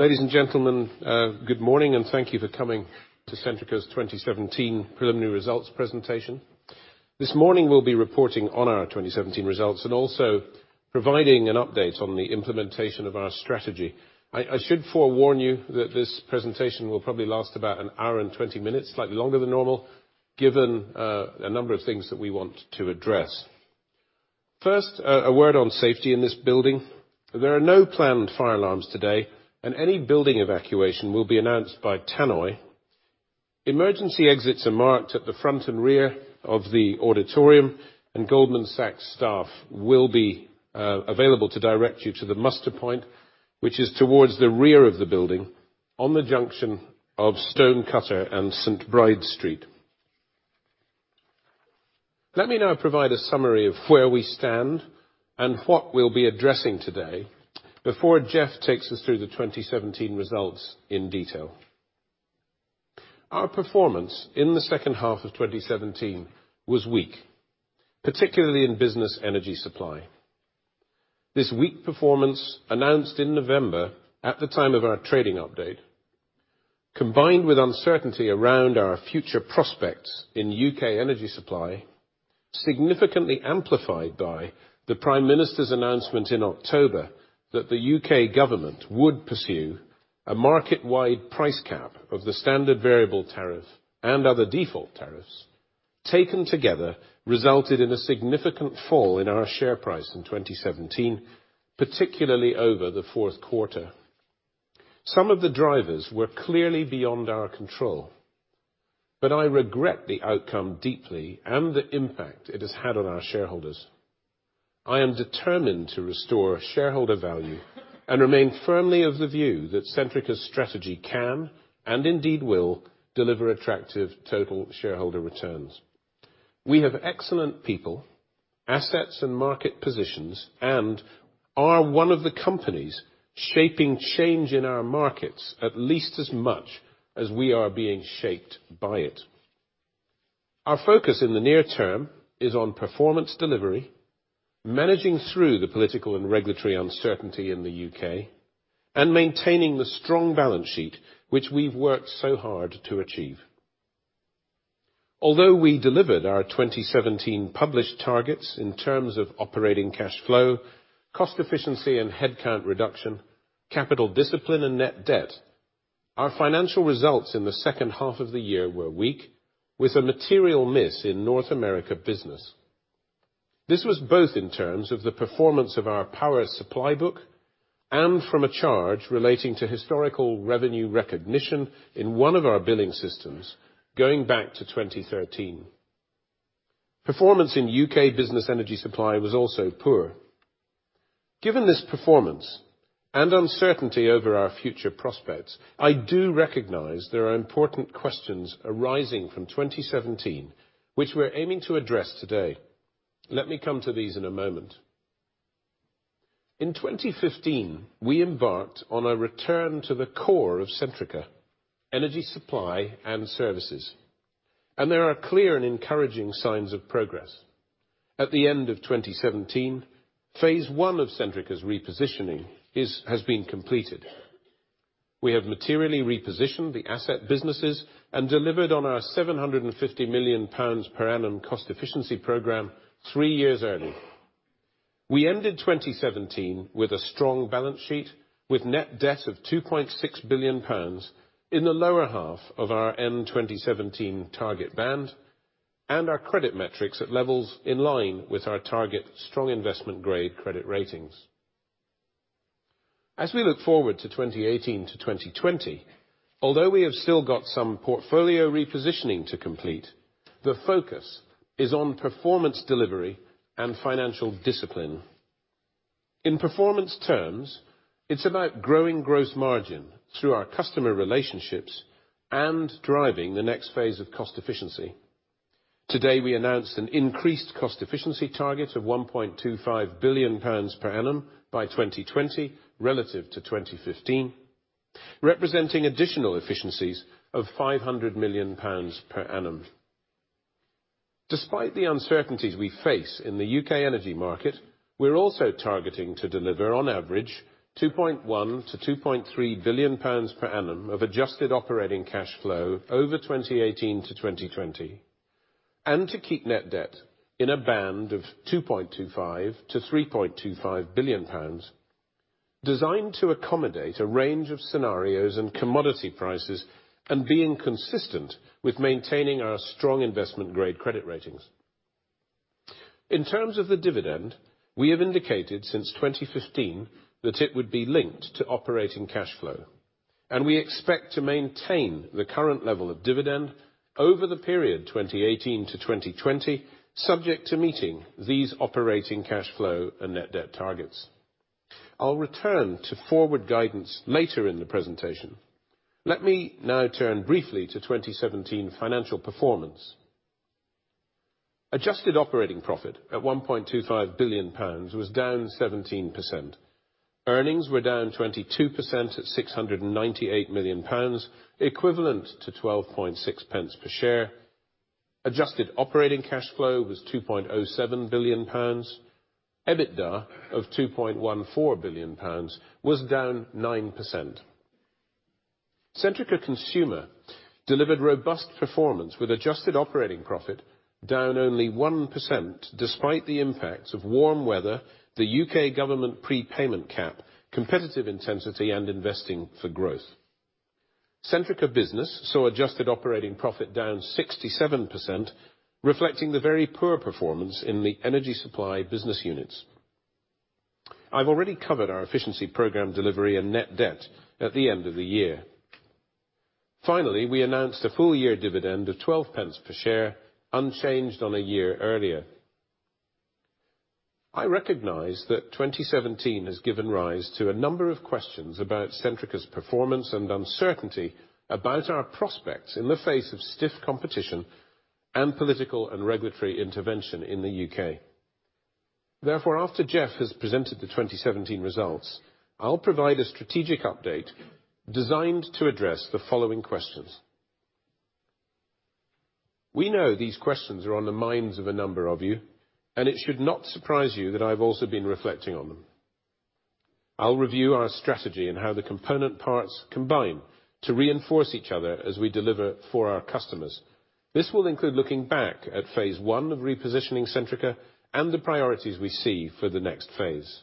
Ladies and gentlemen, good morning, and thank you for coming to Centrica's 2017 preliminary results presentation. This morning we'll be reporting on our 2017 results and also providing an update on the implementation of our strategy. I should forewarn you that this presentation will probably last about an hour and 20 minutes, slightly longer than normal, given a number of things that we want to address. First, a word on safety in this building. There are no planned fire alarms today, and any building evacuation will be announced by tannoy. Emergency exits are marked at the front and rear of the auditorium, and Goldman Sachs staff will be available to direct you to the muster point, which is towards the rear of the building on the junction of Stonecutter and St Bride Street. Let me now provide a summary of where we stand and what we'll be addressing today before Jeff takes us through the 2017 results in detail. Our performance in the second half of 2017 was weak, particularly in business energy supply. This weak performance, announced in November at the time of our trading update, combined with uncertainty around our future prospects in U.K. energy supply, significantly amplified by the Prime Minister's announcement in October that the U.K. government would pursue a market-wide price cap of the standard variable tariff and other default tariffs, taken together, resulted in a significant fall in our share price in 2017, particularly over the fourth quarter. Some of the drivers were clearly beyond our control, but I regret the outcome deeply and the impact it has had on our shareholders. I am determined to restore shareholder value and remain firmly of the view that Centrica's strategy can, and indeed will, deliver attractive total shareholder returns. We have excellent people, assets, and market positions, and are one of the companies shaping change in our markets at least as much as we are being shaped by it. Our focus in the near term is on performance delivery, managing through the political and regulatory uncertainty in the U.K., and maintaining the strong balance sheet which we've worked so hard to achieve. Although we delivered our 2017 published targets in terms of operating cash flow, cost efficiency and headcount reduction, capital discipline and net debt, our financial results in the second half of the year were weak, with a material miss in North American Business. This was both in terms of the performance of our power supply book and from a charge relating to historical revenue recognition in one of our billing systems going back to 2013. Performance in U.K. business energy supply was also poor. Given this performance and uncertainty over our future prospects, I do recognize there are important questions arising from 2017, which we're aiming to address today. Let me come to these in a moment. In 2015, we embarked on a return to the core of Centrica, energy supply and services, and there are clear and encouraging signs of progress. At the end of 2017, phase 1 of Centrica's repositioning has been completed. We have materially repositioned the asset businesses and delivered on our GBP 750 million per annum cost efficiency program three years early. We ended 2017 with a strong balance sheet, with net debt of 2.6 billion pounds in the lower half of our end 2017 target band and our credit metrics at levels in line with our target strong investment-grade credit ratings. As we look forward to 2018 to 2020, although we have still got some portfolio repositioning to complete, the focus is on performance delivery and financial discipline. In performance terms, it's about growing gross margin through our customer relationships and driving the next phase of cost efficiency. Today, we announced an increased cost efficiency target of 1.25 billion pounds per annum by 2020 relative to 2015, representing additional efficiencies of 500 million pounds per annum. Despite the uncertainties we face in the U.K. energy market, we're also targeting to deliver on average 2.1 billion-2.3 billion pounds per annum of adjusted operating cash flow over 2018 to 2020 and to keep net debt in a band of 2.25 billion-3.25 billion pounds, designed to accommodate a range of scenarios and commodity prices, and being consistent with maintaining our strong investment-grade credit ratings. In terms of the dividend, we have indicated since 2015 that it would be linked to operating cash flow, and we expect to maintain the current level of dividend over the period 2018 to 2020, subject to meeting these operating cash flow and net debt targets. I'll return to forward guidance later in the presentation. Let me now turn briefly to 2017 financial performance. Adjusted operating profit at 1.25 billion pounds was down 17%. Earnings were down 22% at 698 million pounds, equivalent to 0.126 per share. Adjusted operating cash flow was 2.07 billion pounds. EBITDA of 2.14 billion pounds was down 9%. Centrica Consumer delivered robust performance with adjusted operating profit down only 1% despite the impacts of warm weather, the U.K. government prepayment cap, competitive intensity, and investing for growth. Centrica Business saw adjusted operating profit down 67%, reflecting the very poor performance in the energy supply business units. I've already covered our efficiency program delivery and net debt at the end of the year. Finally, we announced a full-year dividend of 0.12 per share, unchanged on a year earlier. I recognize that 2017 has given rise to a number of questions about Centrica's performance and uncertainty about our prospects in the face of stiff competition and political and regulatory intervention in the U.K. After Jeff has presented the 2017 results, I'll provide a strategic update designed to address the following questions. We know these questions are on the minds of a number of you, and it should not surprise you that I've also been reflecting on them. I'll review our strategy and how the component parts combine to reinforce each other as we deliver for our customers. This will include looking back at phase 1 of repositioning Centrica and the priorities we see for the next phase.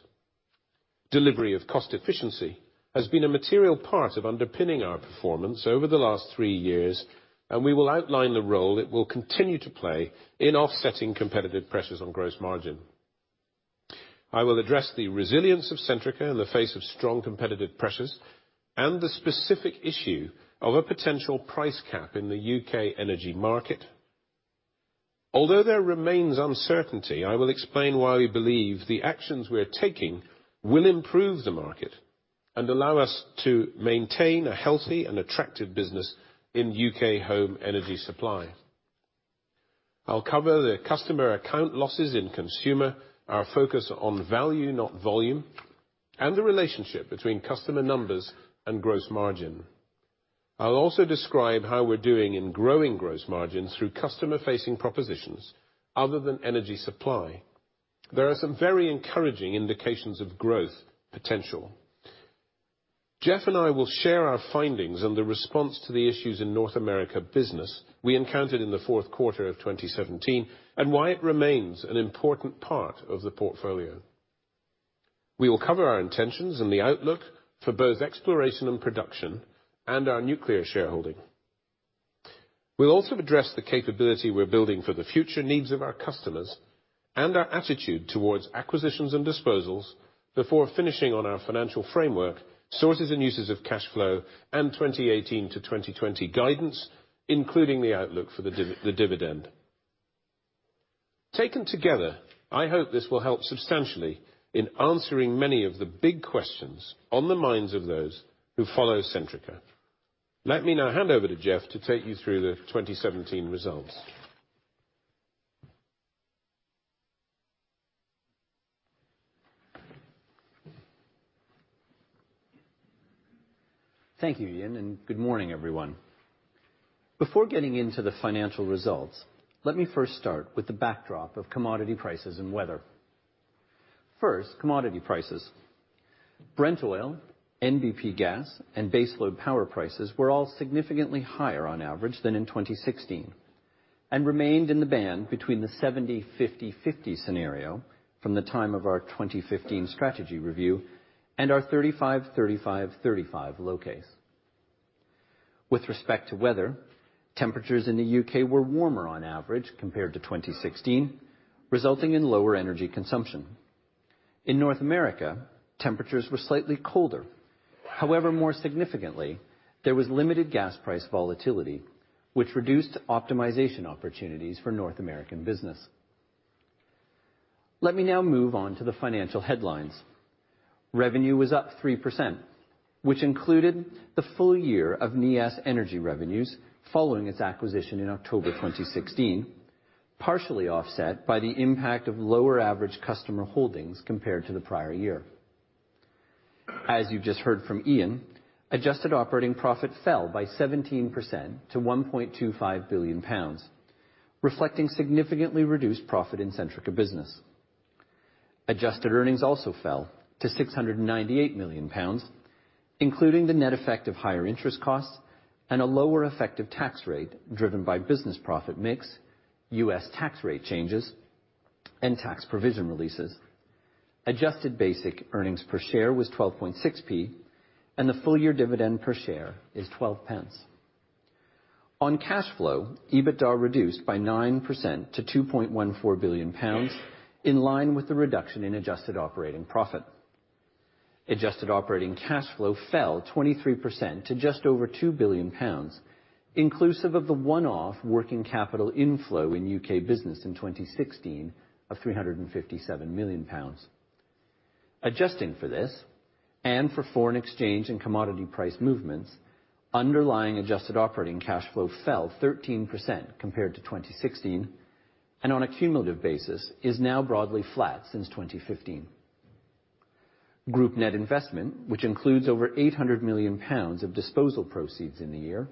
Delivery of cost efficiency has been a material part of underpinning our performance over the last three years, and we will outline the role it will continue to play in offsetting competitive pressures on gross margin. I will address the resilience of Centrica in the face of strong competitive pressures and the specific issue of a potential price cap in the U.K. energy market. Although there remains uncertainty, I will explain why we believe the actions we are taking will improve the market and allow us to maintain a healthy and attractive business in U.K. Home energy supply. I'll cover the customer account losses in Consumer, our focus on value, not volume, and the relationship between customer numbers and gross margin. I'll also describe how we're doing in growing gross margins through customer-facing propositions other than energy supply. There are some very encouraging indications of growth potential. Jeff and I will share our findings on the response to the issues in North American Business we encountered in the fourth quarter of 2017, and why it remains an important part of the portfolio. We will cover our intentions and the outlook for both Exploration and Production and our nuclear shareholding. We'll also address the capability we're building for the future needs of our customers and our attitude towards acquisitions and disposals before finishing on our financial framework, sources and uses of cash flow, and 2018 to 2020 guidance, including the outlook for the dividend. Taken together, I hope this will help substantially in answering many of the big questions on the minds of those who follow Centrica. Let me now hand over to Jeff to take you through the 2017 results. Thank you, Iain, and good morning, everyone. Before getting into the financial results, let me first start with the backdrop of commodity prices and weather. First, commodity prices. Brent oil, NBP gas, and base load power prices were all significantly higher on average than in 2016 and remained in the band between the 70/50/50 scenario from the time of our 2015 strategy review and our 35/35/35 low case. With respect to weather, temperatures in the U.K. were warmer on average compared to 2016, resulting in lower energy consumption. In North America, temperatures were slightly colder. However, more significantly, there was limited gas price volatility, which reduced optimization opportunities for North American Business. Let me now move on to the financial headlines. Revenue was up 3%, which included the full year of Neas Energy revenues following its acquisition in October 2016, partially offset by the impact of lower average customer holdings compared to the prior year. As you just heard from Iain, adjusted operating profit fell by 17% to 1.25 billion pounds, reflecting significantly reduced profit in Centrica Business. Adjusted earnings also fell to 698 million pounds, including the net effect of higher interest costs and a lower effective tax rate driven by business profit mix, U.S. tax rate changes, and tax provision releases. Adjusted basic earnings per share was 0.126, and the full-year dividend per share is 0.12. On cash flow, EBITDA reduced by 9% to 2.14 billion pounds, in line with the reduction in adjusted operating profit. Adjusted operating cash flow fell 23% to just over 2 billion pounds, inclusive of the one-off working capital inflow in UK Business in 2016 of 357 million pounds. Adjusting for this, and for foreign exchange and commodity price movements, underlying adjusted operating cash flow fell 13% compared to 2016, and on a cumulative basis is now broadly flat since 2015. Group net investment, which includes over 800 million pounds of disposal proceeds in the year,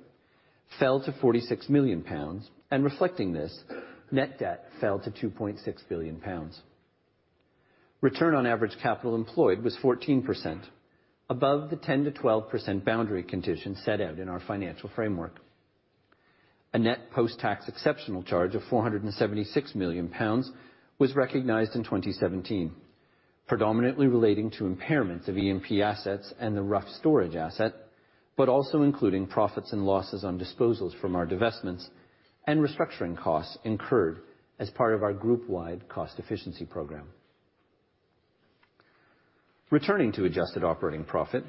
fell to 46 million pounds. Reflecting this, net debt fell to 2.6 billion pounds. Return on average capital employed was 14%, above the 10%-12% boundary condition set out in our financial framework. A net post-tax exceptional charge of 476 million pounds was recognized in 2017, predominantly relating to impairments of E&P assets and the Rough storage asset, but also including profits and losses on disposals from our divestments, and restructuring costs incurred as part of our group-wide cost efficiency program. Returning to adjusted operating profit,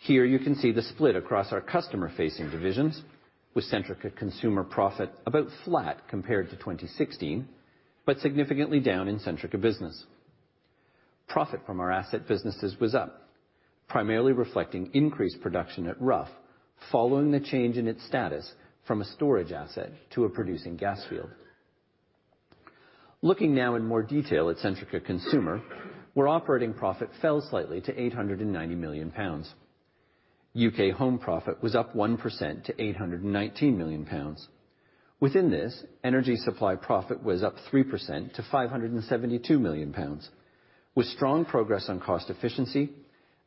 here you can see the split across our customer-facing divisions, with Centrica Consumer profit about flat compared to 2016, but significantly down in Centrica Business. Profit from our asset businesses was up, primarily reflecting increased production at Rough, following the change in its status from a storage asset to a producing gas field. Looking now in more detail at Centrica Consumer, where operating profit fell slightly to 890 million pounds. UK Home profit was up 1% to 819 million pounds. Within this, energy supply profit was up 3% to 572 million pounds, with strong progress on cost efficiency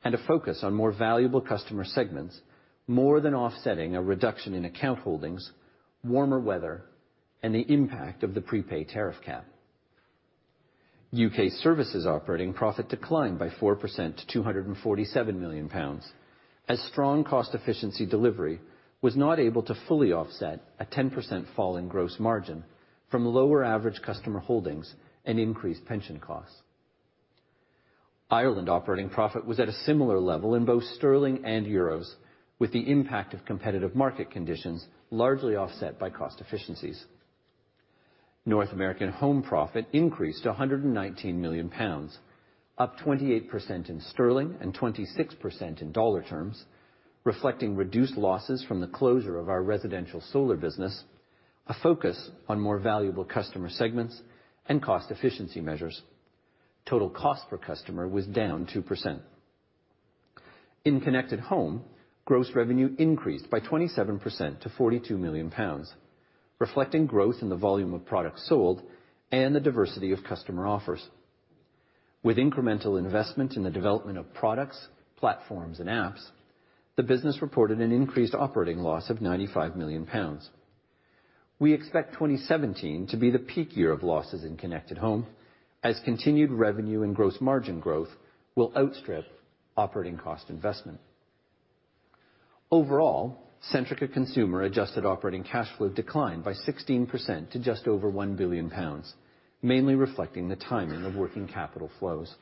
and a focus on more valuable customer segments, more than offsetting a reduction in account holdings, warmer weather, and the impact of the prepaid tariff cap. U.K. Services operating profit declined by 4% to 247 million pounds, as strong cost efficiency delivery was not able to fully offset a 10% fall in gross margin from lower average customer holdings and increased pension costs. Ireland operating profit was at a similar level in both sterling and EUR, with the impact of competitive market conditions largely offset by cost efficiencies. North American Home profit increased to 119 million pounds, up 28% in sterling and 26% in USD terms, reflecting reduced losses from the closure of our residential solar business, a focus on more valuable customer segments, and cost efficiency measures. Total cost per customer was down 2%. In Connected Home, gross revenue increased by 27% to 42 million pounds, reflecting growth in the volume of products sold and the diversity of customer offers. With incremental investment in the development of products, platforms, and apps, the business reported an increased operating loss of 95 million pounds. We expect 2017 to be the peak year of losses in Connected Home, as continued revenue and gross margin growth will outstrip operating cost investment. Overall, Centrica Consumer adjusted operating cash flow declined by 16% to just over 1 billion pounds, mainly reflecting the timing of working capital flows.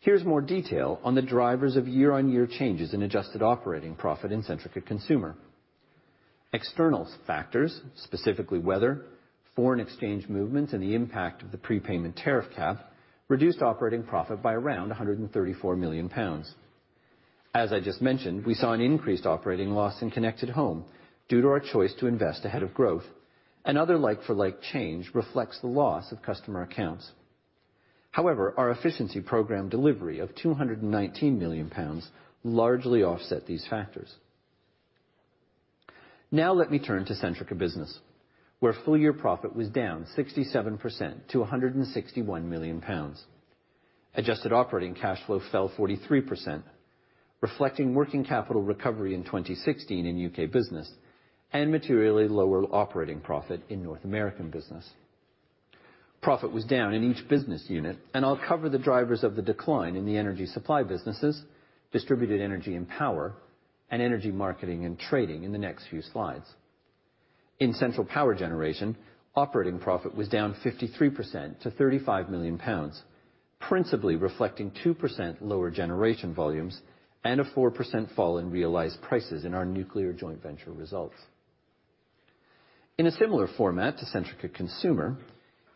Here's more detail on the drivers of year-on-year changes in adjusted operating profit in Centrica Consumer. External factors, specifically weather, foreign exchange movements, and the impact of the prepayment tariff cap, reduced operating profit by around 134 million pounds. As I just mentioned, we saw an increased operating loss in Connected Home due to our choice to invest ahead of growth. Another like-for-like change reflects the loss of customer accounts. However, our efficiency program delivery of 219 million pounds largely offset these factors. Let me turn to Centrica Business, where full-year profit was down 67% to 161 million pounds. Adjusted operating cash flow fell 43%, reflecting working capital recovery in 2016 in UK Business, and materially lower operating profit in North American Business. Profit was down in each business unit, and I'll cover the drivers of the decline in the energy supply businesses, Distributed Energy and Power, and Energy Marketing & Trading in the next few slides. In Central Power Generation, operating profit was down 53% to 35 million pounds, principally reflecting 2% lower generation volumes and a 4% fall in realized prices in our nuclear joint venture results. In a similar format to Centrica Consumer,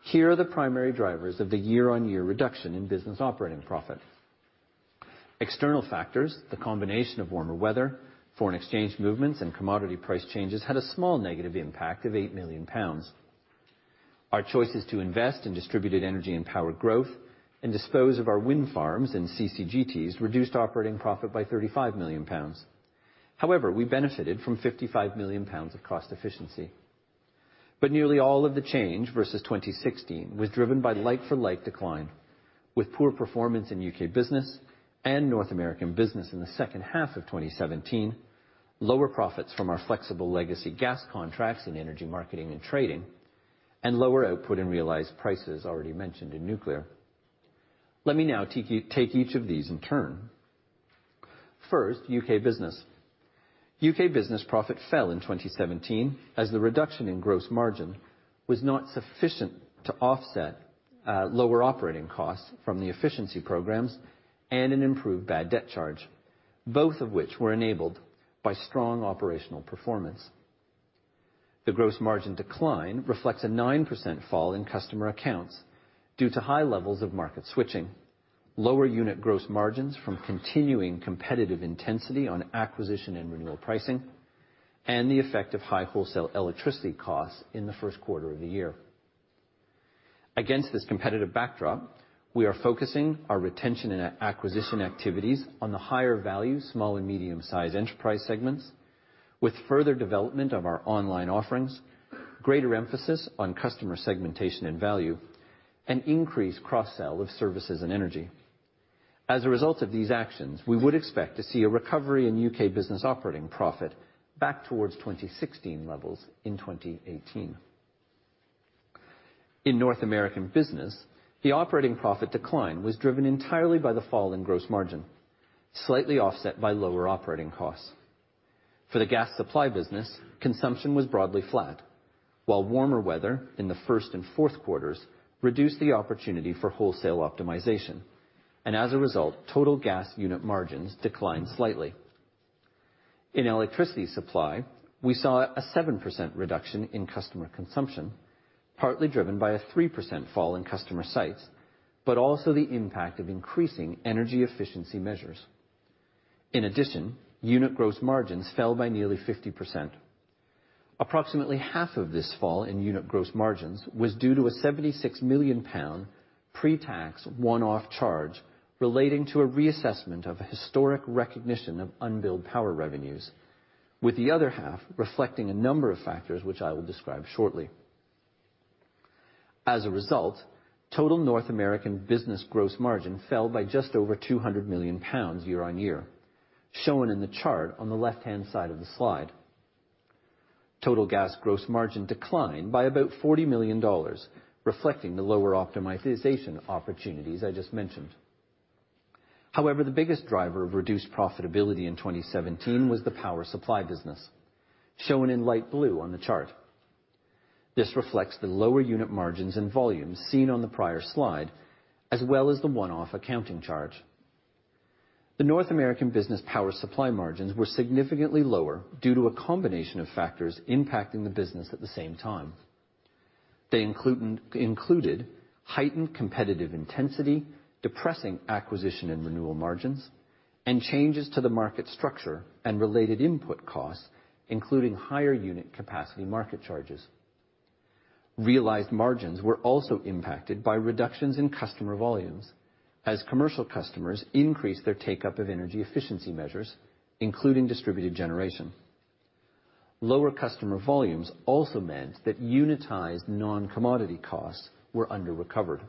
here are the primary drivers of the year-on-year reduction in business operating profit. External factors, the combination of warmer weather, foreign exchange movements, and commodity price changes, had a small negative impact of 8 million pounds. Our choices to invest in Distributed Energy and Power growth and dispose of our wind farms and CCGTs reduced operating profit by 35 million pounds. However, we benefited from 55 million pounds of cost efficiency. Nearly all of the change versus 2016 was driven by like-for-like decline, with poor performance in UK Business and North American Business in the second half of 2017, lower profits from our flexible legacy gas contracts in Energy Marketing & Trading, and lower output and realized prices already mentioned in nuclear. Let me now take each of these in turn. First, UK Business. UK Business profit fell in 2017 as the reduction in gross margin was not sufficient to offset lower operating costs from the efficiency programs and an improved bad debt charge, both of which were enabled by strong operational performance. The gross margin decline reflects a 9% fall in customer accounts due to high levels of market switching, lower unit gross margins from continuing competitive intensity on acquisition and renewal pricing. The effect of high wholesale electricity costs in the first quarter of the year. Against this competitive backdrop, we are focusing our retention and acquisition activities on the higher value small and medium-sized enterprise segments with further development of our online offerings, greater emphasis on customer segmentation and value, and increased cross-sell of services and energy. As a result of these actions, we would expect to see a recovery in UK Business operating profit back towards 2016 levels in 2018. In North American Business, the operating profit decline was driven entirely by the fall in gross margin, slightly offset by lower operating costs. For the gas supply business, consumption was broadly flat, while warmer weather in the first and fourth quarters reduced the opportunity for wholesale optimization, and as a result, total gas unit margins declined slightly. In electricity supply, we saw a 7% reduction in customer consumption, partly driven by a 3% fall in customer sites, but also the impact of increasing energy efficiency measures. In addition, unit gross margins fell by nearly 50%. Approximately half of this fall in unit gross margins was due to a 76 million pound pre-tax one-off charge relating to a reassessment of a historic recognition of unbilled power revenues, with the other half reflecting a number of factors which I will describe shortly. As a result, total North American Business gross margin fell by just over 200 million pounds year-on-year, shown in the chart on the left-hand side of the slide. Total gas gross margin declined by about $40 million, reflecting the lower optimization opportunities I just mentioned. The biggest driver of reduced profitability in 2017 was the power supply business, shown in light blue on the chart. This reflects the lower unit margins and volumes seen on the prior slide, as well as the one-off accounting charge. The North American Business power supply margins were significantly lower due to a combination of factors impacting the business at the same time. They included heightened competitive intensity, depressing acquisition and renewal margins, and changes to the market structure and related input costs, including higher unit capacity market charges. Realized margins were also impacted by reductions in customer volumes as commercial customers increased their take-up of energy efficiency measures, including distributed generation. Lower customer volumes also meant that unitized non-commodity costs were under-recovered.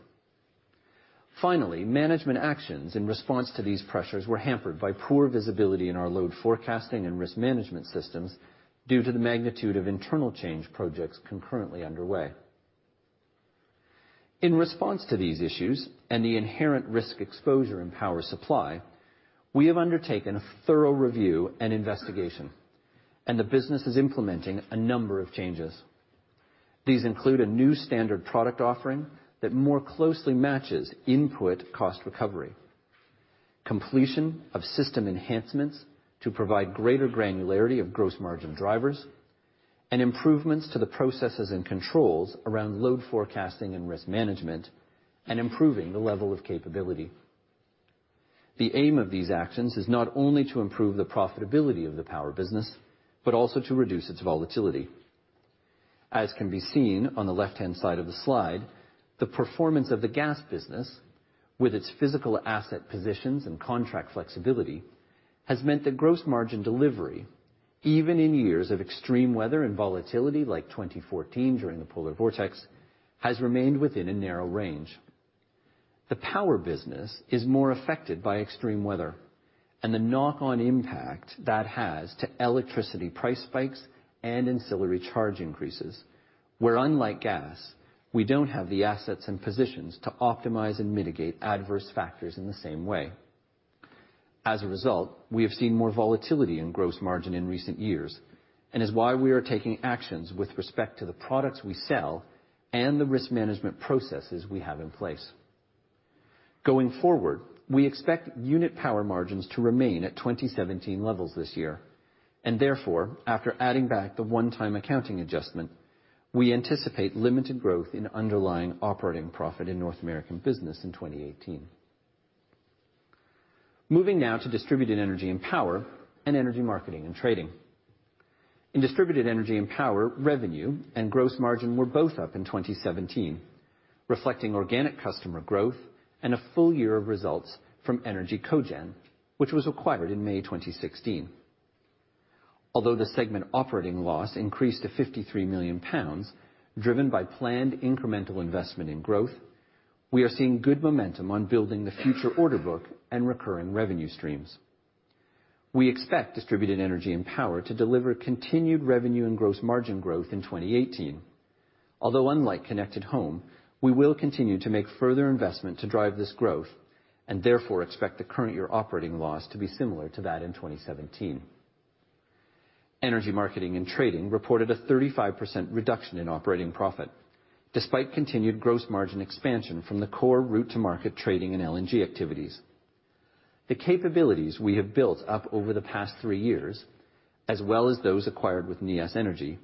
Finally, management actions in response to these pressures were hampered by poor visibility in our load forecasting and risk management systems due to the magnitude of internal change projects concurrently underway. In response to these issues and the inherent risk exposure in power supply, we have undertaken a thorough review and investigation, and the business is implementing a number of changes. These include a new standard product offering that more closely matches input cost recovery, completion of system enhancements to provide greater granularity of gross margin drivers, and improvements to the processes and controls around load forecasting and risk management, and improving the level of capability. The aim of these actions is not only to improve the profitability of the power business, but also to reduce its volatility. As can be seen on the left-hand side of the slide, the performance of the gas business, with its physical asset positions and contract flexibility, has meant that gross margin delivery, even in years of extreme weather and volatility like 2014 during the polar vortex, has remained within a narrow range. The power business is more affected by extreme weather and the knock-on impact that has to electricity price spikes and ancillary charge increases, where, unlike gas, we don't have the assets and positions to optimize and mitigate adverse factors in the same way. As a result, we have seen more volatility in gross margin in recent years, and is why we are taking actions with respect to the products we sell and the risk management processes we have in place. Going forward, we expect unit power margins to remain at 2017 levels this year, and therefore, after adding back the one-time accounting adjustment, we anticipate limited growth in underlying operating profit in North American Business in 2018. Moving now to Distributed Energy and Power and Energy Marketing & Trading. In Distributed Energy and Power, revenue and gross margin were both up in 2017, reflecting organic customer growth and a full year of results from ENER-G Cogen, which was acquired in May 2016. Although the segment operating loss increased to 53 million pounds, driven by planned incremental investment in growth, we are seeing good momentum on building the future order book and recurring revenue streams. We expect Distributed Energy and Power to deliver continued revenue and gross margin growth in 2018. Although unlike Connected Home, we will continue to make further investment to drive this growth, and therefore expect the current year operating loss to be similar to that in 2017. Energy Marketing & Trading reported a 35% reduction in operating profit, despite continued gross margin expansion from the core route-to-market trading and LNG activities. The capabilities we have built up over the past three years, as well as those acquired with Neas Energy,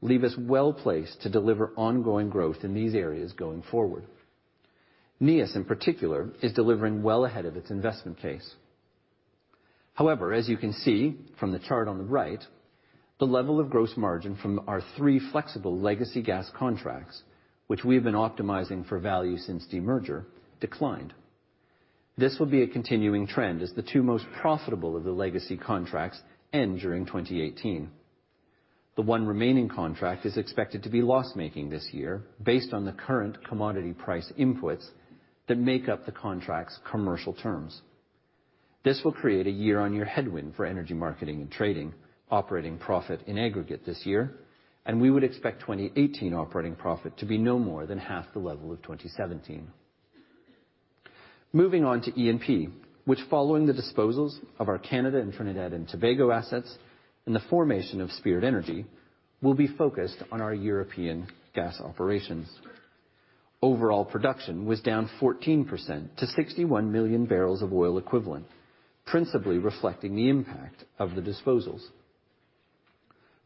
leave us well-placed to deliver ongoing growth in these areas going forward. Neas in particular, is delivering well ahead of its investment case. However, as you can see from the chart on the right, the level of gross margin from our three flexible legacy gas contracts, which we have been optimizing for value since demerger, declined. This will be a continuing trend as the two most profitable of the legacy contracts end during 2018. The one remaining contract is expected to be loss-making this year based on the current commodity price inputs that make up the contract's commercial terms. This will create a year-on-year headwind for Energy Marketing & Trading operating profit in aggregate this year, and we would expect 2018 operating profit to be no more than half the level of 2017. Moving on to E&P, which following the disposals of our Canada and Trinidad & Tobago assets and the formation of Spirit Energy, will be focused on our European gas operations. Overall production was down 14% to 61 million barrels of oil equivalent, principally reflecting the impact of the disposals.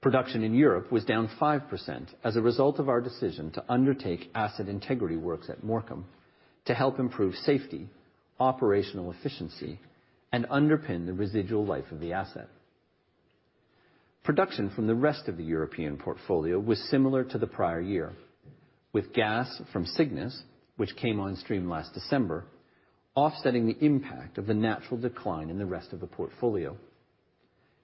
Production in Europe was down 5% as a result of our decision to undertake asset integrity works at Morecambe to help improve safety, operational efficiency, and underpin the residual life of the asset. Production from the rest of the European portfolio was similar to the prior year, with gas from Cygnus, which came on stream last December, offsetting the impact of the natural decline in the rest of the portfolio.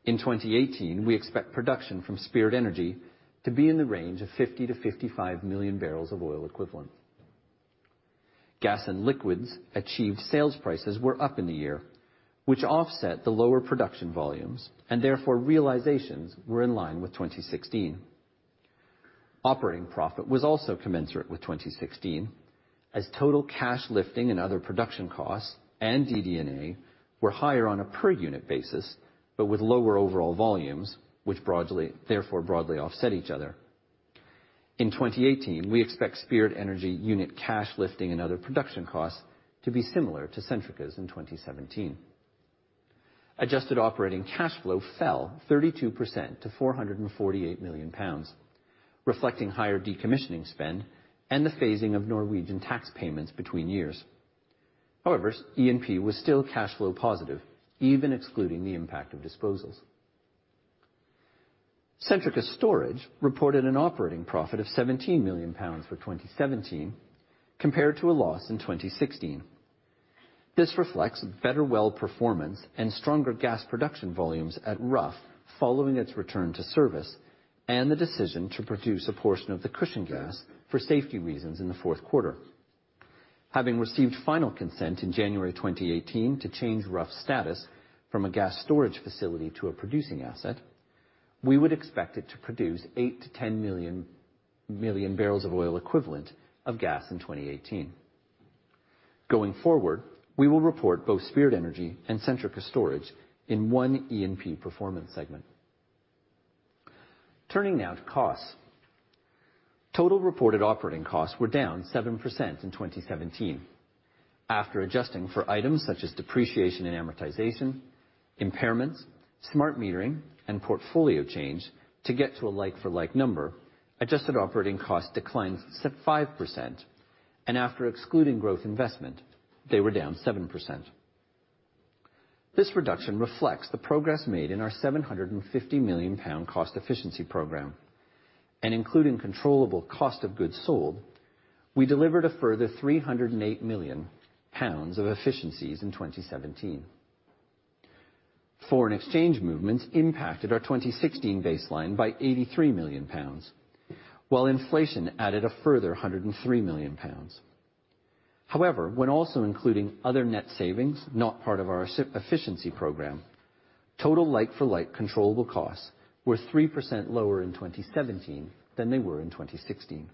In 2018, we expect production from Spirit Energy to be in the range of 50-55 million barrels of oil equivalent. Gas and liquids achieved sales prices were up in the year, which offset the lower production volumes and therefore realizations were in line with 2016. Operating profit was also commensurate with 2016 as total cash lifting and other production costs and DD&A were higher on a per unit basis, but with lower overall volumes, which therefore broadly offset each other. In 2018, we expect Spirit Energy unit cash lifting and other production costs to be similar to Centrica's in 2017. Adjusted operating cash flow fell 32% to 448 million pounds, reflecting higher decommissioning spend and the phasing of Norwegian tax payments between years. E&P was still cash flow positive, even excluding the impact of disposals. Centrica Storage reported an operating profit of 17 million pounds for 2017, compared to a loss in 2016. This reflects better well performance and stronger gas production volumes at Rough following its return to service and the decision to produce a portion of the cushion gas for safety reasons in the fourth quarter. Having received final consent in January 2018 to change Rough's status from a gas storage facility to a producing asset, we would expect it to produce 8 to 10 million barrels of oil equivalent of gas in 2018. Going forward, we will report both Spirit Energy and Centrica Storage in one E&P performance segment. Turning now to costs. Total reported operating costs were down 7% in 2017. After adjusting for items such as depreciation and amortization, impairments, smart metering, and portfolio change to get to a like-for-like number, adjusted operating costs declined 5%, and after excluding growth investment, they were down 7%. This reduction reflects the progress made in our 750 million pound cost efficiency program. Including controllable cost of goods sold, we delivered a further 308 million pounds of efficiencies in 2017. Foreign exchange movements impacted our 2016 baseline by 83 million pounds, while inflation added a further 103 million pounds. When also including other net savings, not part of our efficiency program, total like-for-like controllable costs were 3% lower in 2017 than they were in 2016.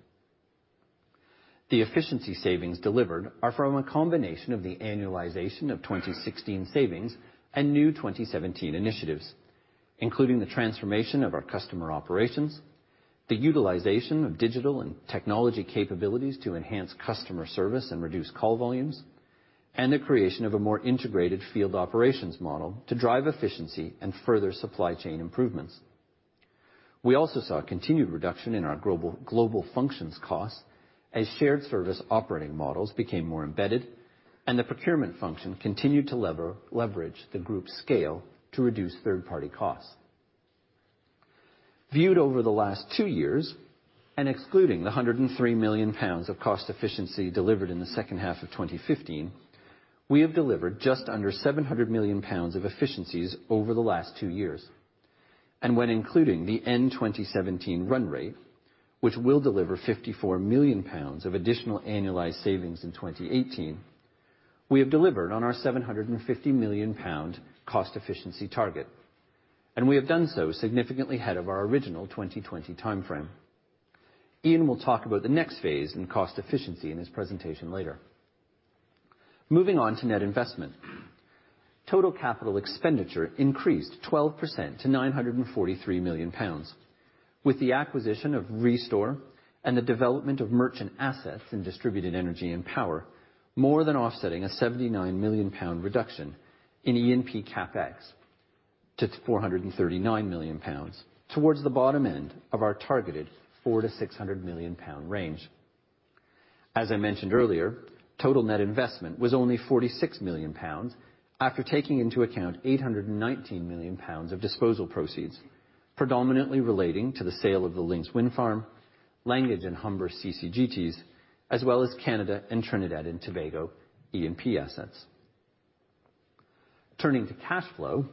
The efficiency savings delivered are from a combination of the annualization of 2016 savings and new 2017 initiatives, including the transformation of our customer operations, the utilization of digital and technology capabilities to enhance customer service and reduce call volumes, and the creation of a more integrated field operations model to drive efficiency and further supply chain improvements. We also saw a continued reduction in our global functions costs as shared service operating models became more embedded and the procurement function continued to leverage the group's scale to reduce third-party costs. Viewed over the last two years, excluding the 103 million pounds of cost efficiency delivered in the second half of 2015, we have delivered just under 700 million pounds of efficiencies over the last two years. When including the end 2017 run rate, which will deliver 54 million pounds of additional annualized savings in 2018, we have delivered on our 750 million pound cost efficiency target. We have done so significantly ahead of our original 2020 timeframe. Iain will talk about the next phase in cost efficiency in his presentation later. Moving on to net investment. Total capital expenditure increased 12% to 943 million pounds with the acquisition of REstore and the development of merchant assets in Distributed Energy and Power more than offsetting a 79 million pound reduction in E&P CapEx. To 439 million pounds, towards the bottom end of our targeted 400 million-600 million pound range. As I mentioned earlier, total net investment was only 46 million pounds, after taking into account 819 million pounds of disposal proceeds, predominantly relating to the sale of the Lincs wind farm, Langage and Humber CCGTs, as well as Canada and Trinidad and Tobago E&P assets. Turning to cash flow,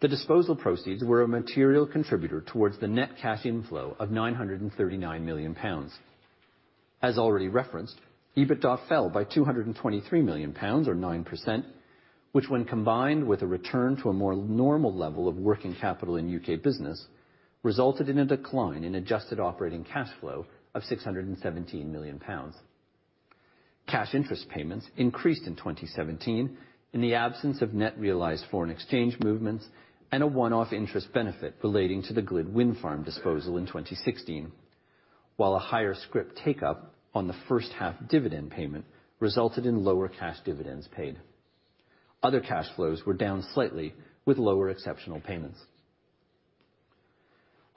the disposal proceeds were a material contributor towards the net cash inflow of 939 million pounds. As already referenced, EBITDA fell by 223 million pounds or 9%, which when combined with a return to a more normal level of working capital in UK Business, resulted in a decline in adjusted operating cash flow of 617 million pounds. Cash interest payments increased in 2017 in the absence of net realized foreign exchange movements and a one-off interest benefit relating to the GLID wind farm disposal in 2016. While a higher scrip take-up on the first half dividend payment resulted in lower cash dividends paid. Other cash flows were down slightly, with lower exceptional payments.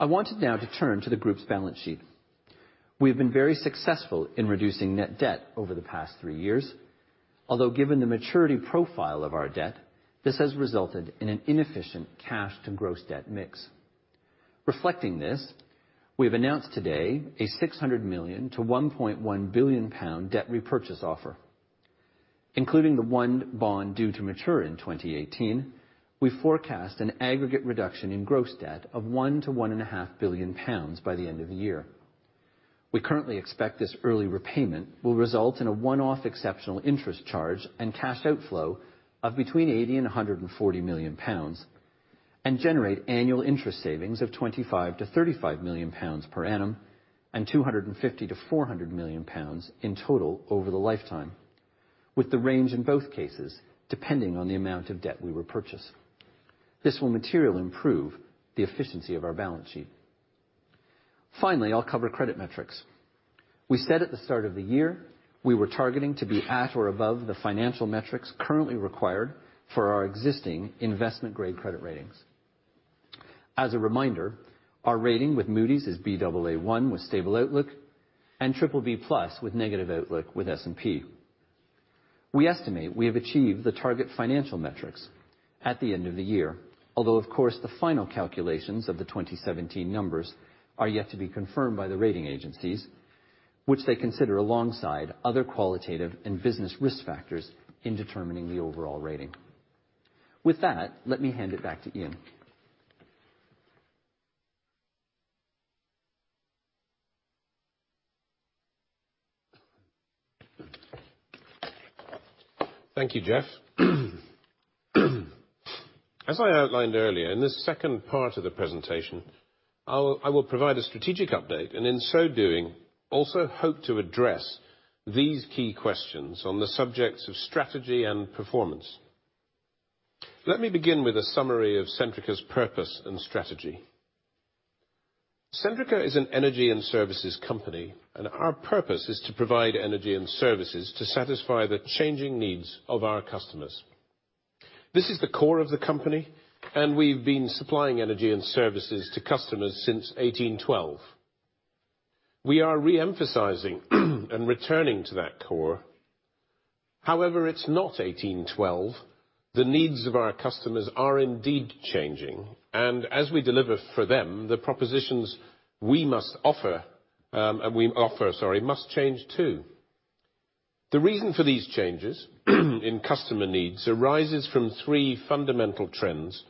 I wanted now to turn to the group's balance sheet. We have been very successful in reducing net debt over the past three years, although given the maturity profile of our debt, this has resulted in an inefficient cash to gross debt mix. Reflecting this, we have announced today a 600 million-1.1 billion pound debt repurchase offer. Including the one bond due to mature in 2018, we forecast an aggregate reduction in gross debt of 1 billion-1.5 billion pounds by the end of the year. We currently expect this early repayment will result in a one-off exceptional interest charge and cash outflow of between 80 million and 140 million pounds, and generate annual interest savings of 25 million-35 million pounds per annum, and 250 million-400 million pounds in total over the lifetime. With the range, in both cases, depending on the amount of debt we repurchase. This will materially improve the efficiency of our balance sheet. Finally, I'll cover credit metrics. We said at the start of the year, we were targeting to be at or above the financial metrics currently required for our existing investment-grade credit ratings. As a reminder, our rating with Moody's is Baa1 with stable outlook and BBB+ with negative outlook with S&P. We estimate we have achieved the target financial metrics at the end of the year, although, of course, the final calculations of the 2017 numbers are yet to be confirmed by the rating agencies, which they consider alongside other qualitative and business risk factors in determining the overall rating. With that, let me hand it back to Iain. Thank you, Jeff. As I outlined earlier, in this second part of the presentation, I will provide a strategic update, and in so doing, also hope to address these key questions on the subjects of strategy and performance. Let me begin with a summary of Centrica's purpose and strategy. Centrica is an energy and services company, and our purpose is to provide energy and services to satisfy the changing needs of our customers. This is the core of the company, and we've been supplying energy and services to customers since 1812. We are re-emphasizing and returning to that core. However, it's not 1812. The needs of our customers are indeed changing, and as we deliver for them, the propositions we offer must change, too. The reason for these changes in customer needs arises from three fundamental trends,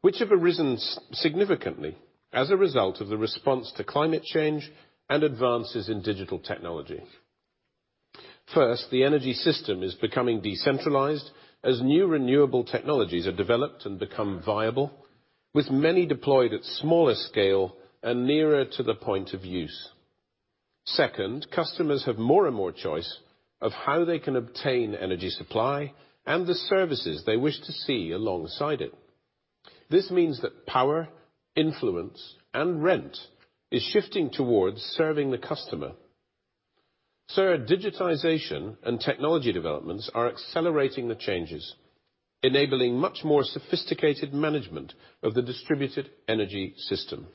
which have arisen significantly as a result of the response to climate change and advances in digital technology. First, the energy system is becoming decentralized as new renewable technologies are developed and become viable, with many deployed at smaller scale and nearer to the point of use. Second, customers have more and more choice of how they can obtain energy supply and the services they wish to see alongside it. This means that power, influence, and rent is shifting towards serving the customer. Third, digitization and technology developments are accelerating the changes, enabling much more sophisticated management of the distributed energy system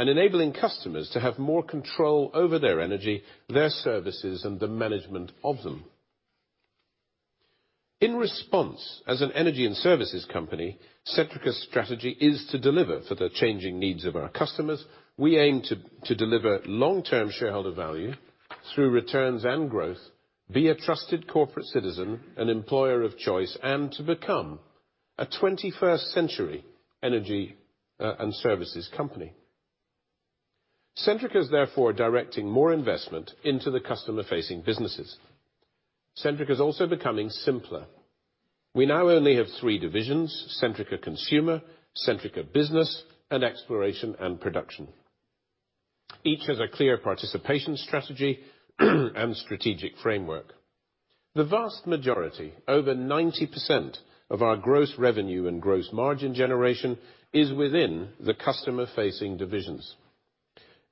and enabling customers to have more control over their energy, their services, and the management of them. In response, as an energy and services company, Centrica's strategy is to deliver for the changing needs of our customers. We aim to deliver long-term shareholder value through returns and growth, be a trusted corporate citizen and employer of choice, and to become a 21st century energy and services company. Centrica is therefore directing more investment into the customer-facing businesses. Centrica is also becoming simpler. We now only have three divisions: Centrica Consumer, Centrica Business, and Exploration and Production. Each has a clear participation strategy and strategic framework. The vast majority, over 90%, of our gross revenue and gross margin generation is within the customer-facing divisions.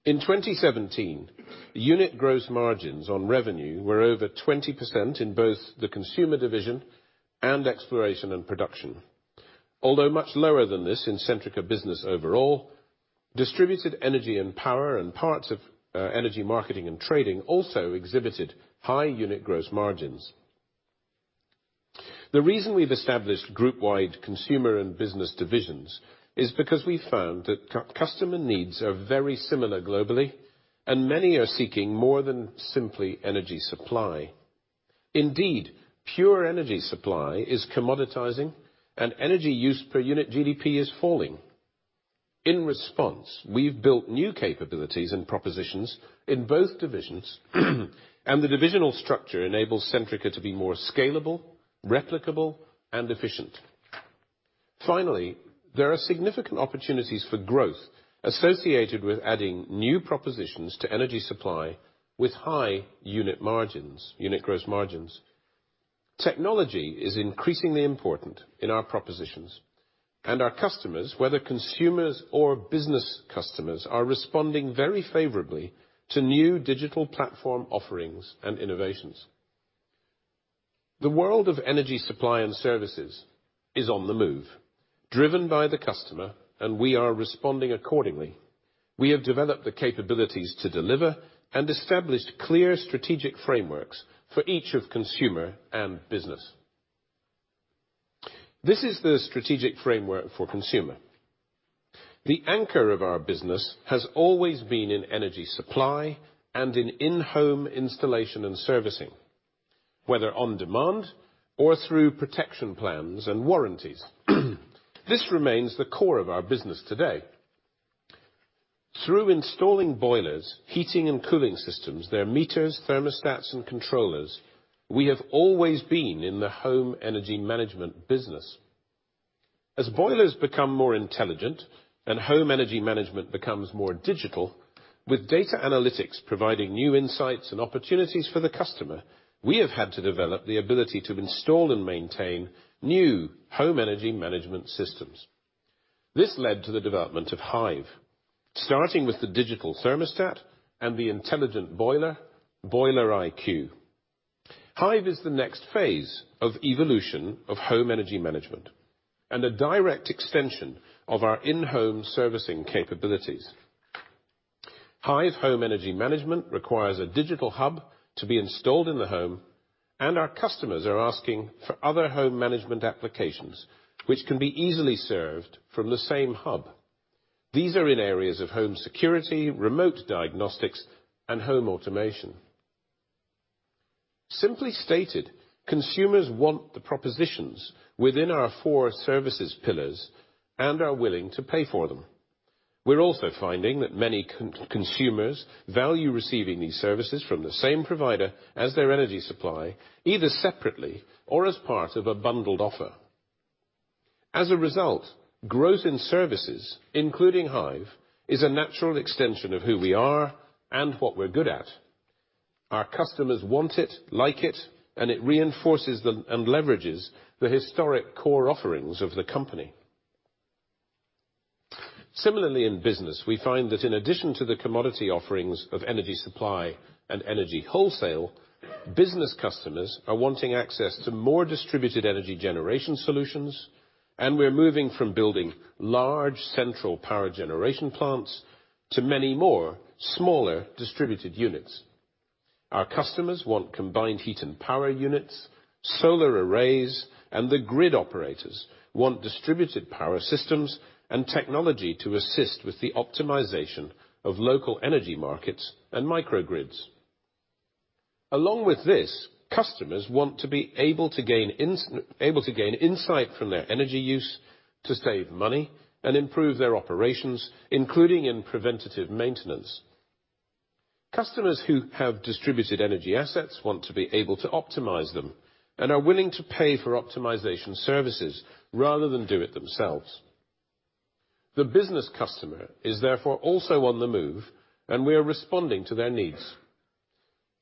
In 2017, unit gross margins on revenue were over 20% in both the consumer division and exploration and production. Although much lower than this in Centrica Business overall, Distributed Energy and Power and parts of Energy Marketing & Trading also exhibited high unit gross margins. The reason we've established group wide consumer and business divisions is because we found that customer needs are very similar globally and many are seeking more than simply energy supply. Indeed, pure energy supply is commoditizing, and energy use per unit GDP is falling. In response, we've built new capabilities and propositions in both divisions, and the divisional structure enables Centrica to be more scalable, replicable and efficient. There are significant opportunities for growth associated with adding new propositions to energy supply with high unit gross margins. Technology is increasingly important in our propositions, and our customers, whether consumers or business customers, are responding very favorably to new digital platform offerings and innovations. The world of energy supply and services is on the move driven by the customer. We are responding accordingly. We have developed the capabilities to deliver and established clear strategic frameworks for each of consumer and business. This is the strategic framework for consumer. The anchor of our business has always been in energy supply and in-home installation and servicing, whether on demand or through protection plans and warranties. This remains the core of our business today. Through installing boilers, heating and cooling systems, their meters, thermostats and controllers, we have always been in the home energy management business. As boilers become more intelligent and home energy management becomes more digital, with data analytics providing new insights and opportunities for the customer, we have had to develop the ability to install and maintain new home energy management systems. This led to the development of Hive, starting with the digital thermostat and the intelligent boiler, Boiler IQ. Hive is the next phase of evolution of home energy management and a direct extension of our in-home servicing capabilities. Hive home energy management requires a digital hub to be installed in the home, and our customers are asking for other home management applications which can be easily served from the same hub. These are in areas of home security, remote diagnostics and home automation. Simply stated, consumers want the propositions within our four services pillars and are willing to pay for them. We're also finding that many consumers value receiving these services from the same provider as their energy supply, either separately or as part of a bundled offer. As a result, growth in services, including Hive, is a natural extension of who we are and what we're good at. Our customers want it, like it, and it reinforces and leverages the historic core offerings of the company. Similarly, in business, we find that in addition to the commodity offerings of energy supply and energy wholesale, business customers are wanting access to more distributed energy generation solutions. We are moving from building large central power generation plants to many more smaller distributed units. Our customers want combined heat and power units, solar arrays, the grid operators want distributed power systems and technology to assist with the optimization of local energy markets and microgrids. Along with this, customers want to be able to gain insight from their energy use to save money and improve their operations, including in preventative maintenance. Customers who have distributed energy assets want to be able to optimize them and are willing to pay for optimization services rather than do it themselves. The business customer is therefore also on the move, and we are responding to their needs.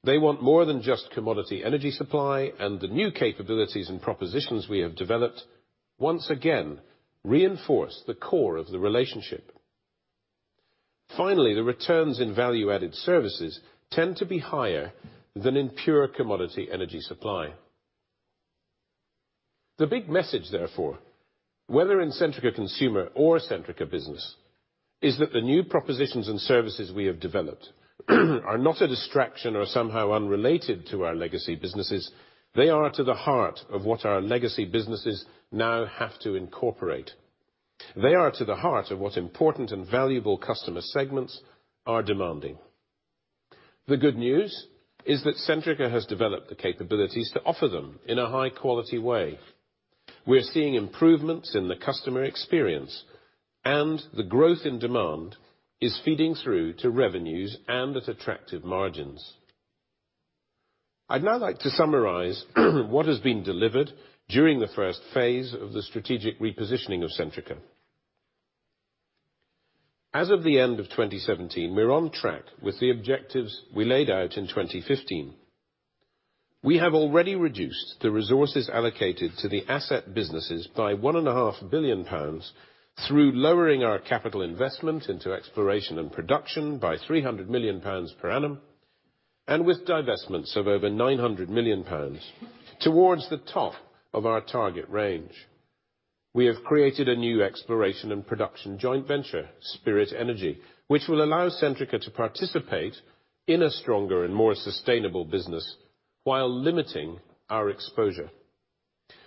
They want more than just commodity energy supply and the new capabilities and propositions we have developed once again reinforce the core of the relationship. Finally, the returns in value-added services tend to be higher than in pure commodity energy supply. The big message therefore, whether in Centrica Consumer or Centrica Business, is that the new propositions and services we have developed are not a distraction or somehow unrelated to our legacy businesses, they are to the heart of what our legacy businesses now have to incorporate. They are to the heart of what important and valuable customer segments are demanding. The good news is that Centrica has developed the capabilities to offer them in a high-quality way. We are seeing improvements in the customer experience, the growth in demand is feeding through to revenues and at attractive margins. I'd now like to summarize what has been delivered during the first phase of the strategic repositioning of Centrica. As of the end of 2017, we are on track with the objectives we laid out in 2015. We have already reduced the resources allocated to the asset businesses by 1.5 billion pounds through lowering our capital investment into exploration and production by 300 million pounds per annum, with divestments of over 900 million pounds towards the top of our target range. We have created a new exploration and production joint venture, Spirit Energy, which will allow Centrica to participate in a stronger and more sustainable business while limiting our exposure.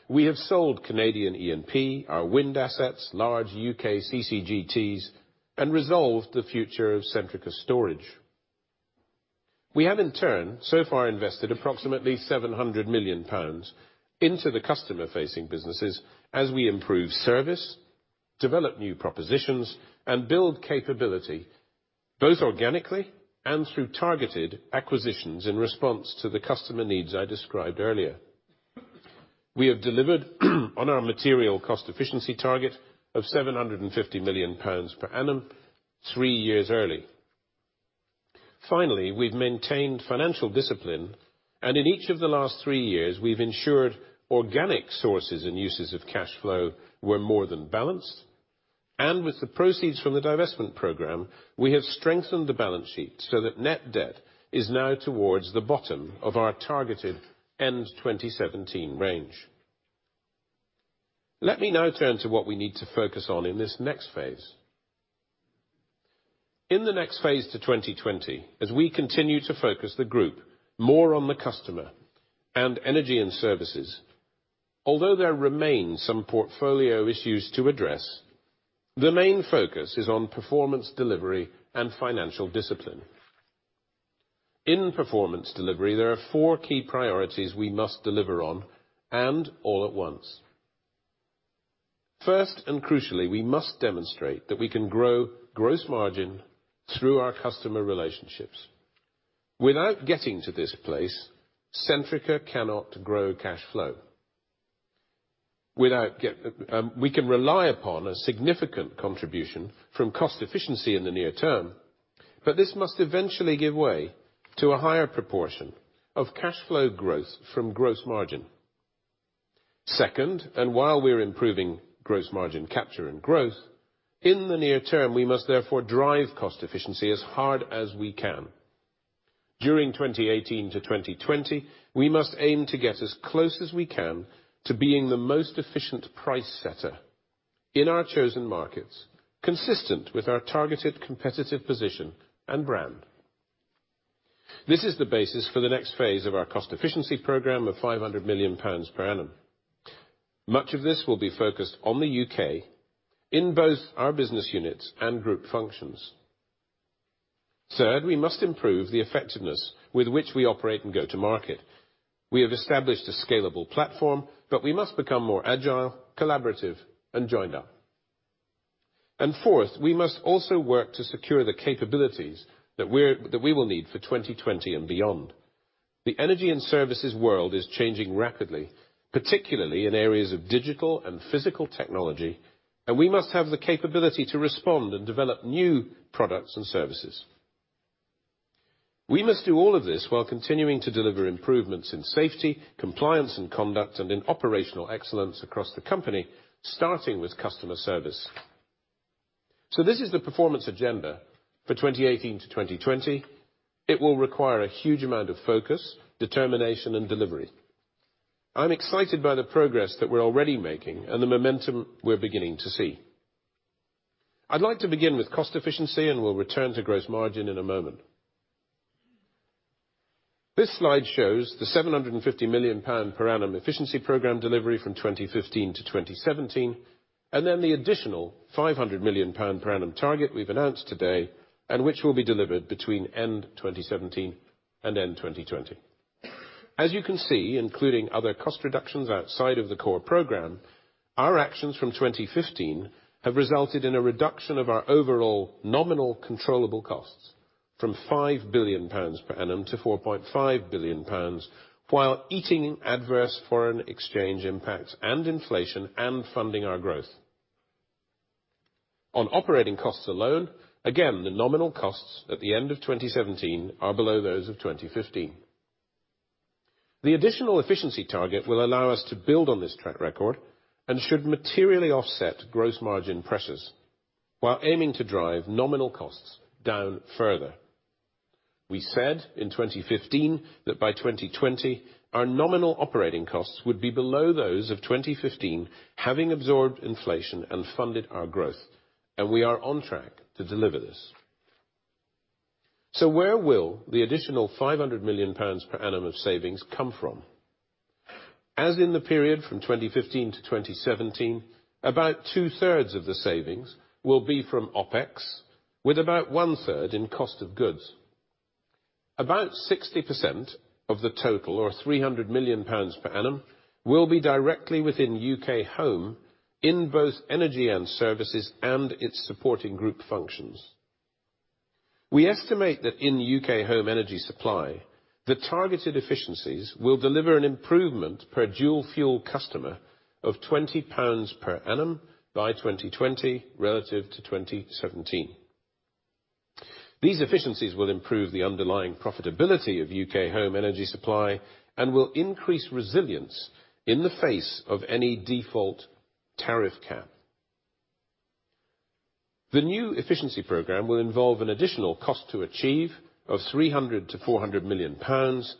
We have sold Canadian E&P, our wind assets, large U.K. CCGTs, and resolved the future of Centrica Storage. We have, in turn, so far invested approximately 700 million pounds into the customer-facing businesses as we improve service, develop new propositions, and build capability both organically and through targeted acquisitions in response to the customer needs I described earlier. We have delivered on our material cost efficiency target of 750 million pounds per annum, three years early. Finally, we've maintained financial discipline, and in each of the last three years, we've ensured organic sources and uses of cash flow were more than balanced. With the proceeds from the divestment program, we have strengthened the balance sheet so that net debt is now towards the bottom of our targeted end of 2017 range. Let me now turn to what we need to focus on in this next phase. In the next phase to 2020, as we continue to focus the group more on the customer and energy and services, although there remain some portfolio issues to address, the main focus is on performance delivery and financial discipline. In performance delivery, there are four key priorities we must deliver on, and all at once. First, crucially, we must demonstrate that we can grow gross margin through our customer relationships. Without getting to this place, Centrica cannot grow cash flow. We can rely upon a significant contribution from cost efficiency in the near term, but this must eventually give way to a higher proportion of cash flow growth from gross margin. Second, while we're improving gross margin capture and growth, in the near term, we must therefore drive cost efficiency as hard as we can. During 2018-2020, we must aim to get as close as we can to being the most efficient price setter in our chosen markets, consistent with our targeted competitive position and brand. This is the basis for the next phase of our cost efficiency program of 500 million pounds per annum. Much of this will be focused on the U.K. in both our business units and group functions. Third, we must improve the effectiveness with which we operate and go to market. We have established a scalable platform, but we must become more agile, collaborative, and joined up. Fourth, we must also work to secure the capabilities that we will need for 2020 and beyond. The energy and services world is changing rapidly, particularly in areas of digital and physical technology, and we must have the capability to respond and develop new products and services. We must do all of this while continuing to deliver improvements in safety, compliance, and conduct, and in operational excellence across the company, starting with customer service. This is the performance agenda for 2018-2020. It will require a huge amount of focus, determination, and delivery. I'm excited by the progress that we're already making and the momentum we're beginning to see. I'd like to begin with cost efficiency, and we'll return to gross margin in a moment. This slide shows the 750 million pound per annum efficiency program delivery from 2015-2017, then the additional 500 million pound per annum target we've announced today, and which will be delivered between end of 2017 and end of 2020. As you can see, including other cost reductions outside of the core program, our actions from 2015 have resulted in a reduction of our overall nominal controllable costs from £5 billion per annum to £4.5 billion, while eating adverse foreign exchange impacts and inflation and funding our growth. On operating costs alone, again, the nominal costs at the end of 2017 are below those of 2015. The additional efficiency target will allow us to build on this track record and should materially offset gross margin pressures while aiming to drive nominal costs down further. We said in 2015 that by 2020, our nominal operating costs would be below those of 2015, having absorbed inflation and funded our growth, and we are on track to deliver this. Where will the additional £500 million per annum of savings come from? As in the period from 2015 to 2017, about two-thirds of the savings will be from OpEx, with about one-third in cost of goods. About 60% of the total, or £300 million per annum, will be directly within UK Home in both energy and services and its supporting group functions. We estimate that in UK Home energy supply, the targeted efficiencies will deliver an improvement per dual fuel customer of £20 per annum by 2020 relative to 2017. These efficiencies will improve the underlying profitability of UK Home Energy Supply and will increase resilience in the face of any default tariff cap. The new efficiency program will involve an additional cost to achieve of 300 million-400 million pounds,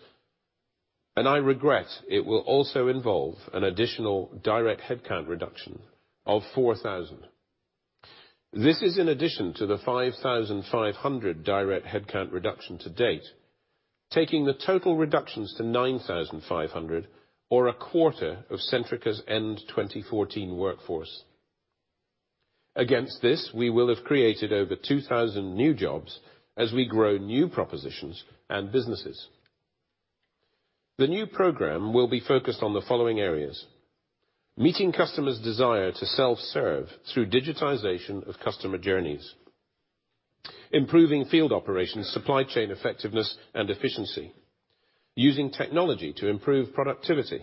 and I regret it will also involve an additional direct headcount reduction of 4,000. This is in addition to the 5,500 direct headcount reduction to date, taking the total reductions to 9,500, or a quarter of Centrica's end 2014 workforce. Against this, we will have created over 2,000 new jobs as we grow new propositions and businesses. The new program will be focused on the following areas: meeting customers' desire to self-serve through digitization of customer journeys, improving field operations, supply chain effectiveness and efficiency, using technology to improve productivity,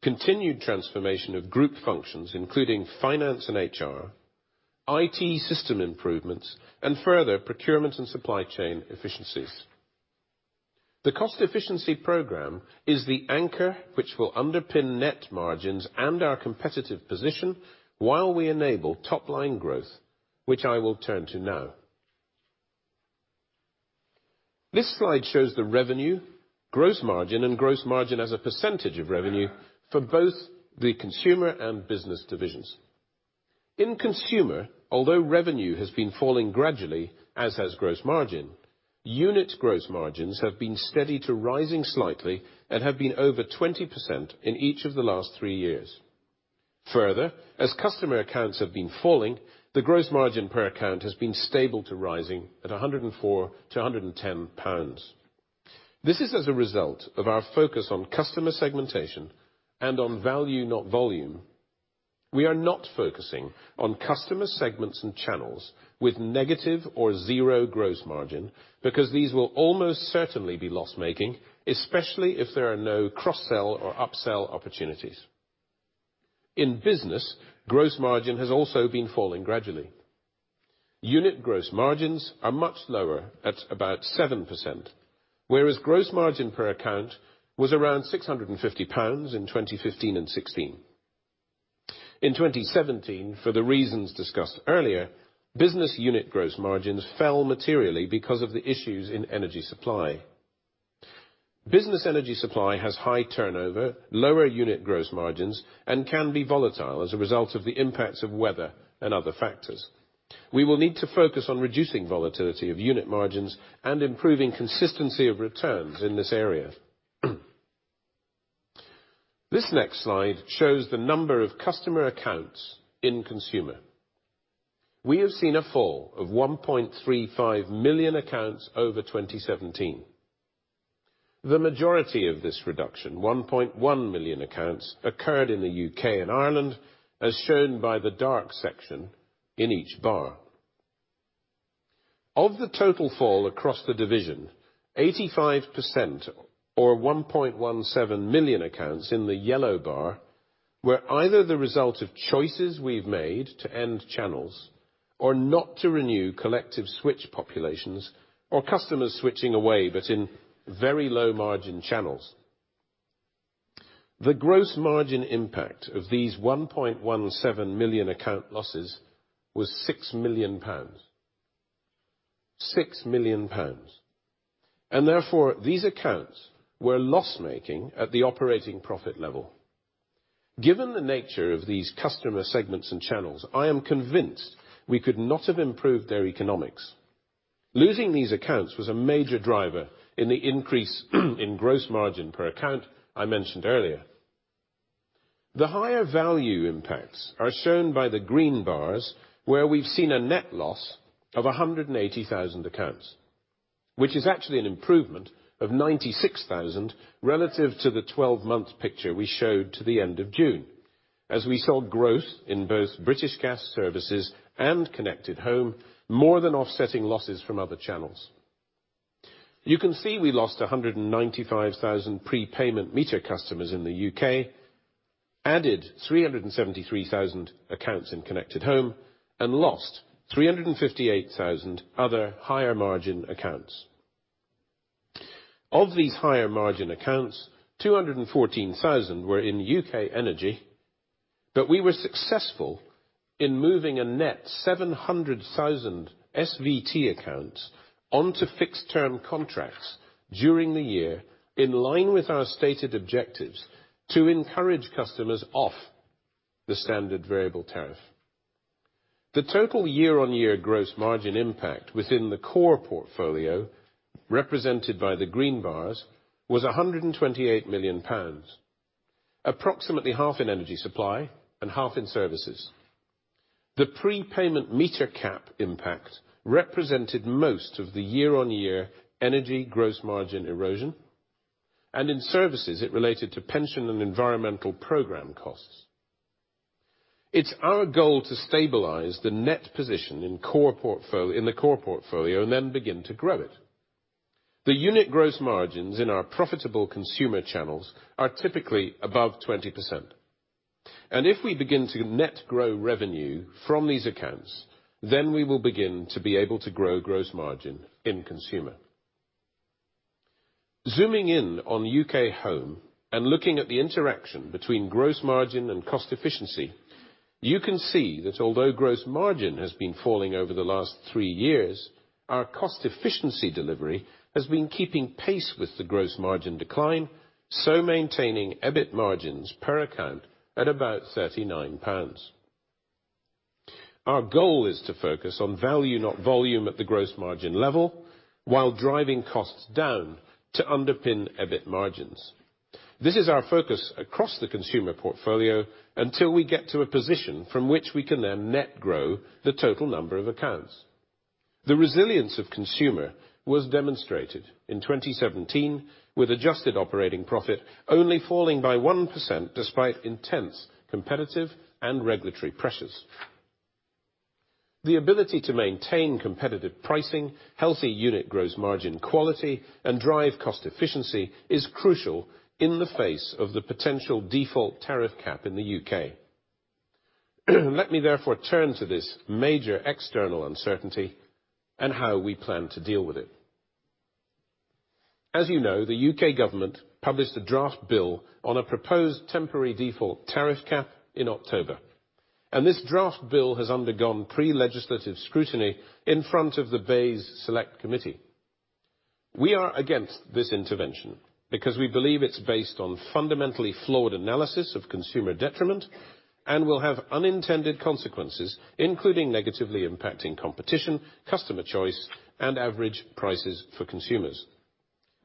continued transformation of group functions, including finance and HR, IT system improvements, and further procurement and supply chain efficiencies. The cost efficiency program is the anchor which will underpin net margins and our competitive position while we enable top-line growth, which I will turn to now. This slide shows the revenue, gross margin, and gross margin as a percentage of revenue for both the consumer and business divisions. In consumer, although revenue has been falling gradually, as has gross margin, unit gross margins have been steady to rising slightly and have been over 20% in each of the last three years. Further, as customer accounts have been falling, the gross margin per account has been stable to rising at 104-110 pounds. This is as a result of our focus on customer segmentation and on value, not volume. We are not focusing on customer segments and channels with negative or zero gross margin, because these will almost certainly be loss-making, especially if there are no cross-sell or up-sell opportunities. In business, gross margin has also been falling gradually. Unit gross margins are much lower, at about 7%, whereas gross margin per account was around 650 pounds in 2015 and 2016. In 2017, for the reasons discussed earlier, business unit gross margins fell materially because of the issues in energy supply. Business energy supply has high turnover, lower unit gross margins, and can be volatile as a result of the impacts of weather and other factors. We will need to focus on reducing volatility of unit margins and improving consistency of returns in this area. This next slide shows the number of customer accounts in consumer. We have seen a fall of 1.35 million accounts over 2017. The majority of this reduction, 1.1 million accounts, occurred in the U.K. and Ireland, as shown by the dark section in each bar. Of the total fall across the division, 85%, or 1.17 million accounts in the yellow bar, were either the result of choices we've made to end channels or not to renew collective switch populations or customers switching away, but in very low-margin channels. The gross margin impact of these 1.17 million account losses was 6 million pounds. 6 million pounds. Therefore, these accounts were loss-making at the operating profit level. Given the nature of these customer segments and channels, I am convinced we could not have improved their economics. Losing these accounts was a major driver in the increase in gross margin per account I mentioned earlier. The higher value impacts are shown by the green bars, where we've seen a net loss of 180,000 accounts, which is actually an improvement of 96,000 relative to the 12-month picture we showed to the end of June, as we saw growth in both British Gas services and Connected Home, more than offsetting losses from other channels. You can see we lost 195,000 prepayment meter customers in the U.K., added 373,000 accounts in Connected Home, and lost 358,000 other higher margin accounts. Of these higher margin accounts, 214,000 were in U.K. Energy, but we were successful in moving a net 700,000 SVT accounts onto fixed-term contracts during the year in line with our stated objectives to encourage customers off the standard variable tariff. The total year-on-year gross margin impact within the core portfolio, represented by the green bars, was 128 million pounds, approximately half in energy supply and half in services. The prepayment meter cap impact represented most of the year-on-year energy gross margin erosion, and in services, it related to pension and environmental program costs. It's our goal to stabilize the net position in the core portfolio and then begin to grow it. The unit gross margins in our profitable consumer channels are typically above 20%. If we begin to net grow revenue from these accounts, we will begin to be able to grow gross margin in consumer. Zooming in on UK Home and looking at the interaction between gross margin and cost efficiency, you can see that although gross margin has been falling over the last three years, our cost efficiency delivery has been keeping pace with the gross margin decline, so maintaining EBIT margins per account at about 39 pounds. Our goal is to focus on value, not volume, at the gross margin level while driving costs down to underpin EBIT margins. This is our focus across the consumer portfolio until we get to a position from which we can then net grow the total number of accounts. The resilience of consumer was demonstrated in 2017 with adjusted operating profit only falling by 1% despite intense competitive and regulatory pressures. The ability to maintain competitive pricing, healthy unit gross margin quality, and drive cost efficiency is crucial in the face of the potential default tariff cap in the U.K. Let me therefore turn to this major external uncertainty and how we plan to deal with it. As you know, the U.K. government published a draft bill on a proposed temporary default tariff cap in October. This draft bill has undergone pre-legislative scrutiny in front of the BEIS Select Committee. We are against this intervention because we believe it's based on fundamentally flawed analysis of consumer detriment and will have unintended consequences, including negatively impacting competition, customer choice, and average prices for consumers.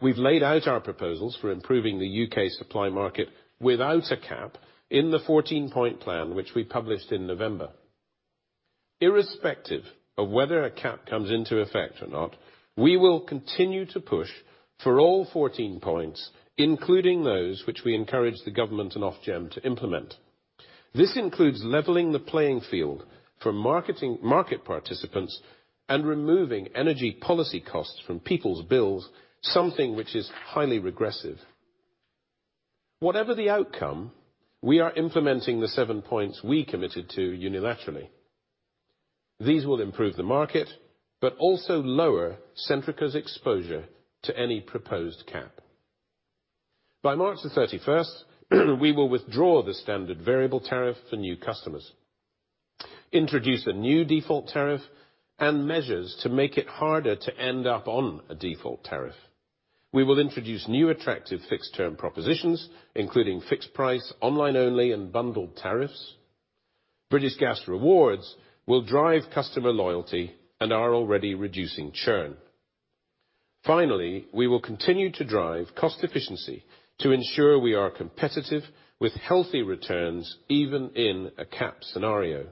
We've laid out our proposals for improving the U.K. supply market without a cap in the 14-point plan, which we published in November. Irrespective of whether a cap comes into effect or not, we will continue to push for all 14 points, including those which we encourage the government and Ofgem to implement. This includes leveling the playing field for market participants and removing energy policy costs from people's bills, something which is highly regressive. Whatever the outcome, we are implementing the seven points we committed to unilaterally. These will improve the market, but also lower Centrica's exposure to any proposed cap. By March the 31st, we will withdraw the standard variable tariff for new customers, introduce a new default tariff, and measures to make it harder to end up on a default tariff. We will introduce new attractive fixed-term propositions, including fixed price, online only, and bundled tariffs. British Gas Rewards will drive customer loyalty and are already reducing churn. Finally, we will continue to drive cost efficiency to ensure we are competitive with healthy returns, even in a cap scenario.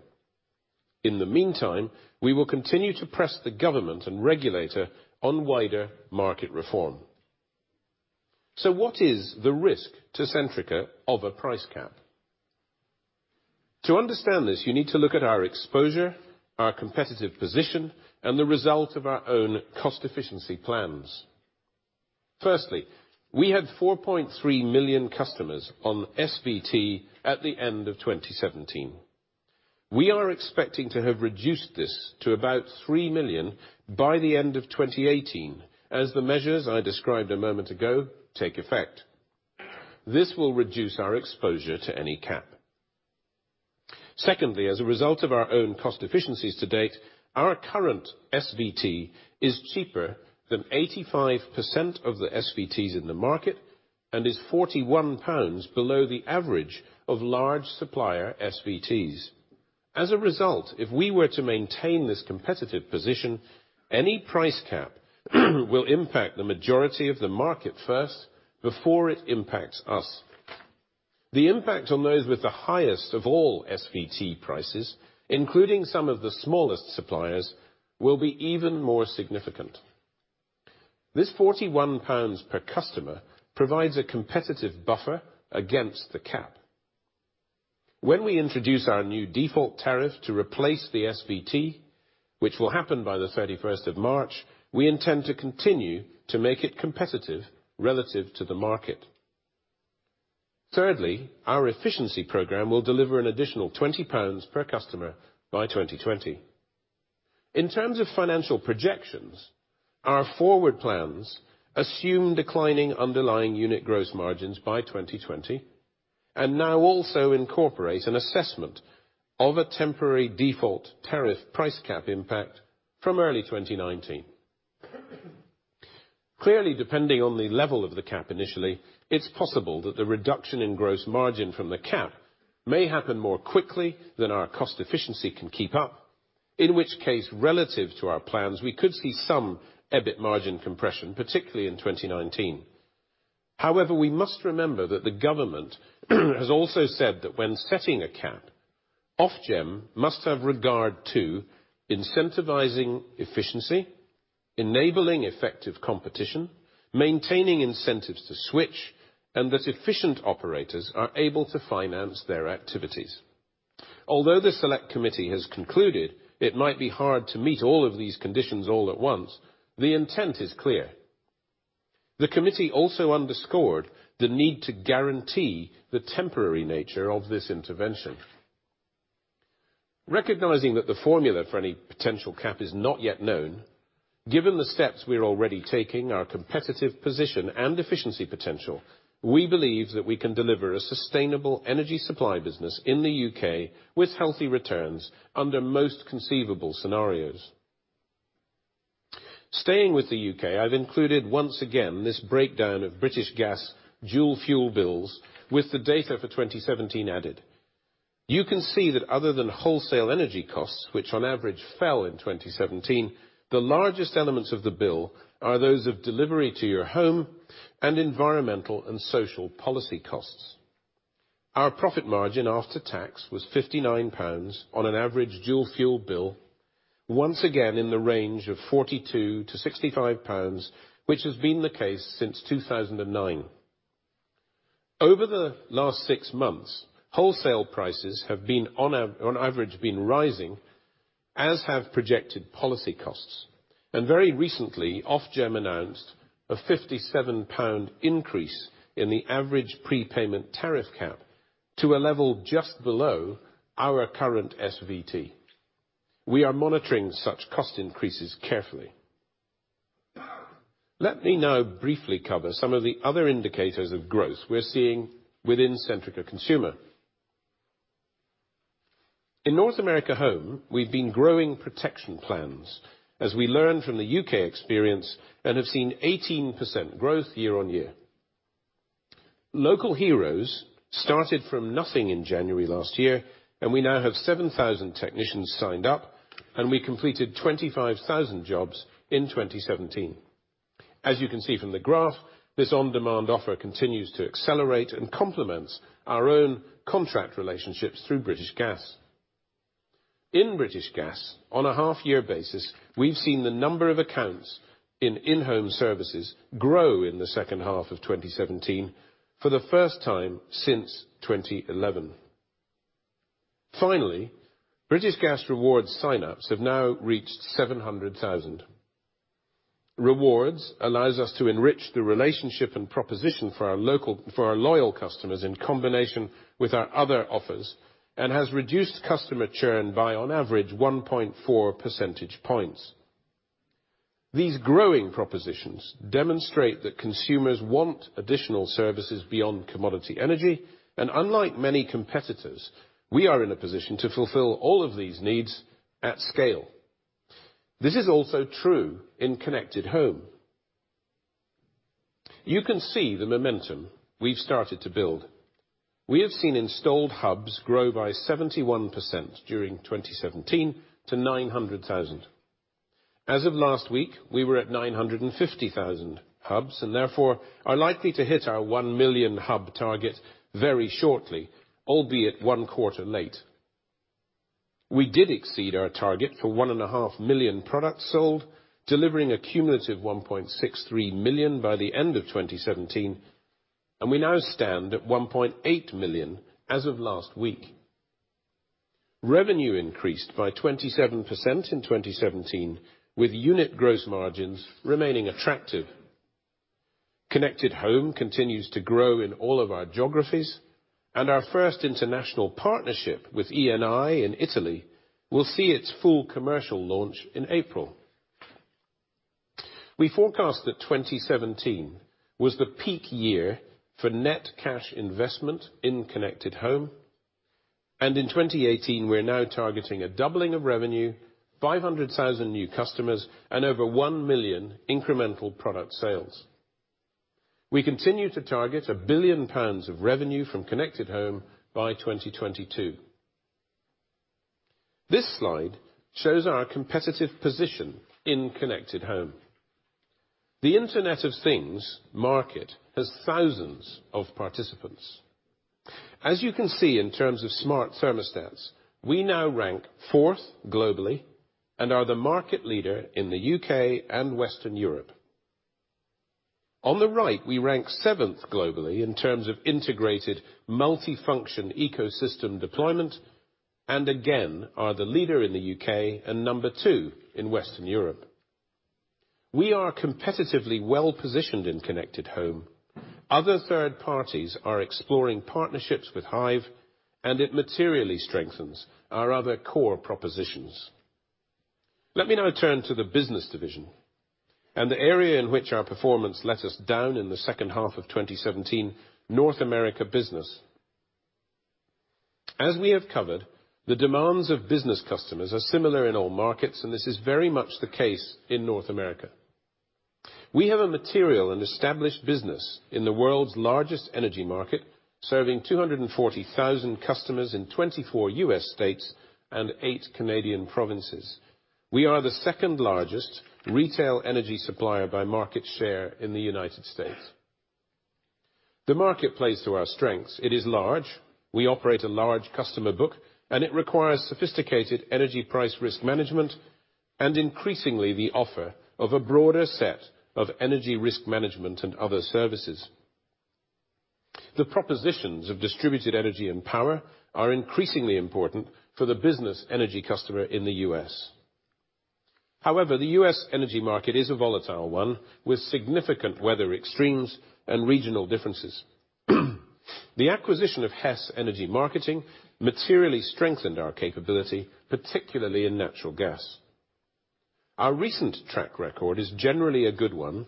In the meantime, we will continue to press the government and regulator on wider market reform. What is the risk to Centrica of a price cap? To understand this, you need to look at our exposure, our competitive position, and the result of our own cost efficiency plans. Firstly, we had 4.3 million customers on SVT at the end of 2017. We are expecting to have reduced this to about three million by the end of 2018 as the measures I described a moment ago take effect. This will reduce our exposure to any cap. Secondly, as a result of our own cost efficiencies to date, our current SVT is cheaper than 85% of the SVTs in the market and is 41 pounds below the average of large supplier SVTs. As a result, if we were to maintain this competitive position, any price cap will impact the majority of the market first before it impacts us. The impact on those with the highest of all SVT prices, including some of the smallest suppliers, will be even more significant. This GBP 41 per customer provides a competitive buffer against the cap. When we introduce our new default tariff to replace the SVT, which will happen by the 31st of March, we intend to continue to make it competitive relative to the market. Thirdly, our efficiency program will deliver an additional 20 pounds per customer by 2020. In terms of financial projections, our forward plans assume declining underlying unit gross margins by 2020 and now also incorporate an assessment of a temporary default tariff price cap impact from early 2019. Clearly, depending on the level of the cap initially, it's possible that the reduction in gross margin from the cap may happen more quickly than our cost efficiency can keep up, in which case, relative to our plans, we could see some EBIT margin compression, particularly in 2019. However, we must remember that the government has also said that when setting a cap, Ofgem must have regard to incentivizing efficiency, enabling effective competition, maintaining incentives to switch, and that efficient operators are able to finance their activities. Although the select committee has concluded it might be hard to meet all of these conditions all at once, the intent is clear. The committee also underscored the need to guarantee the temporary nature of this intervention. Recognizing that the formula for any potential cap is not yet known, given the steps we are already taking, our competitive position and efficiency potential, we believe that we can deliver a sustainable energy supply business in the U.K. with healthy returns under most conceivable scenarios. Staying with the U.K., I've included, once again, this breakdown of British Gas dual fuel bills with the data for 2017 added. You can see that other than wholesale energy costs, which on average fell in 2017, the largest elements of the bill are those of delivery to your home and environmental and social policy costs. Our profit margin after tax was 59 pounds on an average dual fuel bill, once again in the range of 42-65 pounds, which has been the case since 2009. Over the last 6 months, wholesale prices have on average been rising, as have projected policy costs. Very recently, Ofgem announced a 57 pound increase in the average prepayment tariff cap to a level just below our current SVT. We are monitoring such cost increases carefully. Let me now briefly cover some of the other indicators of growth we're seeing within Centrica Consumer. In North America Home, we've been growing protection plans as we learn from the U.K. experience and have seen 18% growth year-on-year. Local Heroes started from nothing in January last year, and we now have 7,000 technicians signed up, and we completed 25,000 jobs in 2017. As you can see from the graph, this on-demand offer continues to accelerate and complements our own contract relationships through British Gas. In British Gas, on a half-year basis, we've seen the number of accounts in-home services grow in the second half of 2017 for the first time since 2011. Finally, British Gas Rewards sign-ups have now reached 700,000. Rewards allows us to enrich the relationship and proposition for our loyal customers in combination with our other offers and has reduced customer churn by, on average, 1.4 percentage points. These growing propositions demonstrate that consumers want additional services beyond commodity energy, and unlike many competitors, we are in a position to fulfill all of these needs at scale. This is also true in Connected Home. You can see the momentum we've started to build. We have seen installed hubs grow by 71% during 2017 to 900,000. As of last week, we were at 950,000 hubs, therefore are likely to hit our 1 million hub target very shortly, albeit one quarter late. We did exceed our target for one and a half million products sold, delivering a cumulative 1.63 million by the end of 2017, and we now stand at 1.8 million as of last week. Revenue increased by 27% in 2017, with unit gross margins remaining attractive. Connected Home continues to grow in all of our geographies, and our first international partnership with Eni in Italy will see its full commercial launch in April. We forecast that 2017 was the peak year for net cash investment in Connected Home, and in 2018, we're now targeting a doubling of revenue, 500,000 new customers, and over 1 million incremental product sales. We continue to target 1 billion pounds of revenue from Connected Home by 2022. This slide shows our competitive position in Connected Home. The Internet of Things market has thousands of participants. As you can see, in terms of smart thermostats, we now rank fourth globally and are the market leader in the U.K. and Western Europe. On the right, we rank seventh globally in terms of integrated multifunction ecosystem deployment, and again, are the leader in the U.K. and number 2 in Western Europe. We are competitively well-positioned in Connected Home. Other third parties are exploring partnerships with Hive, and it materially strengthens our other core propositions. Let me now turn to the business division and the area in which our performance let us down in the second half of 2017, North American Business. As we have covered, the demands of business customers are similar in all markets, and this is very much the case in North America. We have a material and established business in the world's largest energy market, serving 240,000 customers in 24 U.S. states and eight Canadian provinces. We are the second-largest retail energy supplier by market share in the United States. The market plays to our strengths. It is large, we operate a large customer book, and it requires sophisticated energy price risk management, and increasingly the offer of a broader set of energy risk management and other services. The propositions of Distributed Energy and Power are increasingly important for the business energy customer in the U.S. However, the U.S. energy market is a volatile one, with significant weather extremes and regional differences. The acquisition of Hess Energy Marketing materially strengthened our capability, particularly in natural gas. Our recent track record is generally a good one,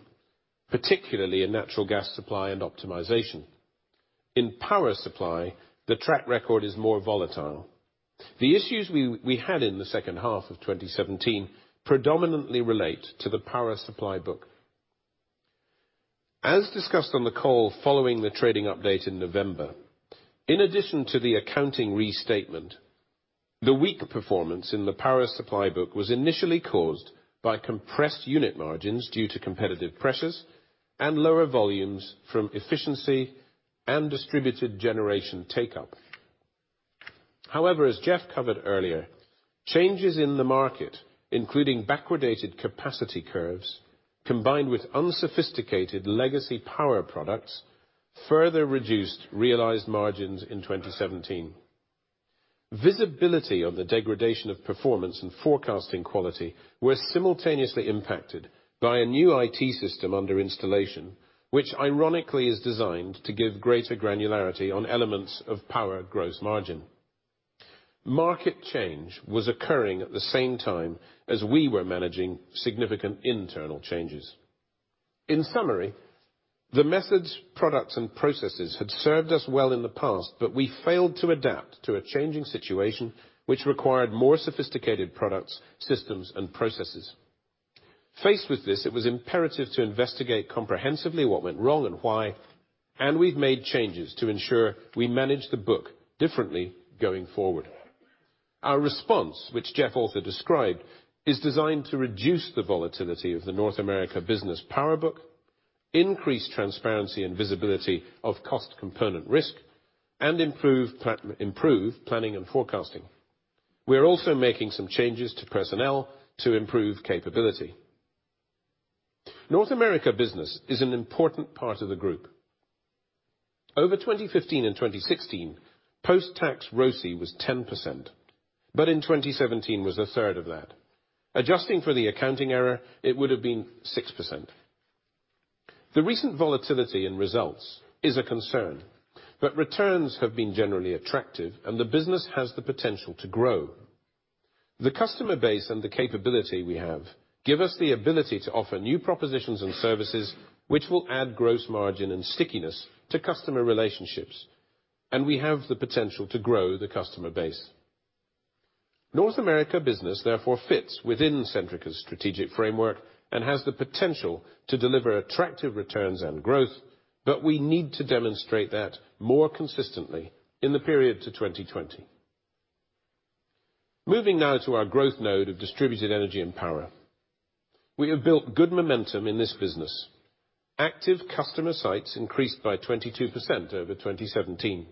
particularly in natural gas supply and optimization. In power supply, the track record is more volatile. The issues we had in the second half of 2017 predominantly relate to the power supply book. As discussed on the call following the trading update in November, in addition to the accounting restatement, the weak performance in the power supply book was initially caused by compressed unit margins due to competitive pressures and lower volumes from efficiency and distributed generation take-up. As Jeff covered earlier, changes in the market, including backwardated capacity curves, combined with unsophisticated legacy power products, further reduced realized margins in 2017. Visibility on the degradation of performance and forecasting quality were simultaneously impacted by a new IT system under installation, which ironically is designed to give greater granularity on elements of power gross margin. Market change was occurring at the same time as we were managing significant internal changes. In summary, the methods, products, and processes had served us well in the past, but we failed to adapt to a changing situation which required more sophisticated products, systems, and processes. Faced with this, it was imperative to investigate comprehensively what went wrong and why, and we've made changes to ensure we manage the book differently going forward. Our response, which Jeff also described, is designed to reduce the volatility of the North American Business power book, increase transparency and visibility of cost component risk, and improve planning and forecasting. We are also making some changes to personnel to improve capability. North American Business is an important part of the group. Over 2015 and 2016, post-tax ROCE was 10%, but in 2017 was a third of that. Adjusting for the accounting error, it would have been 6%. The recent volatility in results is a concern, but returns have been generally attractive and the business has the potential to grow. The customer base and the capability we have give us the ability to offer new propositions and services which will add gross margin and stickiness to customer relationships, and we have the potential to grow the customer base. North American Business therefore fits within Centrica's strategic framework and has the potential to deliver attractive returns and growth, but we need to demonstrate that more consistently in the period to 2020. Moving now to our growth node of Distributed Energy and Power. We have built good momentum in this business. Active customer sites increased by 22% over 2017.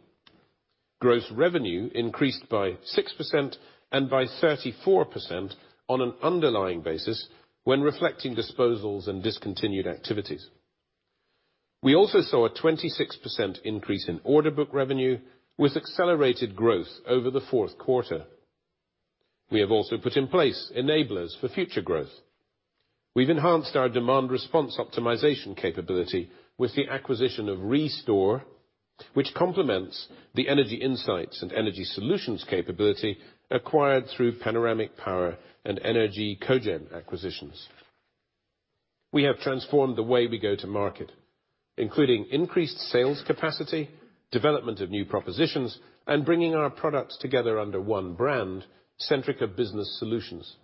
Gross revenue increased by 6% and by 34% on an underlying basis when reflecting disposals and discontinued activities. We also saw a 26% increase in order book revenue with accelerated growth over the fourth quarter. We have also put in place enablers for future growth. We've enhanced our demand response optimization capability with the acquisition of REstore, which complements the energy insights and energy solutions capability acquired through Panoramic Power and ENER-G Cogen acquisitions. We have transformed the way we go to market, including increased sales capacity, development of new propositions, and bringing our products together under one brand, Centrica Business Solutions.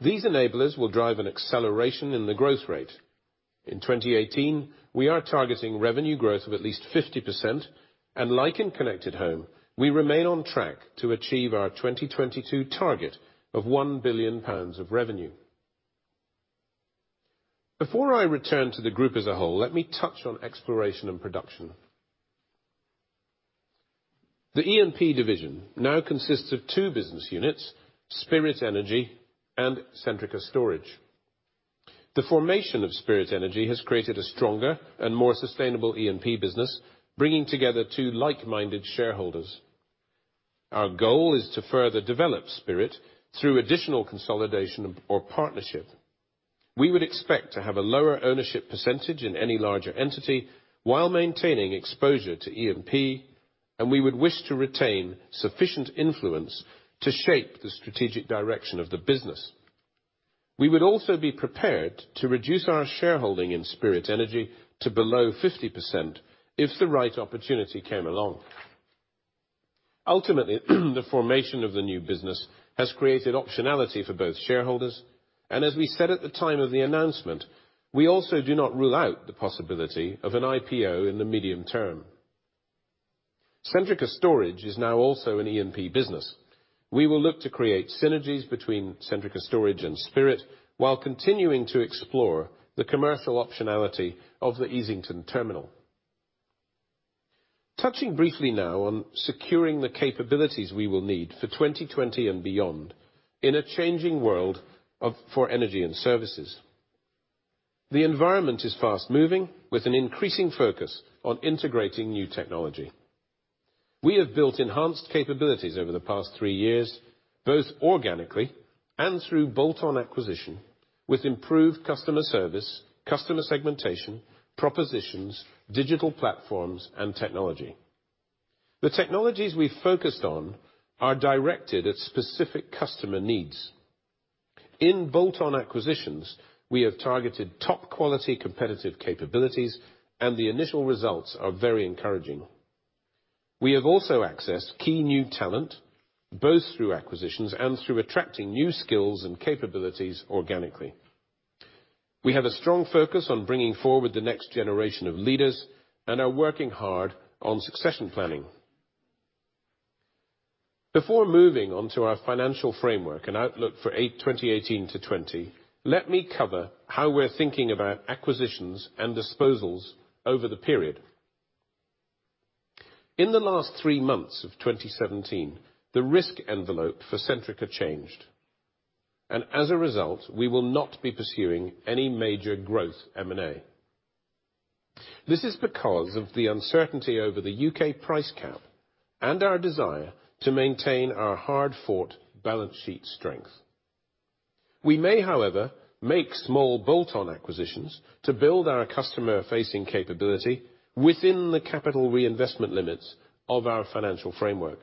These enablers will drive an acceleration in the growth rate. In 2018, we are targeting revenue growth of at least 50%, and like in Connected Home, we remain on track to achieve our 2022 target of 1 billion pounds of revenue. Before I return to the group as a whole, let me touch on Exploration and Production. The E&P division now consists of two business units, Spirit Energy and Centrica Storage. The formation of Spirit Energy has created a stronger and more sustainable E&P business, bringing together two like-minded shareholders. Our goal is to further develop Spirit through additional consolidation or partnership. We would expect to have a lower ownership percentage in any larger entity while maintaining exposure to E&P, and we would wish to retain sufficient influence to shape the strategic direction of the business. We would also be prepared to reduce our shareholding in Spirit Energy to below 50% if the right opportunity came along. Ultimately, the formation of the new business has created optionality for both shareholders, and as we said at the time of the announcement, we also do not rule out the possibility of an IPO in the medium term. Centrica Storage is now also an E&P business. We will look to create synergies between Centrica Storage and Spirit while continuing to explore the commercial optionality of the Easington terminal. Touching briefly now on securing the capabilities we will need for 2020 and beyond in a changing world for energy and services. The environment is fast-moving with an increasing focus on integrating new technology. We have built enhanced capabilities over the past three years, both organically and through bolt-on acquisition, with improved customer service, customer segmentation, propositions, digital platforms, and technology. The technologies we focused on are directed at specific customer needs. In bolt-on acquisitions, we have targeted top-quality competitive capabilities, and the initial results are very encouraging. We have also accessed key new talent, both through acquisitions and through attracting new skills and capabilities organically. We have a strong focus on bringing forward the next generation of leaders and are working hard on succession planning. Before moving on to our financial framework and outlook for 2018 to 2020, let me cover how we're thinking about acquisitions and disposals over the period. In the last three months of 2017, the risk envelope for Centrica changed, and as a result, we will not be pursuing any major growth M&A. This is because of the uncertainty over the U.K. price cap and our desire to maintain our hard-fought balance sheet strength. We may, however, make small bolt-on acquisitions to build our customer-facing capability within the capital reinvestment limits of our financial framework.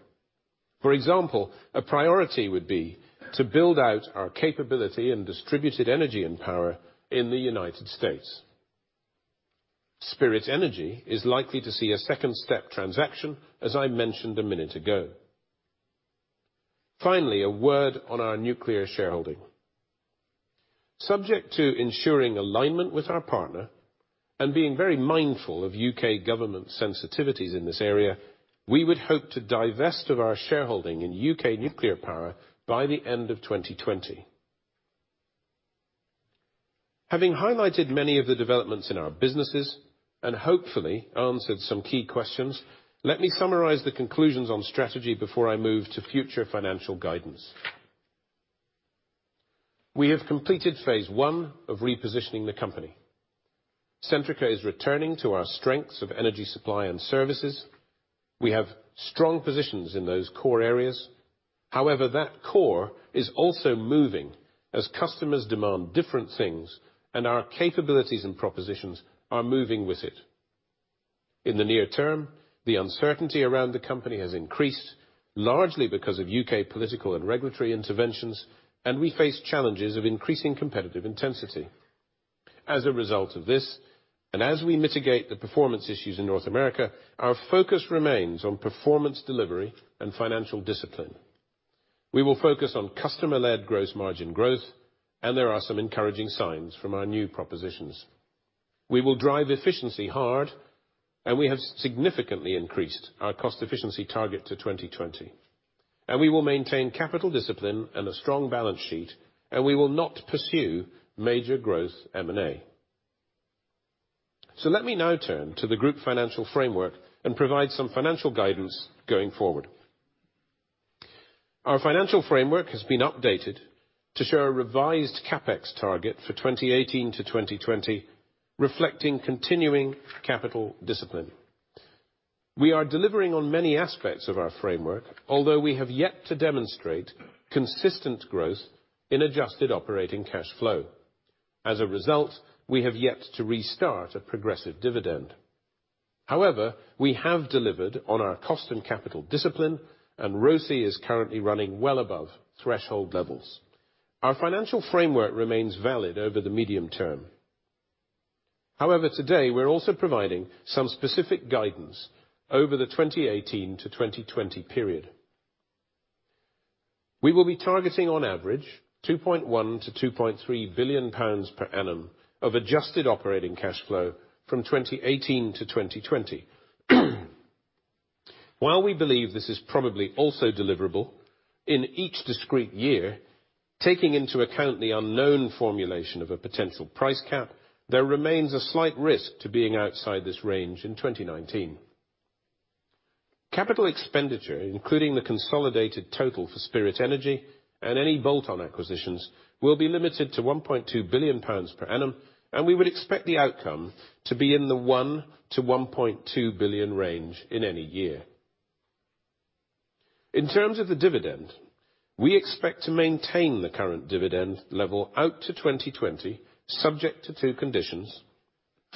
For example, a priority would be to build out our capability in Distributed Energy and Power in the United States. Spirit Energy is likely to see a second-step transaction, as I mentioned a minute ago. Finally, a word on our nuclear shareholding. Subject to ensuring alignment with our partner and being very mindful of U.K. government sensitivities in this area, we would hope to divest of our shareholding in U.K. nuclear power by the end of 2020. Having highlighted many of the developments in our businesses and hopefully answered some key questions, let me summarize the conclusions on strategy before I move to future financial guidance. We have completed phase one of repositioning the company. Centrica is returning to our strengths of energy supply and services. We have strong positions in those core areas. However, that core is also moving as customers demand different things and our capabilities and propositions are moving with it. In the near term, the uncertainty around the company has increased, largely because of U.K. political and regulatory interventions, and we face challenges of increasing competitive intensity. As a result of this, as we mitigate the performance issues in North America, our focus remains on performance delivery and financial discipline. We will focus on customer-led gross margin growth. There are some encouraging signs from our new propositions. We will drive efficiency hard. We have significantly increased our cost efficiency target to 2020. We will maintain capital discipline and a strong balance sheet. We will not pursue major growth M&A. Let me now turn to the group financial framework and provide some financial guidance going forward. Our financial framework has been updated to show a revised CapEx target for 2018 to 2020, reflecting continuing capital discipline. We are delivering on many aspects of our framework, although we have yet to demonstrate consistent growth in adjusted operating cash flow. As a result, we have yet to restart a progressive dividend. However, we have delivered on our cost and capital discipline. ROCE is currently running well above threshold levels. Our financial framework remains valid over the medium term. However, today we're also providing some specific guidance over the 2018 to 2020 period. We will be targeting on average 2.1 billion-2.3 billion pounds per annum of adjusted operating cash flow from 2018 to 2020. While we believe this is probably also deliverable in each discrete year, taking into account the unknown formulation of a potential price cap, there remains a slight risk to being outside this range in 2019. Capital expenditure, including the consolidated total for Spirit Energy and any bolt-on acquisitions, will be limited to 1.2 billion pounds per annum. We would expect the outcome to be in the 1 billion-1.2 billion range in any year. In terms of the dividend, we expect to maintain the current dividend level out to 2020, subject to two conditions.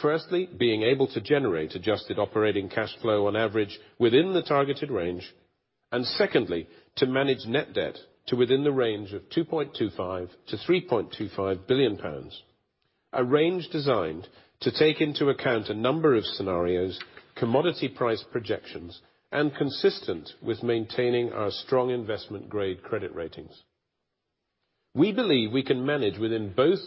Firstly, being able to generate adjusted operating cash flow on average within the targeted range. Secondly, to manage net debt to within the range of 2.25 billion-3.25 billion pounds. A range designed to take into account a number of scenarios, commodity price projections. Consistent with maintaining our strong investment-grade credit ratings. We believe we can manage within both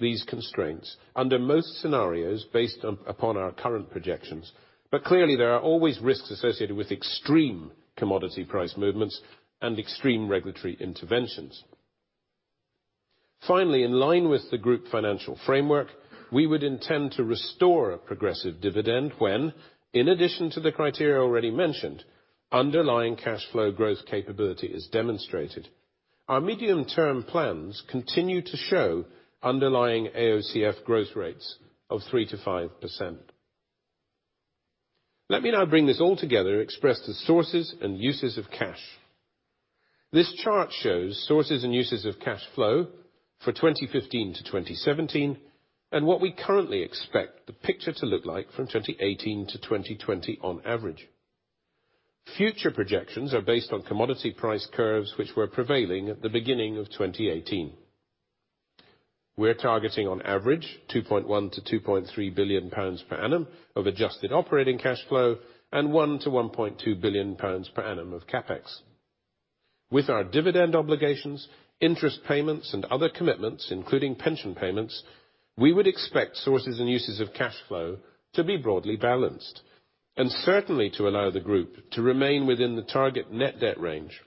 these constraints under most scenarios based upon our current projections. Clearly there are always risks associated with extreme commodity price movements and extreme regulatory interventions. Finally, in line with the group financial framework, we would intend to restore a progressive dividend when, in addition to the criteria already mentioned, underlying cash flow growth capability is demonstrated. Our medium-term plans continue to show underlying AOCF growth rates of 3%-5%. Let me now bring this all together expressed as sources and uses of cash. This chart shows sources and uses of cash flow for 2015 to 2017. What we currently expect the picture to look like from 2018 to 2020 on average. Future projections are based on commodity price curves which were prevailing at the beginning of 2018. We're targeting on average 2.1 billion-2.3 billion pounds per annum of adjusted operating cash flow. 1 billion-1.2 billion pounds per annum of CapEx. With our dividend obligations, interest payments, other commitments, including pension payments, we would expect sources and uses of cash flow to be broadly balanced. Certainly to allow the group to remain within the target net debt range.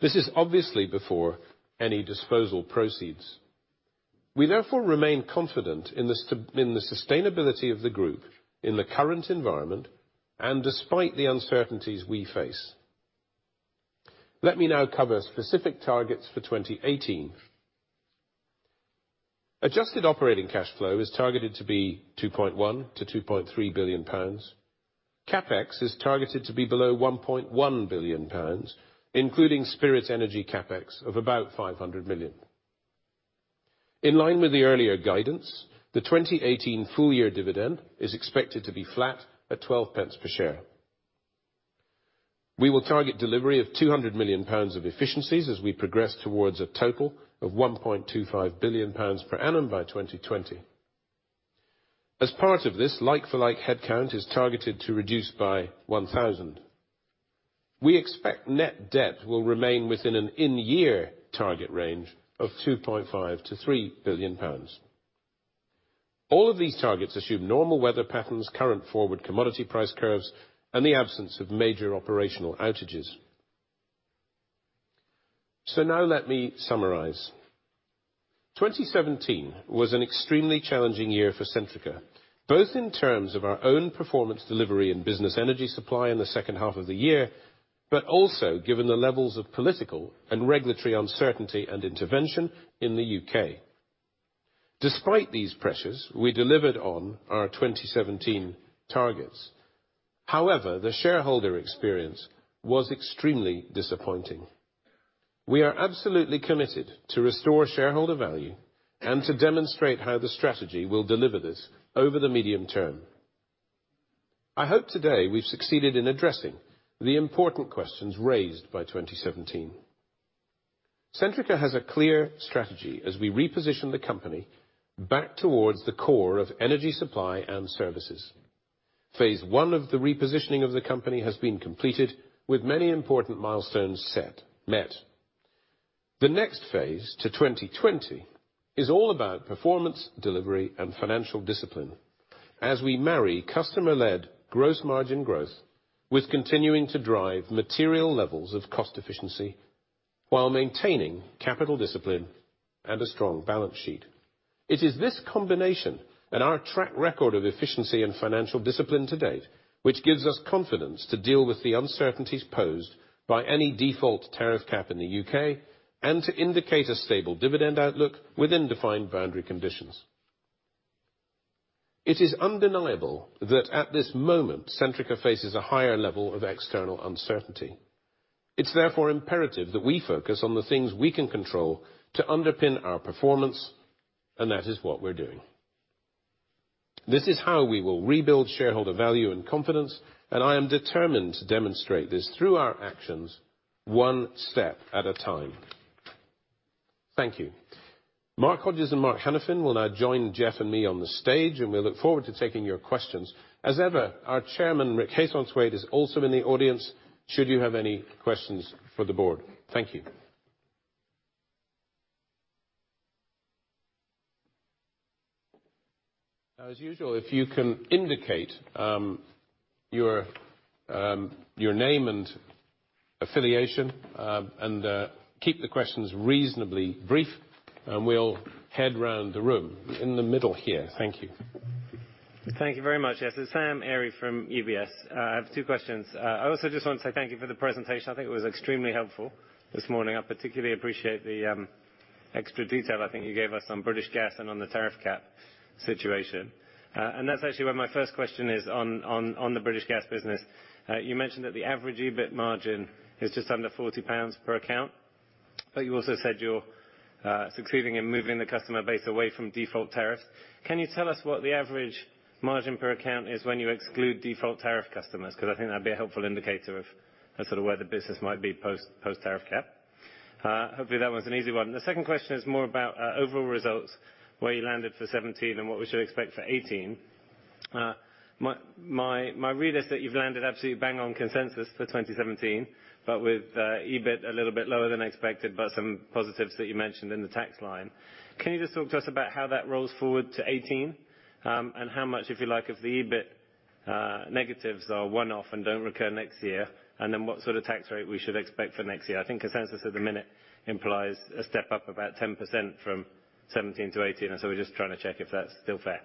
This is obviously before any disposal proceeds. We therefore remain confident in the sustainability of the group in the current environment, despite the uncertainties we face. Let me now cover specific targets for 2018. Adjusted operating cash flow is targeted to be 2.1 billion-2.3 billion pounds. CapEx is targeted to be below 1.1 billion pounds, including Spirit Energy CapEx of about 500 million. In line with the earlier guidance, the 2018 full year dividend is expected to be flat at 0.12 per share. We will target delivery of 200 million pounds of efficiencies as we progress towards a total of 1.25 billion pounds per annum by 2020. As part of this, like-for-like headcount is targeted to reduce by 1,000. We expect net debt will remain within an in-year target range of 2.5 billion-3 billion pounds. All of these targets assume normal weather patterns, current forward commodity price curves, and the absence of major operational outages. Now let me summarize. 2017 was an extremely challenging year for Centrica, both in terms of our own performance delivery in business energy supply in the second half of the year, but also given the levels of political and regulatory uncertainty and intervention in the U.K. Despite these pressures, we delivered on our 2017 targets. However, the shareholder experience was extremely disappointing. We are absolutely committed to restore shareholder value and to demonstrate how the strategy will deliver this over the medium term. I hope today we've succeeded in addressing the important questions raised by 2017. Centrica has a clear strategy as we reposition the company back towards the core of energy supply and services. Phase 1 of the repositioning of the company has been completed with many important milestones met. The next phase to 2020 is all about performance, delivery, and financial discipline as we marry customer-led gross margin growth with continuing to drive material levels of cost efficiency while maintaining capital discipline and a strong balance sheet. It is this combination and our track record of efficiency and financial discipline to date, which gives us confidence to deal with the uncertainties posed by any default tariff cap in the U.K., and to indicate a stable dividend outlook within defined boundary conditions. It is undeniable that at this moment, Centrica faces a higher level of external uncertainty. It's therefore imperative that we focus on the things we can control to underpin our performance, and that is what we're doing. This is how we will rebuild shareholder value and confidence, and I am determined to demonstrate this through our actions, one step at a time. Thank you. Mark Hodges and Mark Hanafin will now join Jeff and me on the stage. We look forward to taking your questions. As ever, our Chairman, Rick Haythornthwaite, is also in the audience, should you have any questions for the board. Thank you. As usual, if you can indicate your name and affiliation, keep the questions reasonably brief, we'll head around the room. In the middle here. Thank you. Thank you very much. Yes, it's Sam Arie from UBS. I have two questions. I also just want to say thank you for the presentation. I think it was extremely helpful this morning. I particularly appreciate the extra detail I think you gave us on British Gas and on the tariff cap situation. That's actually where my first question is on the British Gas business. You mentioned that the average EBIT margin is just under 40 pounds per account, but you also said you're succeeding in moving the customer base away from default tariff. Can you tell us what the average margin per account is when you exclude default tariff customers? Because I think that'd be a helpful indicator of sort of where the business might be post tariff cap. Hopefully, that one's an easy one. The second question is more about overall results, where you landed for 2017 and what we should expect for 2018. My read is that you've landed absolutely bang on consensus for 2017, but with EBIT a little bit lower than expected, but some positives that you mentioned in the tax line. Can you just talk to us about how that rolls forward to 2018? How much, if you like, of the EBIT negatives are one-off and don't recur next year? Then what sort of tax rate we should expect for next year. I think consensus at the minute implies a step up about 10% from 2017 to 2018. So we're just trying to check if that's still fair.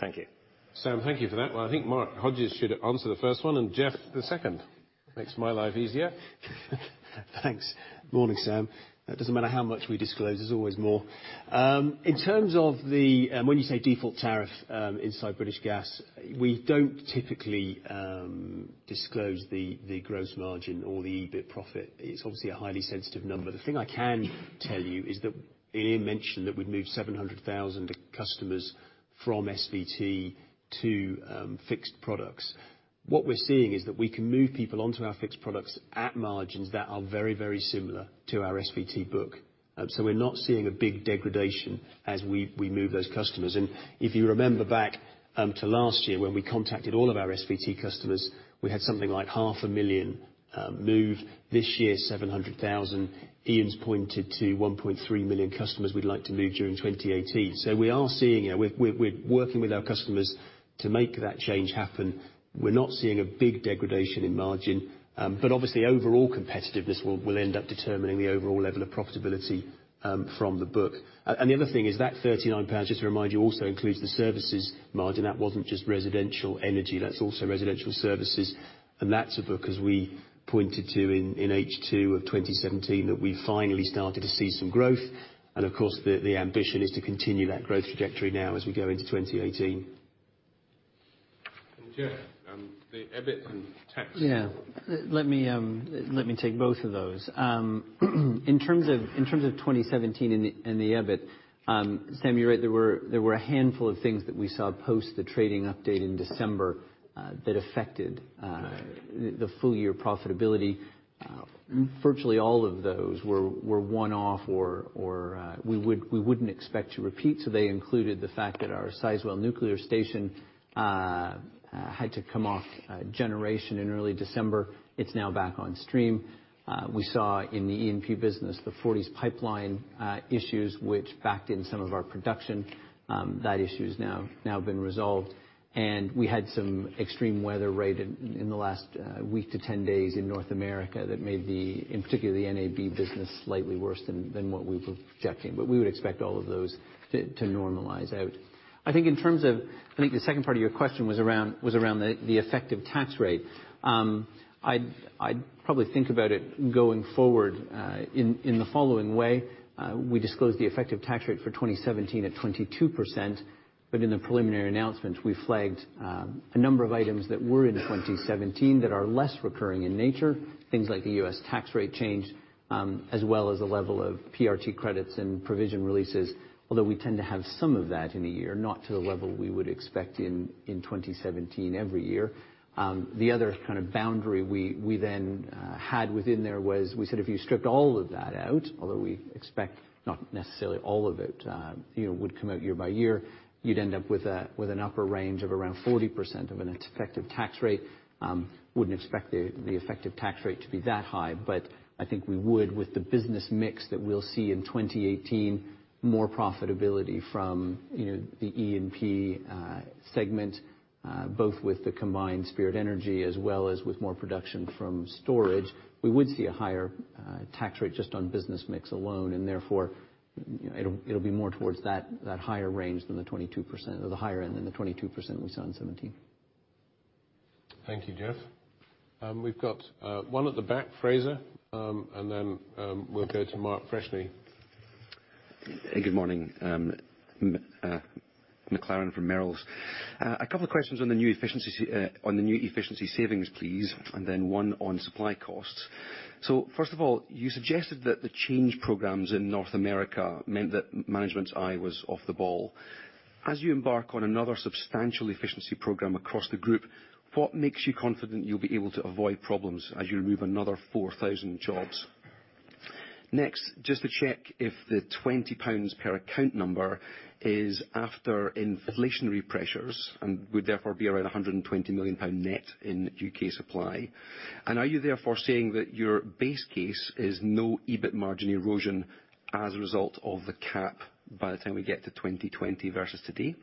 Thank you. Sam, thank you for that. Well, I think Mark Hodges should answer the first one, and Jeff the second. Makes my life easier. Thanks. Morning, Sam. It doesn't matter how much we disclose, there's always more. When you say default tariff inside British Gas, we don't typically disclose the gross margin or the EBIT profit. It's obviously a highly sensitive number. The thing I can tell you is that, Iain mentioned that we'd moved 700,000 customers from SVT to fixed products. What we're seeing is that we can move people onto our fixed products at margins that are very, very similar to our SVT book. We're not seeing a big degradation as we move those customers. If you remember back to last year, when we contacted all of our SVT customers, we had something like half a million move. This year, 700,000. Iain's pointed to 1.3 million customers we'd like to move during 2018. We're working with our customers to make that change happen. We're not seeing a big degradation in margin. Obviously, overall competitiveness will end up determining the overall level of profitability from the book. The other thing is that 39 pounds, just to remind you, also includes the services margin. That wasn't just residential energy, that's also residential services. That's a book, as we pointed to in H2 2017, that we finally started to see some growth. Of course, the ambition is to continue that growth trajectory now as we go into 2018. Jeff, the EBIT and tax. Let me take both of those. In terms of 2017 and the EBIT, Sam, you're right. There were a handful of things that we saw post the trading update in December that affected the full-year profitability. Virtually all of those were one-off or we wouldn't expect to repeat. They included the fact that our Sizewell nuclear station had to come off generation in early December. It's now back on stream. We saw in the E&P business, the Forties pipeline issues, which backed in some of our production. That issue has now been resolved. We had some extreme weather in the last week to 10 days in North America that made the, in particular, the NAB business slightly worse than what we were projecting. We would expect all of those to normalize out. I think the second part of your question was around the effective tax rate. I'd probably think about it going forward in the following way. We disclosed the effective tax rate for 2017 at 22%. In the preliminary announcement, we flagged a number of items that were in 2017 that are less recurring in nature. Things like the U.S. tax rate change, as well as the level of PRT credits and provision releases. Although we tend to have some of that in a year, not to the level we would expect in 2017 every year. The other kind of boundary we then had within there was we said if you stripped all of that out, although we expect not necessarily all of it would come out year by year, you'd end up with an upper range of around 40% of an effective tax rate. We wouldn't expect the effective tax rate to be that high, but I think we would, with the business mix that we'll see in 2018, more profitability from the E&P segment. Both with the combined Spirit Energy as well as with more production from storage. We would see a higher tax rate just on business mix alone, and therefore, it'll be more towards that higher range than the 22%, or the higher end than the 22% we saw in 2017. Thank you, Jeff. We've got one at the back, Fraser, and then we'll go to Mark Freshney. Good morning. McLaren from Merrill Lynch. A couple of questions on the new efficiency savings, please, and then one on supply costs. First of all, you suggested that the change programs in North America meant that management's eye was off the ball. As you embark on another substantial efficiency program across the group, what makes you confident you'll be able to avoid problems as you remove another 4,000 jobs? Just to check if the 20 pounds per account number is after inflationary pressures, and would therefore be around 120 million pound net in U.K. supply. Are you therefore saying that your base case is no EBIT margin erosion as a result of the cap by the time we get to 2020 versus today?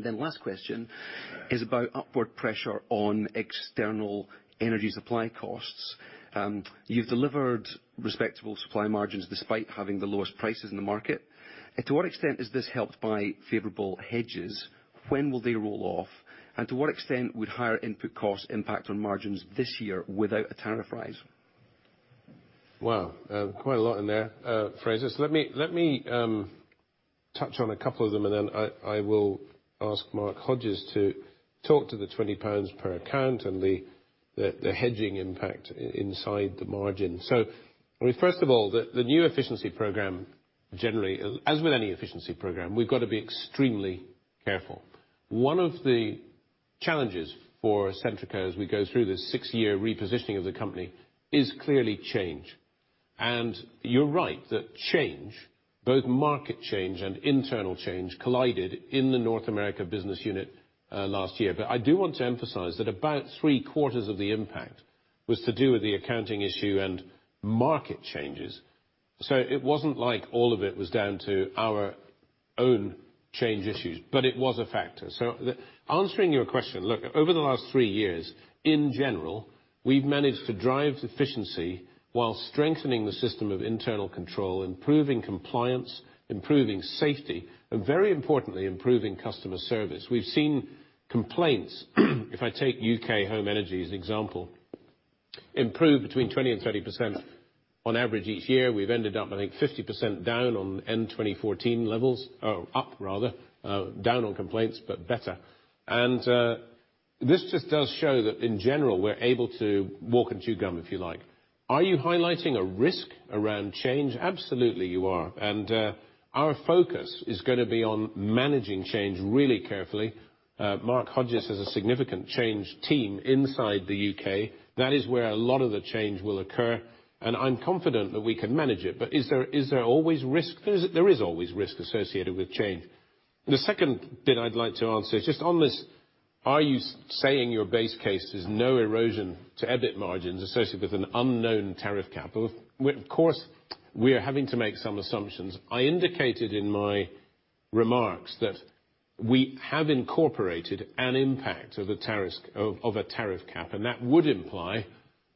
Last question is about upward pressure on external energy supply costs. You've delivered respectable supply margins despite having the lowest prices in the market. To what extent is this helped by favorable hedges? When will they roll off? To what extent would higher input costs impact on margins this year without a tariff rise? Wow. Quite a lot in there, Fraser. Let me touch on a couple of them, and then I will ask Mark Hodges to talk to the 20 pounds per account and the hedging impact inside the margin. First of all, the new efficiency program, generally, as with any efficiency program, we've got to be extremely careful. One of the challenges for Centrica as we go through this six-year repositioning of the company is clearly change. You're right that change, both market change and internal change, collided in the North American Business unit last year. I do want to emphasize that about three-quarters of the impact was to do with the accounting issue and market changes. It wasn't like all of it was down to our own change issues, but it was a factor. Answering your question, look, over the last three years, in general, we've managed to drive efficiency while strengthening the system of internal control, improving compliance, improving safety, and very importantly, improving customer service. We've seen complaints, if I take U.K. Home Energy as an example, improve between 20%-30% on average each year. We've ended up, I think, 50% down on end 2014 levels. Or up, rather. Down on complaints, but better. This just does show that in general, we're able to walk and chew gum, if you like. Are you highlighting a risk around change? Absolutely you are. Our focus is going to be on managing change really carefully. Mark Hodges has a significant change team inside the U.K. That is where a lot of the change will occur, and I'm confident that we can manage it. Is there always risk? There is always risk associated with change. The second bit I'd like to answer is just on this, are you saying your base case is no erosion to EBIT margins associated with an unknown tariff cap? Of course, we're having to make some assumptions. I indicated in my remarks that we have incorporated an impact of a tariff cap, that would imply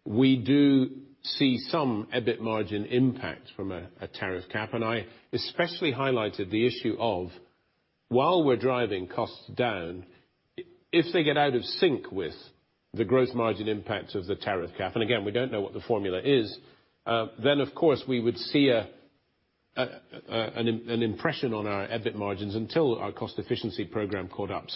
we do see some EBIT margin impact from a tariff cap. I especially highlighted the issue of, while we're driving costs down, if they get out of sync with the gross margin impact of the tariff cap, again, we don't know what the formula is, of course we would see an impression on our EBIT margins until our cost efficiency program caught up.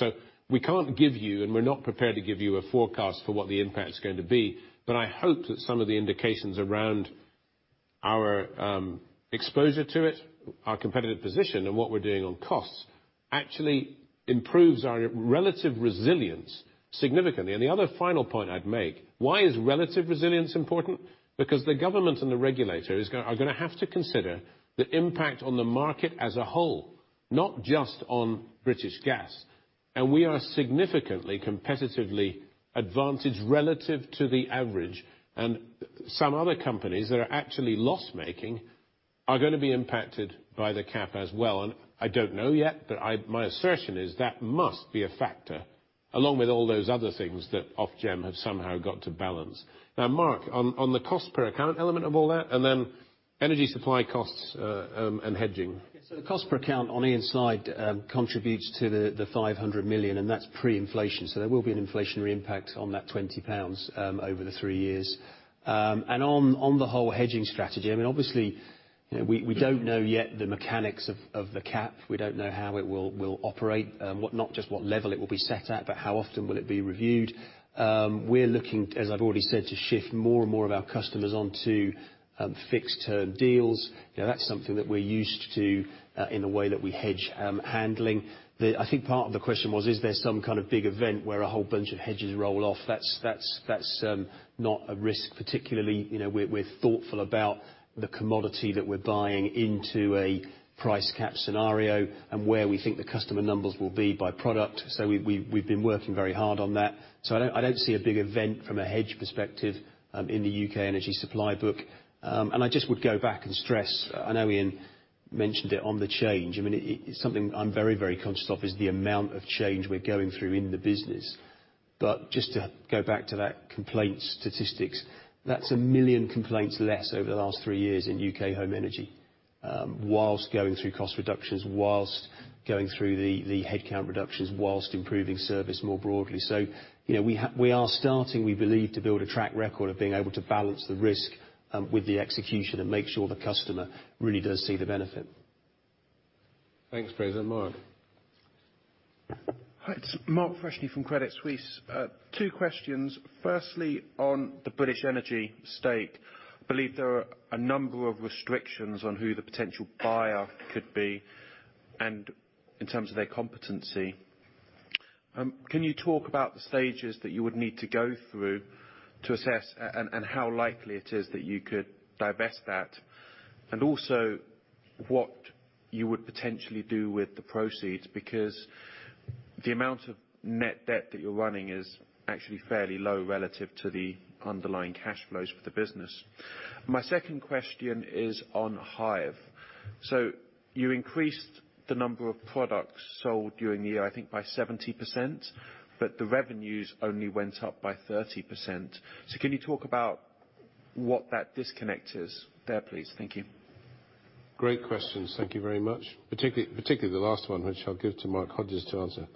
We can't give you, we're not prepared to give you a forecast for what the impact is going to be. I hope that some of the indications around our exposure to it, our competitive position, and what we're doing on costs actually improves our relative resilience significantly. The other final point I'd make, why is relative resilience important? Because the government and the regulators are going to have to consider the impact on the market as a whole, not just on British Gas. We are significantly competitively advantaged relative to the average. Some other companies that are actually loss-making are going to be impacted by the cap as well. I don't know yet, but my assertion is that must be a factor, along with all those other things that Ofgem have somehow got to balance. Mark, on the cost per account element of all that, and then energy supply costs and hedging. The cost per account on Iain's slide contributes to the 500 million, and that's pre-inflation. There will be an inflationary impact on that 20 pounds over the three years. On the whole hedging strategy, obviously, we don't know yet the mechanics of the cap. We don't know how it will operate. Not just what level it will be set at, but how often will it be reviewed. We're looking, as I've already said, to shift more and more of our customers onto fixed-term deals. That's something that we're used to in the way that we hedge handling. I think part of the question was, is there some kind of big event where a whole bunch of hedges roll off? That's not a risk, particularly. We're thoughtful about the commodity that we're buying into a price cap scenario and where we think the customer numbers will be by product. We've been working very hard on that. I don't see a big event from a hedge perspective in the U.K. energy supply book. I just would go back and stress, I know Iain mentioned it on the change. It's something I'm very, very conscious of is the amount of change we're going through in the business. Just to go back to that complaint statistics, that's a million complaints less over the last three years in U.K. Home Energy, whilst going through cost reductions, whilst going through the headcount reductions, whilst improving service more broadly. We are starting, we believe, to build a track record of being able to balance the risk with the execution and make sure the customer really does see the benefit. Thanks, Fraser. Mark. Hi, it's Mark Freshney from Credit Suisse. Two questions. Firstly, on the British Energy stake, believe there are a number of restrictions on who the potential buyer could be and in terms of their competency. Can you talk about the stages that you would need to go through to assess and how likely it is that you could divest that? What you would potentially do with the proceeds, because the amount of net debt that you're running is actually fairly low relative to the underlying cash flows for the business. My second question is on Hive. You increased the number of products sold during the year, I think, by 70%, but the revenues only went up by 30%. Can you talk about what that disconnect is there, please? Thank you. Great questions. Thank you very much. Particularly the last one, which I'll give to Mark Hodges to answer.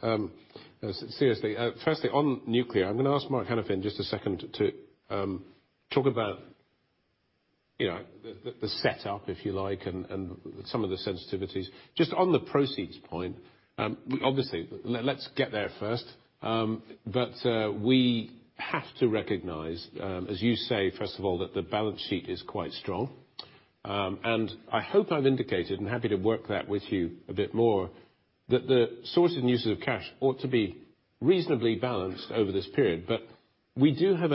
Seriously. Firstly, on nuclear, I'm going to ask Mark Hanafin in just a second to talk about the setup, if you like, and some of the sensitivities. Just on the proceeds point, obviously, let's get there first, we have to recognize, as you say, first of all, that the balance sheet is quite strong. I hope I've indicated, and happy to work that with you a bit more, that the source and uses of cash ought to be reasonably balanced over this period. We do have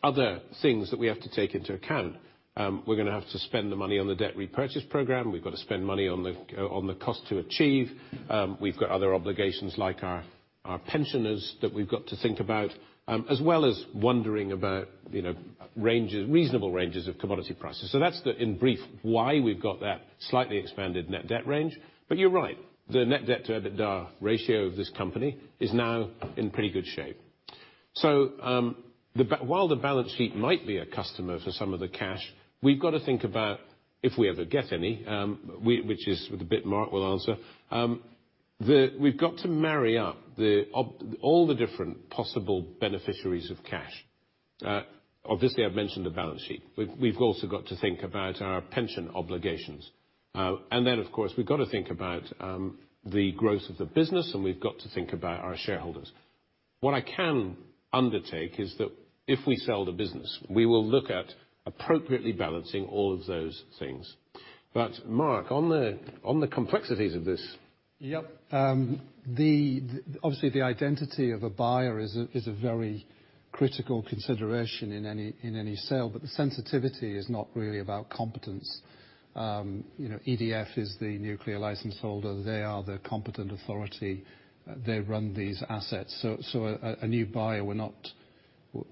other things that we have to take into account. We're going to have to spend the money on the debt repurchase program. We've got to spend money on the cost to achieve. We've got other obligations, like our pensioners, that we've got to think about, as well as wondering about reasonable ranges of commodity prices. That's the, in brief, why we've got that slightly expanded net debt range. You're right, the net debt-to-EBITDA ratio of this company is now in pretty good shape. While the balance sheet might be a customer for some of the cash, we've got to think about if we ever get any, which is with a bit Mark will answer. We've got to marry up all the different possible beneficiaries of cash. Obviously, I've mentioned the balance sheet. We've also got to think about our pension obligations. Then, of course, we've got to think about the growth of the business, and we've got to think about our shareholders. What I can undertake is that if we sell the business, we will look at appropriately balancing all of those things. Mark, on the complexities of this. Yep. Obviously, the identity of a buyer is a very critical consideration in any sale. The sensitivity is not really about competence. EDF is the nuclear license holder. They are the competent authority. They run these assets. A new buyer,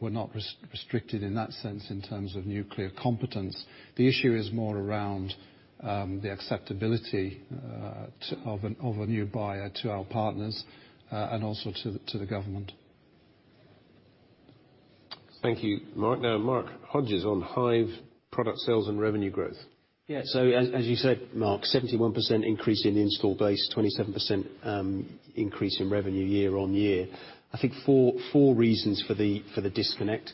we're not restricted in that sense in terms of nuclear competence. The issue is more around the acceptability of a new buyer to our partners, and also to the government. Thank you, Mark. Now Mark Hodges on Hive product sales and revenue growth. Yeah. As you said, Mark, 71% increase in install base, 27% increase in revenue year-on-year. I think four reasons for the disconnect.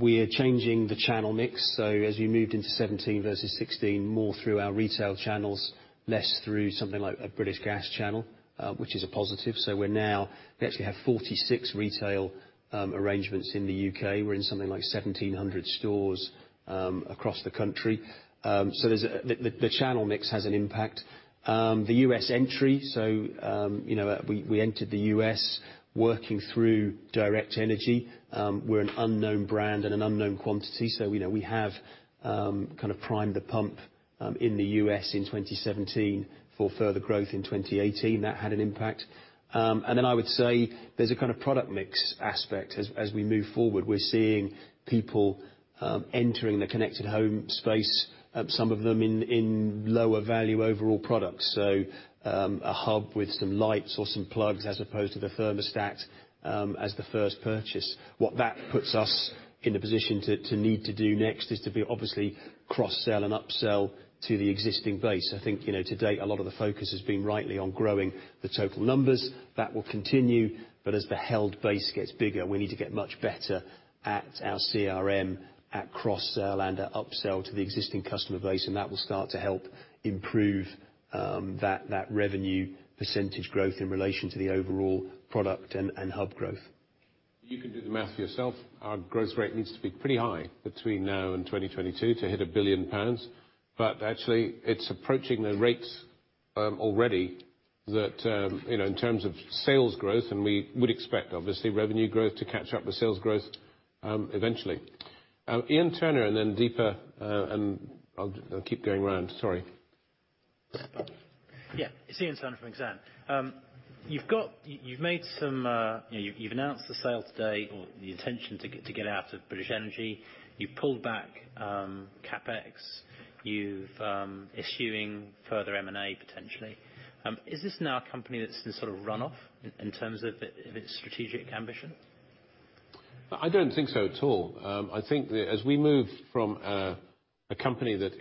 We are changing the channel mix. As we moved into 2017 versus 2016, more through our retail channels, less through something like a British Gas channel, which is a positive. We actually have 46 retail arrangements in the U.K. We're in something like 1,700 stores across the country. The channel mix has an impact. The U.S. entry. We entered the U.S. working through Direct Energy. We're an unknown brand and an unknown quantity. We have primed the pump in the U.S. in 2017 for further growth in 2018. That had an impact. I would say there's a kind of product mix aspect as we move forward. We're seeing people entering the Connected Home space, some of them in lower value overall products. A hub with some lights or some plugs as opposed to the thermostat as the first purchase. What that puts us in a position to need to do next is to be obviously cross-sell and upsell to the existing base. I think today a lot of the focus has been rightly on growing the total numbers. That will continue, as the held base gets bigger, we need to get much better at our CRM, at cross-sell and at upsell to the existing customer base. That will start to help improve that revenue percentage growth in relation to the overall product and hub growth. You can do the math yourself. Our growth rate needs to be pretty high between now and 2022 to hit 1 billion pounds. Actually, it's approaching the rates already that in terms of sales growth. We would expect, obviously, revenue growth to catch up with sales growth eventually. Ian Turner. Then Deepa. I'll keep going around. Sorry. Yeah. It's Ian Turner from Exane. You've announced the sale today, or the intention to get out of British Energy. You've pulled back CapEx. You're eschewing further M&A, potentially. Is this now a company that's in sort of runoff in terms of its strategic ambition? I don't think so at all. I think that as we move from a company that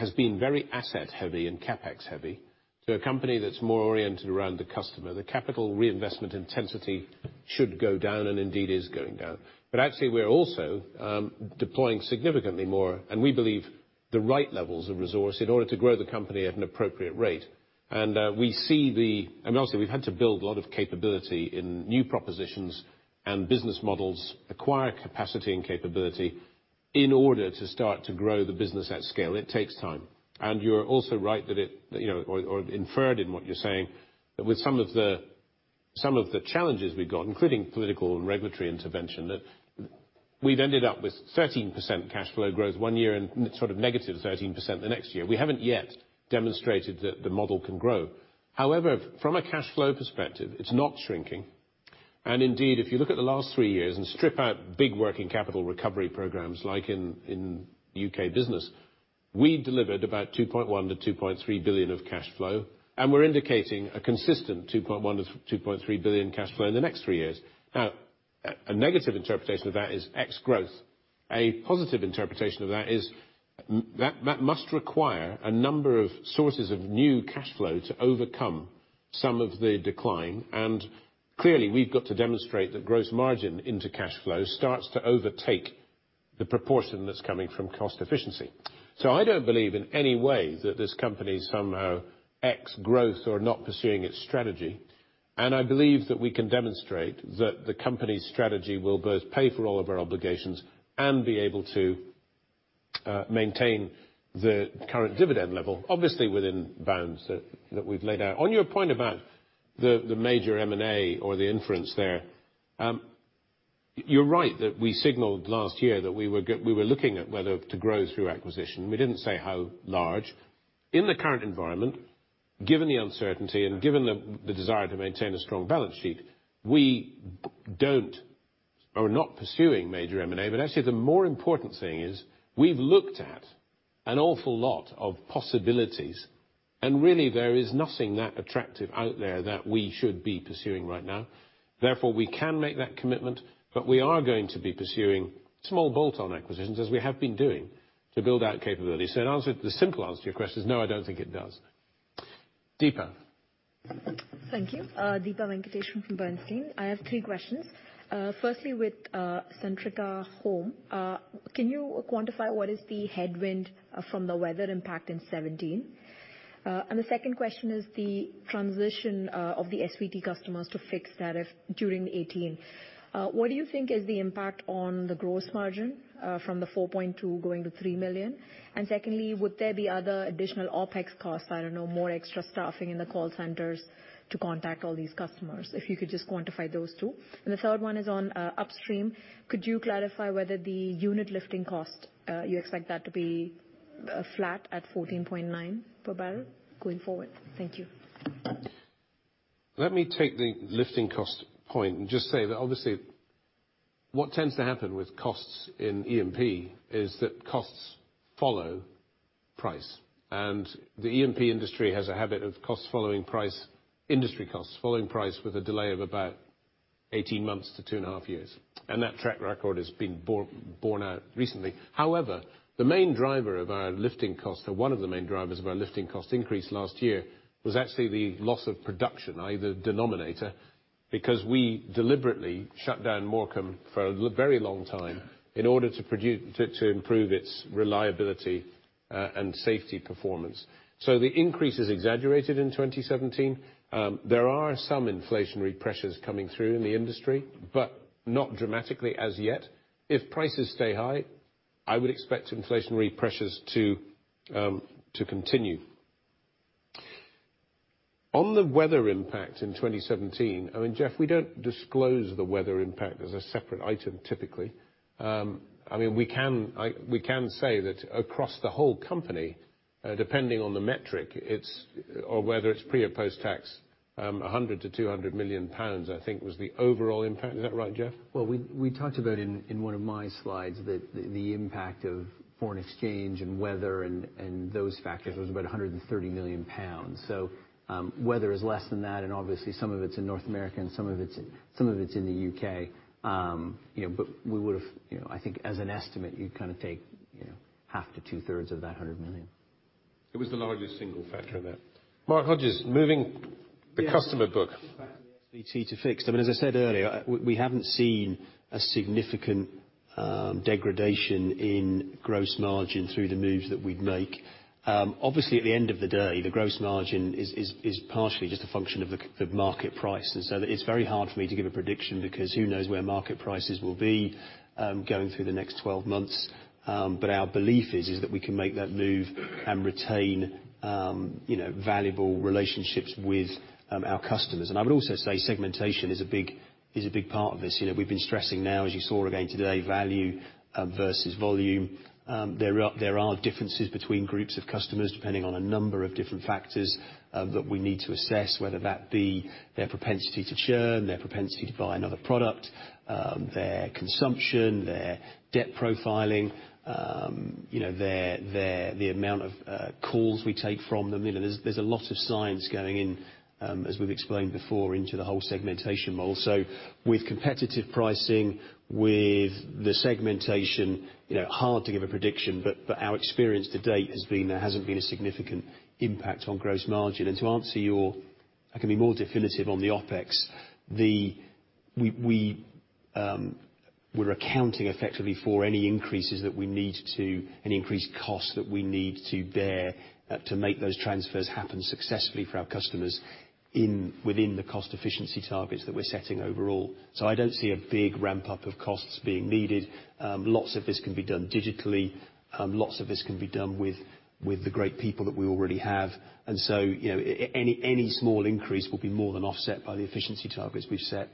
has been very asset heavy and CapEx heavy, to a company that's more oriented around the customer, the capital reinvestment intensity should go down and indeed is going down. Actually, we're also deploying significantly more, and we believe the right levels of resource in order to grow the company at an appropriate rate. Also, we've had to build a lot of capability in new propositions and business models, acquire capacity and capability in order to start to grow the business at scale. It takes time. You're also right that it, or inferred in what you're saying, that with some of the challenges we've got, including political and regulatory intervention, that we've ended up with 13% cash flow growth one year and sort of negative 13% the next year. We haven't yet demonstrated that the model can grow. However, from a cash flow perspective, it's not shrinking. Indeed, if you look at the last three years and strip out big working capital recovery programs like in UK Business, we delivered about 2.1 billion-2.3 billion of cash flow. We're indicating a consistent 2.1 billion-2.3 billion cash flow in the next three years. Now, a negative interpretation of that is ex-growth. A positive interpretation of that is that must require a number of sources of new cash flow to overcome some of the decline. Clearly, we've got to demonstrate that gross margin into cash flow starts to overtake the proportion that's coming from cost efficiency. I don't believe in any way that this company's somehow ex-growth or not pursuing its strategy. I believe that we can demonstrate that the company's strategy will both pay for all of our obligations and be able to maintain the current dividend level, obviously within bounds that we've laid out. On your point about the major M&A or the inference there, you're right that we signaled last year that we were looking at whether to grow through acquisition. We didn't say how large. In the current environment, given the uncertainty and given the desire to maintain a strong balance sheet, we are not pursuing major M&A. Actually, the more important thing is we've looked at an awful lot of possibilities, and really there is nothing that attractive out there that we should be pursuing right now. Therefore, we can make that commitment, but we are going to be pursuing small bolt-on acquisitions, as we have been doing, to build out capability. The simple answer to your question is no, I don't think it does. Deepa. Thank you. Deepa Venkateswaran from Bernstein. I have three questions. Firstly, with Centrica Consumer, can you quantify what is the headwind from the weather impact in 2017? The second question is the transition of the SVT customers to fix that during 2018. What do you think is the impact on the gross margin from the 4.2 going to 3 million? Secondly, would there be other additional OpEx costs? I don't know, more extra staffing in the call centers to contact all these customers? If you could just quantify those two. The third one is on upstream. Could you clarify whether the unit lifting cost, you expect that to be flat at 14.9 per barrel going forward? Thank you. Let me take the lifting cost point and just say that obviously what tends to happen with costs in E&P is that costs follow price. The E&P industry has a habit of industry costs following price with a delay of about 18 months to two and a half years. That track record has been borne out recently. However, one of the main drivers of our lifting cost increase last year was actually the loss of production, i.e., the denominator, because we deliberately shut down Morecambe for a very long time in order to improve its reliability and safety performance. The increase is exaggerated in 2017. There are some inflationary pressures coming through in the industry, but not dramatically as yet. If prices stay high, I would expect inflationary pressures to continue. On the weather impact in 2017, I mean, Jeff, we don't disclose the weather impact as a separate item, typically. We can say that across the whole company, depending on the metric, or whether it's pre or post-tax, 100 million-200 million pounds, I think, was the overall impact. Is that right, Jeff? Well, we talked about in one of my slides that the impact of foreign exchange and weather and those factors was about 130 million pounds. Weather is less than that, and obviously some of it's in North America and some of it's in the U.K. I think as an estimate, you'd take half to two-thirds of that 100 million. It was the largest single factor in that. Mark Hodges moving the customer book. Yes. Back to the SVT to fix. As I said earlier, we haven't seen a significant degradation in gross margin through the moves that we'd make. Obviously, at the end of the day, the gross margin is partially just a function of the market price. It's very hard for me to give a prediction because who knows where market prices will be going through the next 12 months. Our belief is that we can make that move and retain valuable relationships with our customers. I would also say segmentation is a big part of this. We've been stressing now, as you saw again today, value versus volume. There are differences between groups of customers, depending on a number of different factors that we need to assess, whether that be their propensity to churn, their propensity to buy another product, their consumption, their debt profiling, the amount of calls we take from them. There's a lot of science going in, as we've explained before, into the whole segmentation model. With competitive pricing, with the segmentation, hard to give a prediction, but our experience to date has been there hasn't been a significant impact on gross margin. I can be more definitive on the OpEx. We're accounting effectively for any increased costs that we need to bear to make those transfers happen successfully for our customers within the cost efficiency targets that we're setting overall. I don't see a big ramp-up of costs being needed. Lots of this can be done digitally. Lots of this can be done with the great people that we already have. Any small increase will be more than offset by the efficiency targets we've set.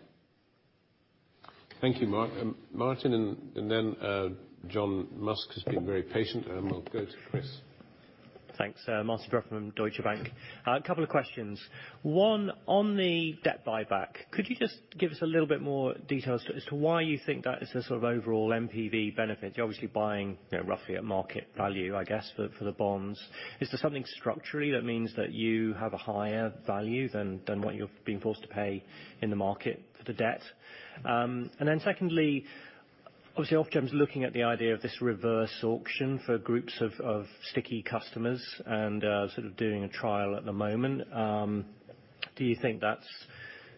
Thank you, Mark. Martin, and then John Musk has been very patient, and we'll go to Chris. Thanks. Martin Brougham from Deutsche Bank. A couple of questions. One, on the debt buyback, could you just give us a little bit more details as to why you think that is the sort of overall NPV benefit? You're obviously buying roughly at market value, I guess, for the bonds. Is there something structurally that means that you have a higher value than what you're being forced to pay in the market for the debt? Then secondly, obviously Ofgem's looking at the idea of this reverse auction for groups of sticky customers and sort of doing a trial at the moment. Do you think that's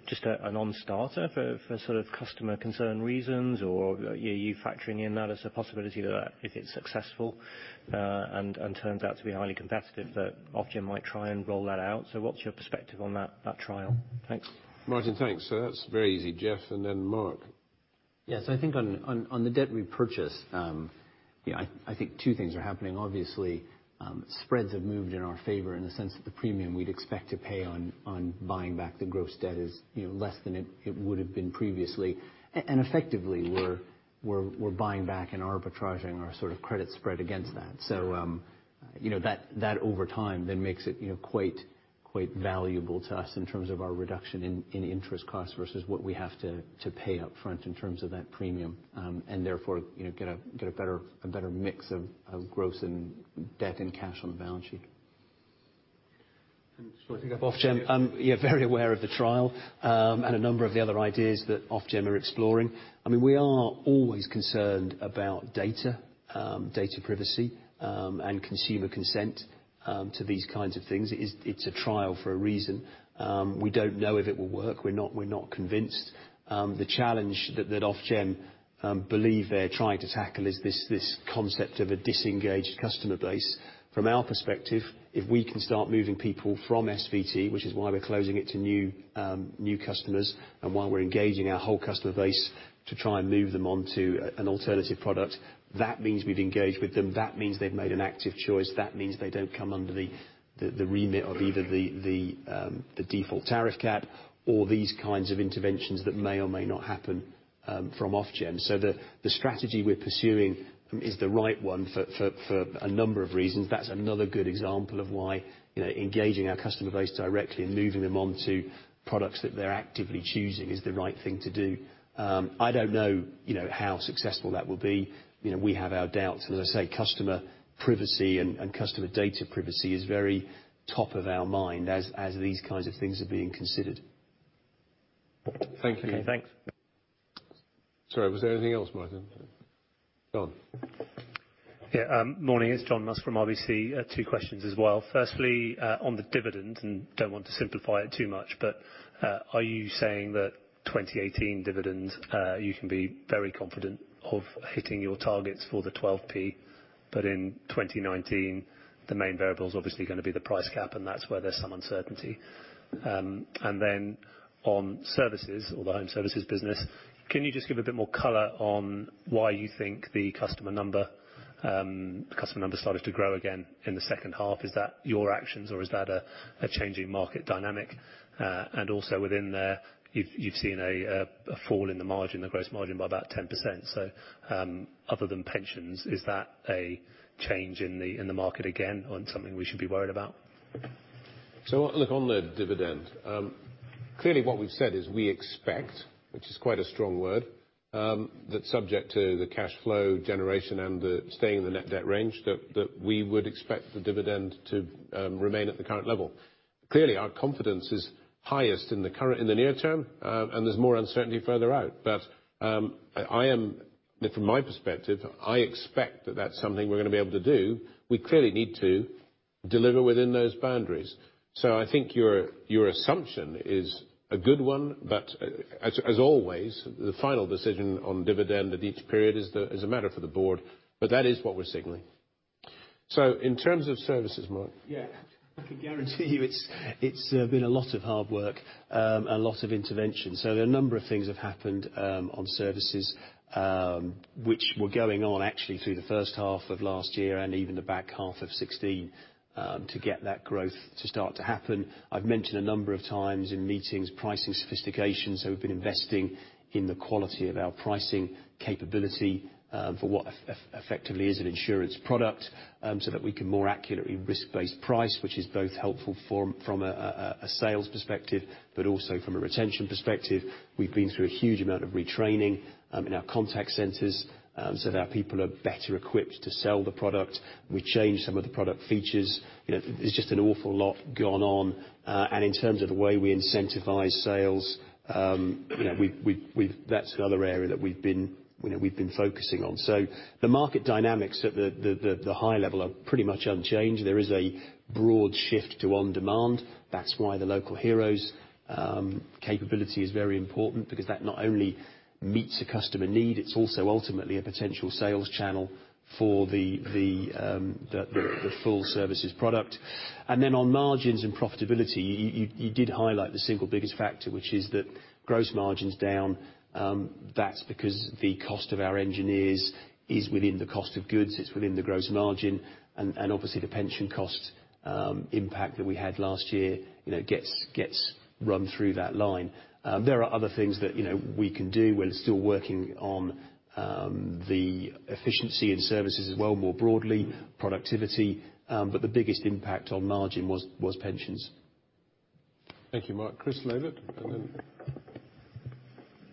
just a non-starter for sort of customer concern reasons? Are you factoring in that as a possibility that if it's successful and turns out to be highly competitive, that Ofgem might try and roll that out? What's your perspective on that trial? Thanks. Martin, thanks. That's very easy. Jeff, and then Mark. Yes, I think on the debt repurchase, I think two things are happening. Obviously, spreads have moved in our favor in the sense that the premium we'd expect to pay on buying back the gross debt is less than it would've been previously. Effectively, we're buying back and arbitraging our credit spread against that. That over time, then makes it quite valuable to us in terms of our reduction in interest cost versus what we have to pay up front in terms of that premium. Therefore, get a better mix of gross and debt and cash on the balance sheet. Just picking up Ofgem. Yeah, very aware of the trial, and a number of the other ideas that Ofgem are exploring. We are always concerned about data privacy and consumer consent to these kinds of things. It's a trial for a reason. We don't know if it will work. We're not convinced. The challenge that Ofgem believe they're trying to tackle is this concept of a disengaged customer base. From our perspective, if we can start moving people from SVT, which is why we're closing it to new customers, and while we're engaging our whole customer base to try and move them onto an alternative product, that means we've engaged with them. That means they've made an active choice. That means they don't come under the remit of either the Default Tariff Cap or these kinds of interventions that may or may not happen from Ofgem. The strategy we're pursuing is the right one for a number of reasons. That's another good example of why engaging our customer base directly and moving them onto products that they're actively choosing is the right thing to do. I don't know how successful that will be. We have our doubts. As I say, customer privacy and customer data privacy is very top of our mind as these kinds of things are being considered. Thank you. Okay, thanks. Sorry, was there anything else, Martin? Go on. Yeah. Morning. It's John Musk from RBC. Two questions as well. Firstly, on the dividend, and don't want to simplify it too much, but, are you saying that 2018 dividends, you can be very confident of hitting your targets for the 0.12, but in 2019, the main variable's obviously going to be the price cap, and that's where there's some uncertainty? On services or the home services business, can you just give a bit more color on why you think the customer number started to grow again in the second half? Is that your actions, or is that a changing market dynamic? Within there, you've seen a fall in the margin, the gross margin, by about 10%. Other than pensions, is that a change in the market again or something we should be worried about? Look, on the dividend. Clearly what we've said is we expect, which is quite a strong word, that subject to the cash flow generation and the staying in the net debt range that we would expect the dividend to remain at the current level. Clearly, our confidence is highest in the near term, and there's more uncertainty further out. From my perspective, I expect that that's something we're going to be able to do. We clearly need to deliver within those boundaries. I think your assumption is a good one, but as always, the final decision on dividend at each period is a matter for the board. That is what we're signaling. In terms of services, Mark? Yeah. I can guarantee you it's been a lot of hard work, a lot of interventions. There are a number of things have happened on services, which were going on actually through the first half of last year and even the back half of 2016, to get that growth to start to happen. I've mentioned a number of times in meetings pricing sophistication. We've been investing in the quality of our pricing capability, for what effectively is an insurance product, so that we can more accurately risk-based price, which is both helpful from a sales perspective, but also from a retention perspective. We've been through a huge amount of retraining, in our contact centers, so that our people are better equipped to sell the product. We changed some of the product features. There's just an awful lot gone on. In terms of the way we incentivize sales, that's another area that we've been focusing on. The market dynamics at the high level are pretty much unchanged. There is a broad shift to on-demand. That's why the Local Heroes capability is very important because that not only meets a customer need, it's also ultimately a potential sales channel for the full services product. Then on margins and profitability, you did highlight the single biggest factor, which is that gross margin's down. That's because the cost of our engineers is within the cost of goods. It's within the gross margin. Obviously the pension cost impact that we had last year gets run through that line. There are other things that we can do. We're still working on the efficiency in services as well, more broadly, productivity. The biggest impact on margin was pensions. Thank you, Mark. Chris Lavett, and then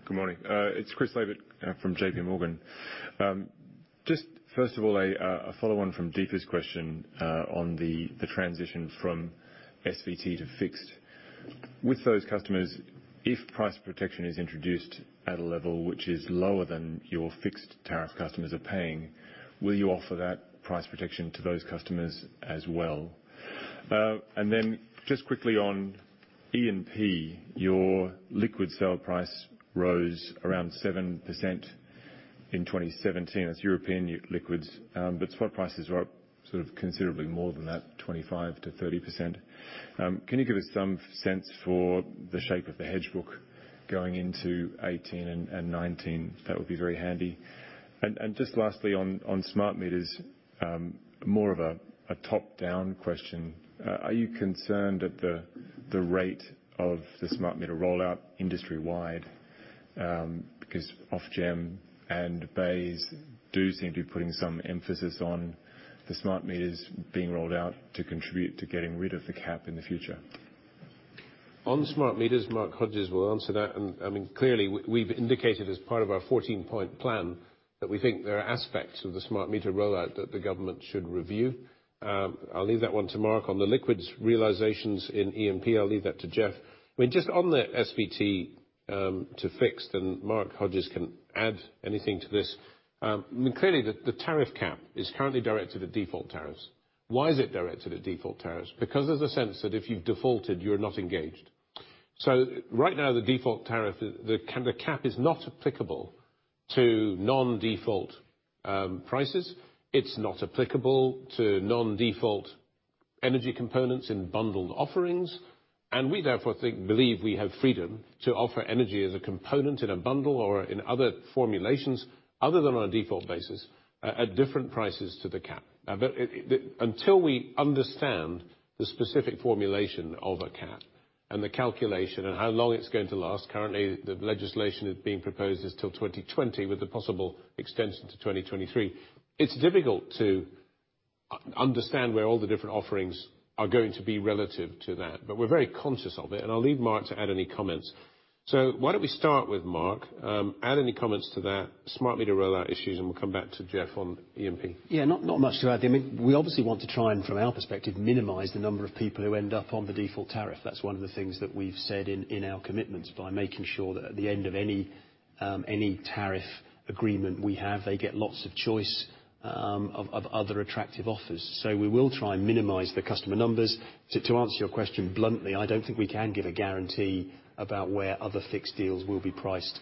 Good morning. It's Chris Lavett from J.P. Morgan. A follow-on from Deepa's question on the transition from SVT to fixed. With those customers, if price protection is introduced at a level which is lower than your fixed tariff customers are paying, will you offer that price protection to those customers as well? On E&P, your liquid sell price rose around 7%. In 2017, that's European liquids, but spot prices were up considerably more than that, 25%-30%. Can you give us some sense for the shape of the hedge book going into 2018 and 2019? That would be very handy. On smart meters, are you concerned at the rate of the smart meter rollout industry-wide? Ofgem and BEIS do seem to be putting some emphasis on the smart meters being rolled out to contribute to getting rid of the cap in the future. On smart meters, Mark Hodges will answer that. We've indicated as part of our 14-point plan, that we think there are aspects of the smart meter rollout that the government should review. I'll leave that one to Mark. On the liquids realizations in E&P, I'll leave that to Jeff. Mark Hodges can add anything to this. The tariff cap is currently directed at default tariffs. Why is it directed at default tariffs? Of the sense that if you've defaulted, you're not engaged. The default tariff, the cap is not applicable to non-default prices. It's not applicable to non-default energy components in bundled offerings, and we therefore believe we have freedom to offer energy as a component in a bundle or in other formulations other than on a default basis, at different prices to the cap. Until we understand the specific formulation of a cap and the calculation and how long it's going to last, currently, the legislation being proposed is till 2020 with a possible extension to 2023. It's difficult to understand where all the different offerings are going to be relative to that, but we're very conscious of it, and I'll leave Mark to add any comments. Why don't we start with Mark? Add any comments to that, smart meter rollout issues, and we'll come back to Jeff on E&P. Not much to add. We obviously want to try and, from our perspective, minimize the number of people who end up on the default tariff. That's one of the things that we've said in our commitments by making sure that at the end of any tariff agreement we have, they get lots of choice of other attractive offers. We will try and minimize the customer numbers. To answer your question bluntly, I don't think we can give a guarantee about where other fixed deals will be priced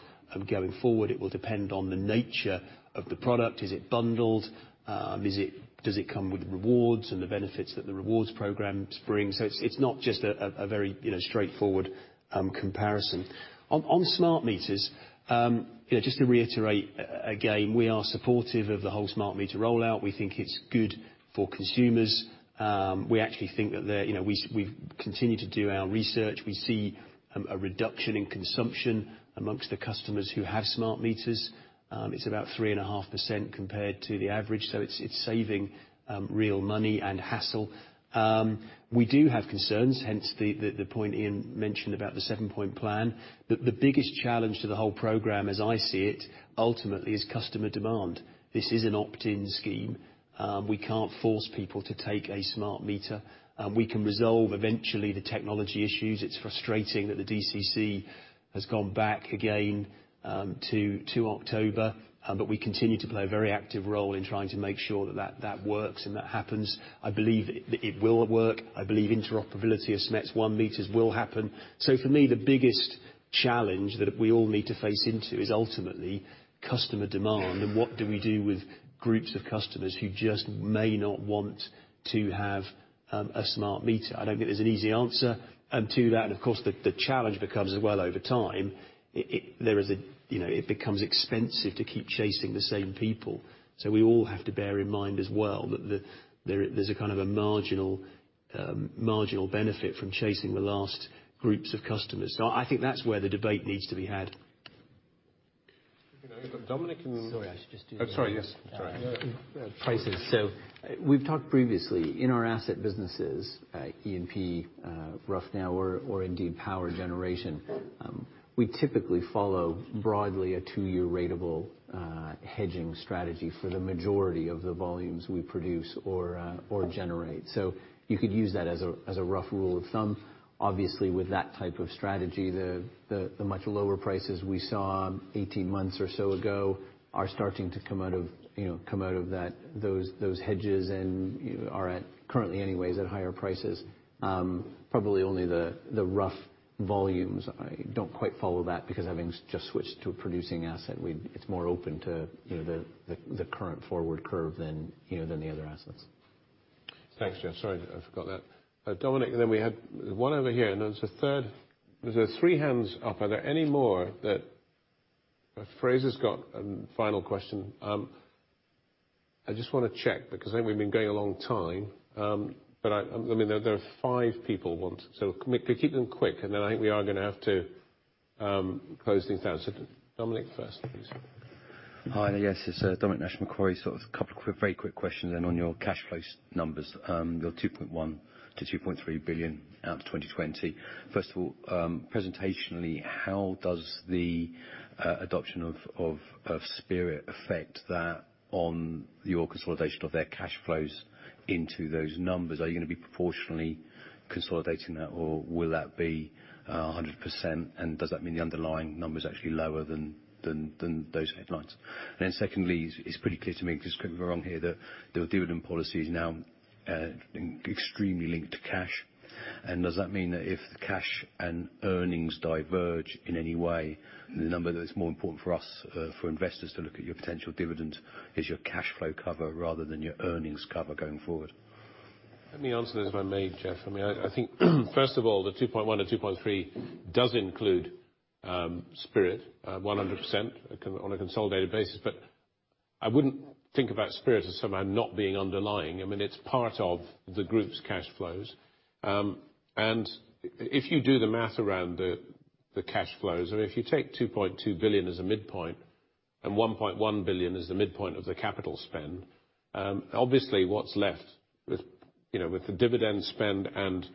going forward. It will depend on the nature of the product. Is it bundled? Does it come with Rewards and the benefits that the Rewards programs bring? It's not just a very straightforward comparison. On smart meters, just to reiterate again, we are supportive of the whole smart meter rollout. We think it's good for consumers. We continue to do our research. We see a reduction in consumption amongst the customers who have smart meters. It's about 3.5% compared to the average, it's saving real money and hassle. We do have concerns, hence the point Iain mentioned about the seven-point plan. The biggest challenge to the whole program, as I see it, ultimately, is customer demand. This is an opt-in scheme. We can't force people to take a smart meter. We can resolve eventually the technology issues. It's frustrating that the DCC has gone back again to October. We continue to play a very active role in trying to make sure that works and that happens. I believe it will work. I believe interoperability of SMETS1 meters will happen. For me, the biggest challenge that we all need to face into is ultimately customer demand and what do we do with groups of customers who just may not want to have a smart meter. I don't think there's an easy answer to that. Of course, the challenge becomes as well over time, it becomes expensive to keep chasing the same people. We all have to bear in mind as well that there's a marginal benefit from chasing the last groups of customers. I think that's where the debate needs to be had. Okay. We've got Dominic and- Sorry, I should just do that. Oh, sorry, yes. Sorry. Prices. We've talked previously, in our asset businesses, E&P, Rough or indeed power generation, we typically follow broadly a two-year ratable hedging strategy for the majority of the volumes we produce or generate. You could use that as a rough rule of thumb. With that type of strategy, the much lower prices we saw 18 months or so ago are starting to come out of those hedges and are at, currently anyway, at higher prices. Probably only the Rough volumes don't quite follow that because having just switched to a producing asset, it's more open to the current forward curve than the other assets. Thanks, Jeff. Sorry, I forgot that. Dominic. Then we had one over here. There's a third. There's three hands up. Are there any more that Fraser's got a final question? I just want to check because I think we've been going a long time. There are five people want, can we keep them quick? Then I think we are going to have to close things down. Dominic first, please. Hi. Yes, it's Dominic Nash, Macquarie. A couple of very quick questions then on your cash flow numbers, your 2.1 billion-2.3 billion out to 2020. First of all, presentationally, how does the adoption of Spirit affect that on your consolidation of their cash flows into those numbers? Are you going to be proportionally consolidating that, or will that be 100%? Does that mean the underlying number is actually lower than those headlines? Secondly, it's pretty clear to me, correct me if I'm wrong here, that the dividend policy is now extremely linked to cash. Does that mean that if cash and earnings diverge in any way, the number that is more important for us, for investors to look at your potential dividend is your cash flow cover rather than your earnings cover going forward? Let me answer this, if I may, Jeff. I think, first of all, the 2.1 or 2.3 does include Spirit, 100% on a consolidated basis. I wouldn't think about Spirit as somehow not being underlying. It's part of the group's cash flows. If you do the math around the cash flows, if you take 2.2 billion as a midpoint and 1.1 billion as the midpoint of the capital spend, obviously what's left with the dividend spend and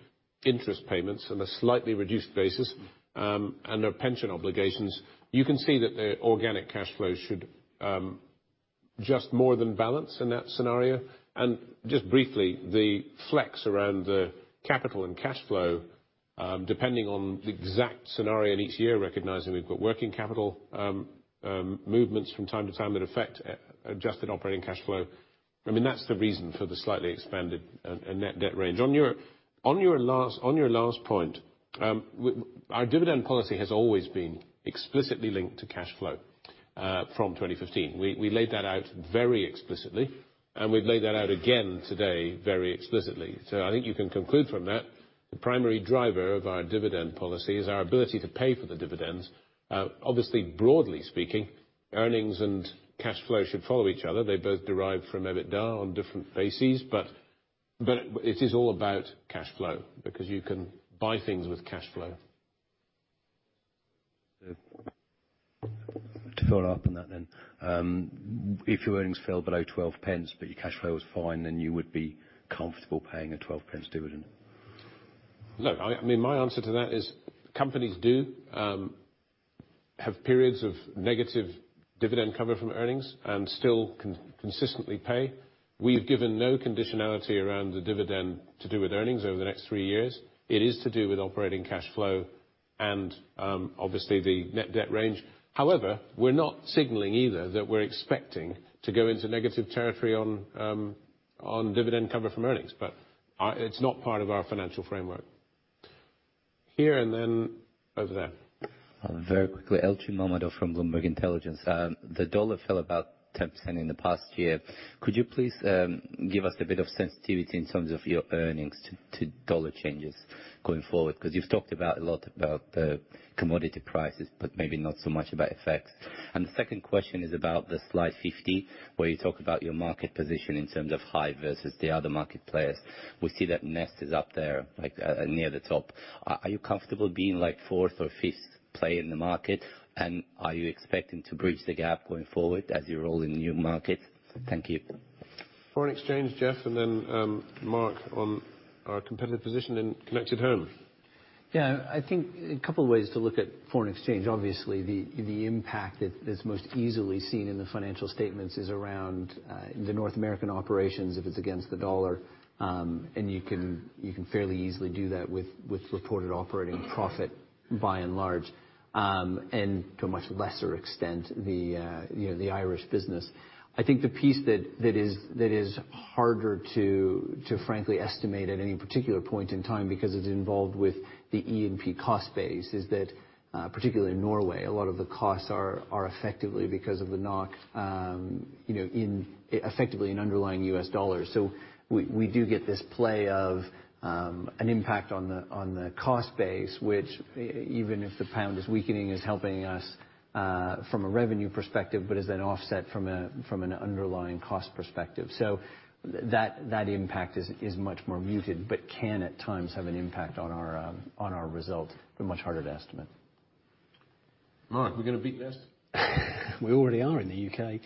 interest payments on a slightly reduced basis, and no pension obligations, you can see that the organic cash flows should just more than balance in that scenario. Just briefly, the flex around the capital and cash flow, depending on the exact scenario in each year, recognizing we've got working capital movements from time to time that affect adjusted operating cash flow. That's the reason for the slightly expanded net debt range. On your last point, our dividend policy has always been explicitly linked to cash flow from 2015. We laid that out very explicitly, and we've laid that out again today very explicitly. I think you can conclude from that, the primary driver of our dividend policy is our ability to pay for the dividends. Obviously, broadly speaking, earnings and cash flow should follow each other. They both derive from EBITDA on different bases, it is all about cash flow, because you can buy things with cash flow. To follow up on that. If your earnings fell below 0.12 but your cash flow was fine, then you would be comfortable paying a 0.12 dividend? Look, my answer to that is, companies do have periods of negative dividend cover from earnings and still can consistently pay. We've given no conditionality around the dividend to do with earnings over the next three years. It is to do with operating cash flow and obviously the net debt range. However, we're not signaling either that we're expecting to go into negative territory on dividend cover from earnings. It's not part of our financial framework. Here and then over there. Very quickly. Elchin Mammadov from Bloomberg Intelligence. The dollar fell about 10% in the past year. Could you please give us a bit of sensitivity in terms of your earnings to dollar changes going forward? You've talked a lot about the commodity prices, but maybe not so much about FX. The second question is about the slide 50, where you talk about your market position in terms of Hive versus the other market players. We see that Nest is up there, near the top. Are you comfortable being fourth or fifth player in the market? Are you expecting to bridge the gap going forward as you roll into new markets? Thank you. Foreign exchange, Jeff, and then Mark on our competitive position in Connected Home. Yeah. I think a couple of ways to look at foreign exchange. Obviously, the impact that's most easily seen in the financial statements is around the North American operations, if it's against the dollar. You can fairly easily do that with reported operating profit, by and large. To a much lesser extent, the Irish business. I think the piece that is harder to frankly estimate at any particular point in time, because it's involved with the E&P cost base, is that, particularly in Norway, a lot of the costs are effectively because of the NOK, effectively in underlying U.S. dollars. We do get this play of an impact on the cost base, which even if the pound is weakening, is helping us from a revenue perspective, but is then offset from an underlying cost perspective. That impact is much more muted, but can at times have an impact on our result, but much harder to estimate. Mark, are we going to beat Nest? We already are in the U.K.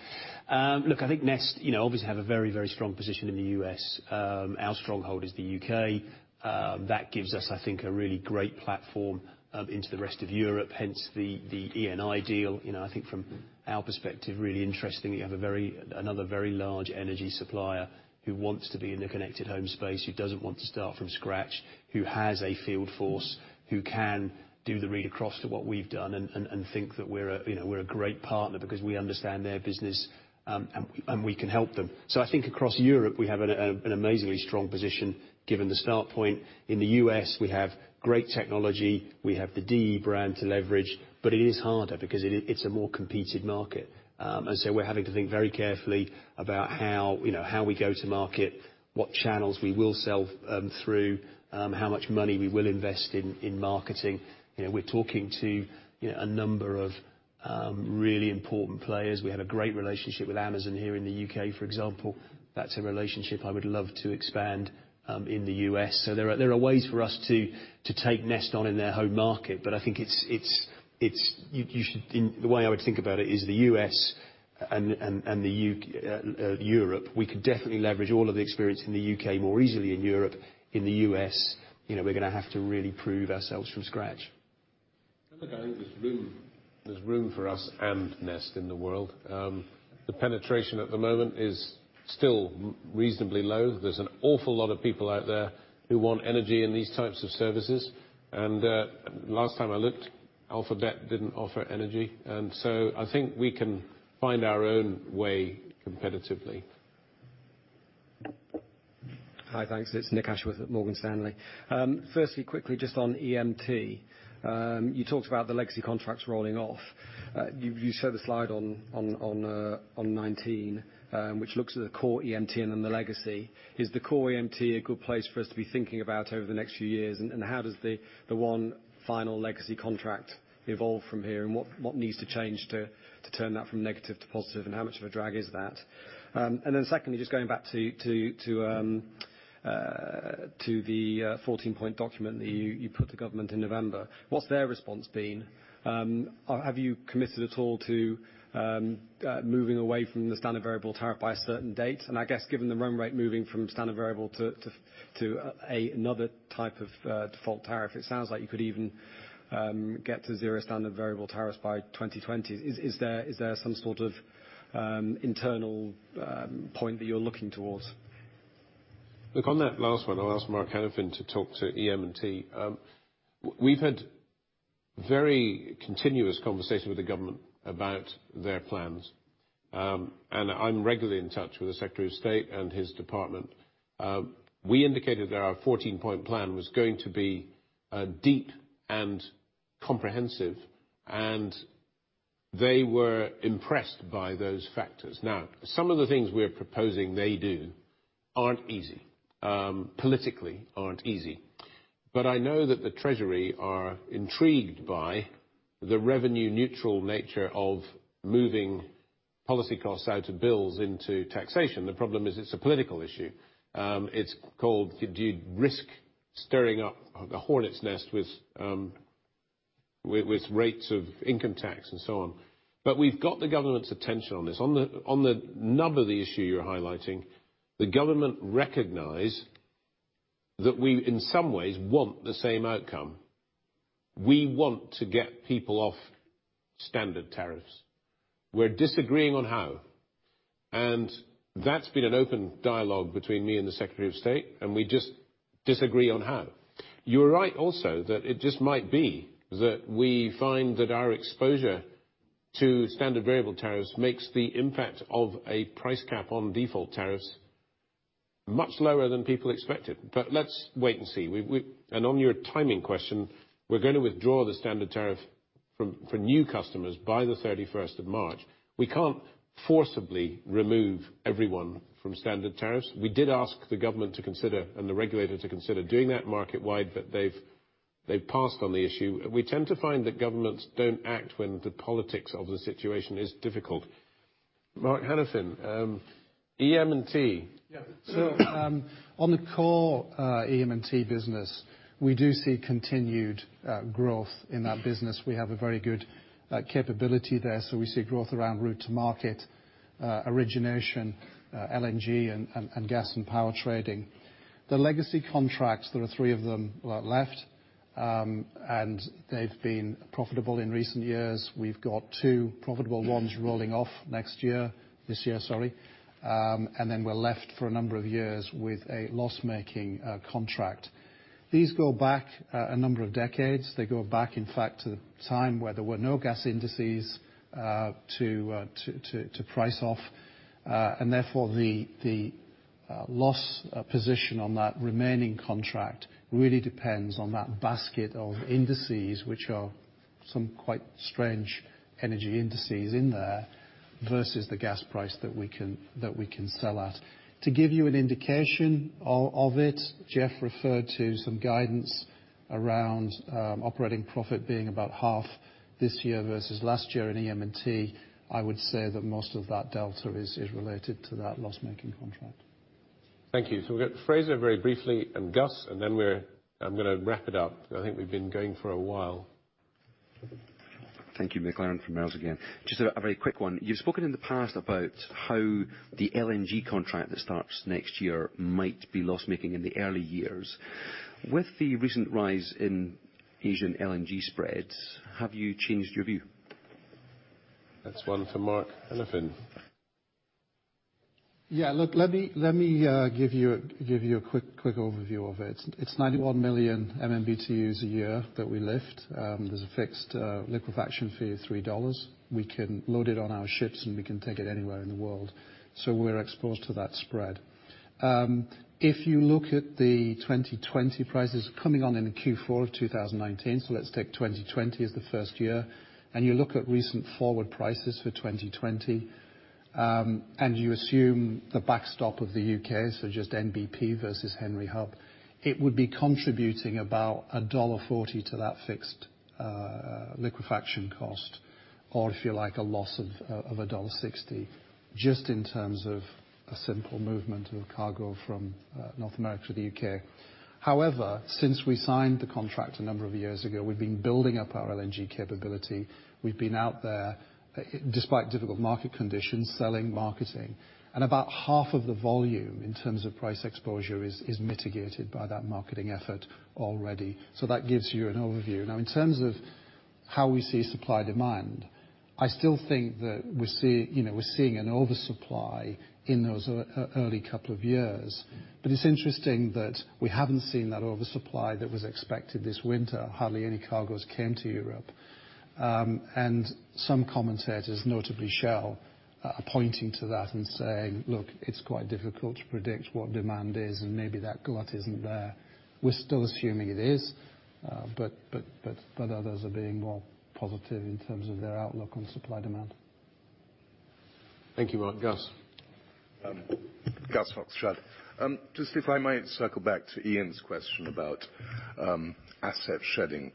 Look, I think Nest obviously have a very strong position in the U.S. Our stronghold is the U.K. That gives us, I think, a really great platform into the rest of Europe, hence the Eni deal. I think from our perspective, really interesting that you have another very large energy supplier who wants to be in the Connected Home space, who doesn't want to start from scratch, who has a field force, who can do the read across to what we've done and think that we're a great partner because we understand their business and we can help them. I think across Europe, we have an amazingly strong position given the start point. In the U.S., we have great technology, we have the DE brand to leverage, but it is harder because it's a more competed market. We're having to think very carefully about how we go to market, what channels we will sell through, how much money we will invest in marketing. We're talking to a number of really important players. We had a great relationship with Amazon here in the U.K., for example. That's a relationship I would love to expand in the U.S. There are ways for us to take Nest on in their home market, but I think the way I would think about it is the U.S. and Europe, we could definitely leverage all of the experience in the U.K. more easily in Europe. In the U.S., we're going to have to really prove ourselves from scratch. Centrica, I think there's room for us and Nest in the world. The penetration at the moment is still reasonably low. There's an awful lot of people out there who want energy and these types of services. Last time I looked, Alphabet didn't offer energy. So I think we can find our own way competitively. Hi. Thanks. It's Nick Ashworth with Morgan Stanley. Firstly, quickly just on EM&T. You talked about the legacy contracts rolling off. You showed the slide on 19, which looks at the core EM&T and then the legacy. Is the core EM&T a good place for us to be thinking about over the next few years? How does the one final legacy contract evolve from here? What needs to change to turn that from negative to positive, and how much of a drag is that? Secondly, just going back to the 14-point document that you put to government in November. What's their response been? Have you committed at all to moving away from the standard variable tariff by a certain date? I guess, given the run rate moving from standard variable to another type of default tariff, it sounds like you could even get to zero standard variable tariffs by 2020. Is there some sort of internal point that you're looking towards? Look, on that last one, I'll ask Mark Hanafin to talk to EM&T. We've had very continuous conversation with the government about their plans. I'm regularly in touch with the Secretary of State and his department. We indicated that our 14-point plan was going to be deep and comprehensive, and they were impressed by those factors. Some of the things we're proposing they do aren't easy, politically aren't easy. I know that the Treasury are intrigued by the revenue-neutral nature of moving policy costs out of bills into taxation. The problem is it's a political issue. It's called do you risk stirring up the hornet's nest with rates of income tax and so on. We've got the government's attention on this. On the other issue you're highlighting, the government recognize that we, in some ways, want the same outcome. We want to get people off standard tariffs. We're disagreeing on how, that's been an open dialogue between me and the Secretary of State, we just disagree on how. You're right also that it just might be that we find that our exposure to standard variable tariffs makes the impact of a price cap on default tariffs much lower than people expected. Let's wait and see. On your timing question, we're going to withdraw the standard tariff for new customers by the 31st of March. We can't forcibly remove everyone from standard tariffs. We did ask the government to consider, and the regulator to consider doing that market-wide, but they've passed on the issue. We tend to find that governments don't act when the politics of the situation is difficult. Mark Hanafin, EM&T. On the core EM&T business, we do see continued growth in that business. We have a very good capability there, we see growth around route to market, origination, LNG and gas and power trading. The legacy contracts, there are three of them left. They've been profitable in recent years. We've got two profitable ones rolling off next year, this year, sorry. We're left for a number of years with a loss-making contract. These go back a number of decades. They go back, in fact, to the time where there were no gas indices to price off. Therefore, the loss position on that remaining contract really depends on that basket of indices, which are some quite strange energy indices in there, versus the gas price that we can sell at. To give you an indication of it, Jeff referred to some guidance around operating profit being about half this year versus last year in EM&T. I would say that most of that delta is related to that loss-making contract. Thank you. We'll go to Fraser very briefly and Gus, then I'm going to wrap it up, because I think we've been going for a while. Thank you. McLaren from Merrill Lynch again. Just a very quick one. You've spoken in the past about how the LNG contract that starts next year might be loss-making in the early years. With the recent rise in Asian LNG spreads, have you changed your view? That's one for Mark Hanafin. Yeah, look, let me give you a quick overview of it. It's 91 million MMBtus a year that we lift. There's a fixed liquefaction fee of $3. We can load it on our ships, and we can take it anywhere in the world. We're exposed to that spread. If you look at the 2020 prices coming on in Q4 of 2019, let's take 2020 as the first year, and you look at recent forward prices for 2020, and you assume the backstop of the U.K., just NBP versus Henry Hub, it would be contributing about $1.40 to that fixed liquefaction cost. Or if you like, a loss of $1.60, just in terms of a simple movement of cargo from North America to the U.K. However, since we signed the contract a number of years ago, we've been building up our LNG capability. We've been out there, despite difficult market conditions, selling, marketing, and about half of the volume in terms of price exposure is mitigated by that marketing effort already. That gives you an overview. Now in terms of how we see supply-demand. I still think that we're seeing an oversupply in those early couple of years. It's interesting that we haven't seen that oversupply that was expected this winter. Hardly any cargos came to Europe. Some commentators, notably Shell, are pointing to that and saying, "Look, it's quite difficult to predict what demand is, and maybe that glut isn't there." We're still assuming it is, but others are being more positive in terms of their outlook on supply, demand. Thank you, Mark. Gus. Gus Fox-Strutt. Just if I might circle back to Ian's question about asset shedding.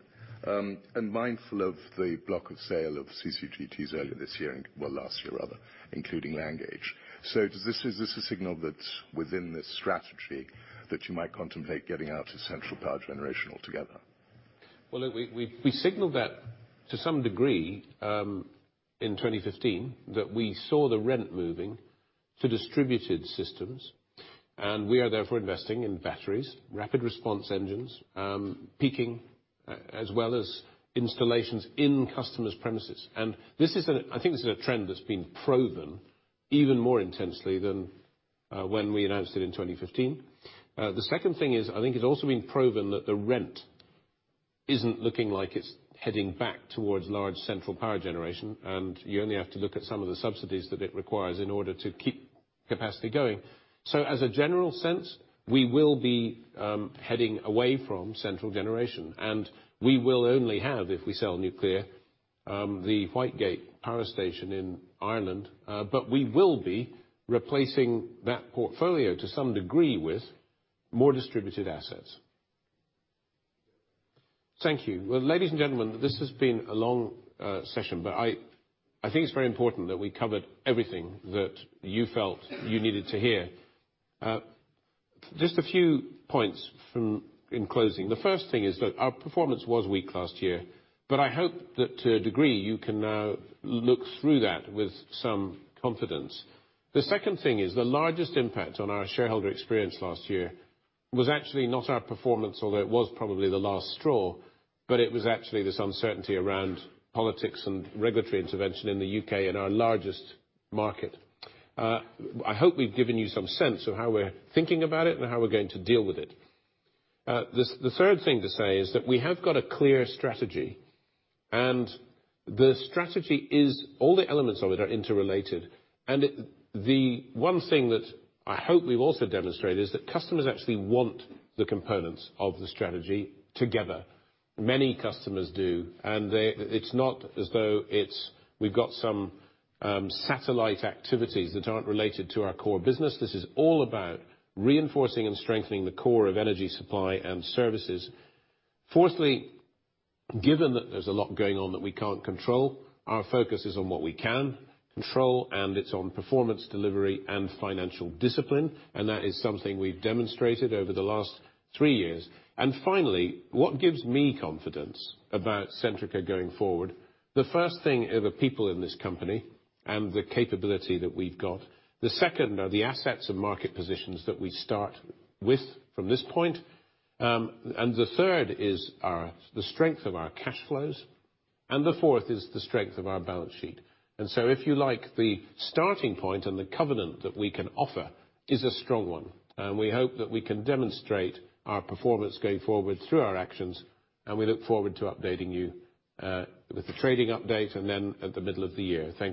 Mindful of the block of sale of CCGTs earlier this year, well, last year rather, including Langage. Is this a signal that within this strategy that you might contemplate getting out to central power generation altogether? Well, look, we signaled that to some degree, in 2015, that we saw the trend moving to distributed systems, we are therefore investing in batteries, rapid response engines, peaking, as well as installations in customers' premises. I think this is a trend that's been proven even more intensely than when we announced it in 2015. The second thing is, I think it's also been proven that the trend isn't looking like it's heading back towards large central power generation, you only have to look at some of the subsidies that it requires in order to keep capacity going. As a general sense, we will be heading away from central generation, we will only have, if we sell nuclear, the Whitegate power station in Ireland. We will be replacing that portfolio to some degree with more distributed assets. Thank you. Well, ladies and gentlemen, this has been a long session, I think it's very important that we covered everything that you felt you needed to hear. Just a few points in closing. The first thing is that our performance was weak last year, I hope that to a degree, you can now look through that with some confidence. The second thing is, the largest impact on our shareholder experience last year was actually not our performance, although it was probably the last straw, it was actually this uncertainty around politics and regulatory intervention in the U.K. in our largest market. I hope we've given you some sense of how we're thinking about it and how we're going to deal with it. The third thing to say is that we have got a clear strategy, the strategy is all the elements of it are interrelated. The one thing that I hope we've also demonstrated is that customers actually want the components of the strategy together. Many customers do, and it's not as though we've got some satellite activities that aren't related to our core business. This is all about reinforcing and strengthening the core of energy supply and services. Fourthly, given that there's a lot going on that we can't control, our focus is on what we can control, and it's on performance delivery and financial discipline, and that is something we've demonstrated over the last three years. Finally, what gives me confidence about Centrica going forward, the first thing are the people in this company and the capability that we've got. The second are the assets and market positions that we start with from this point. The third is the strength of our cash flows. The fourth is the strength of our balance sheet. If you like, the starting point and the covenant that we can offer is a strong one. We hope that we can demonstrate our performance going forward through our actions. We look forward to updating you, with the trading update, and then at the middle of the year. Thank you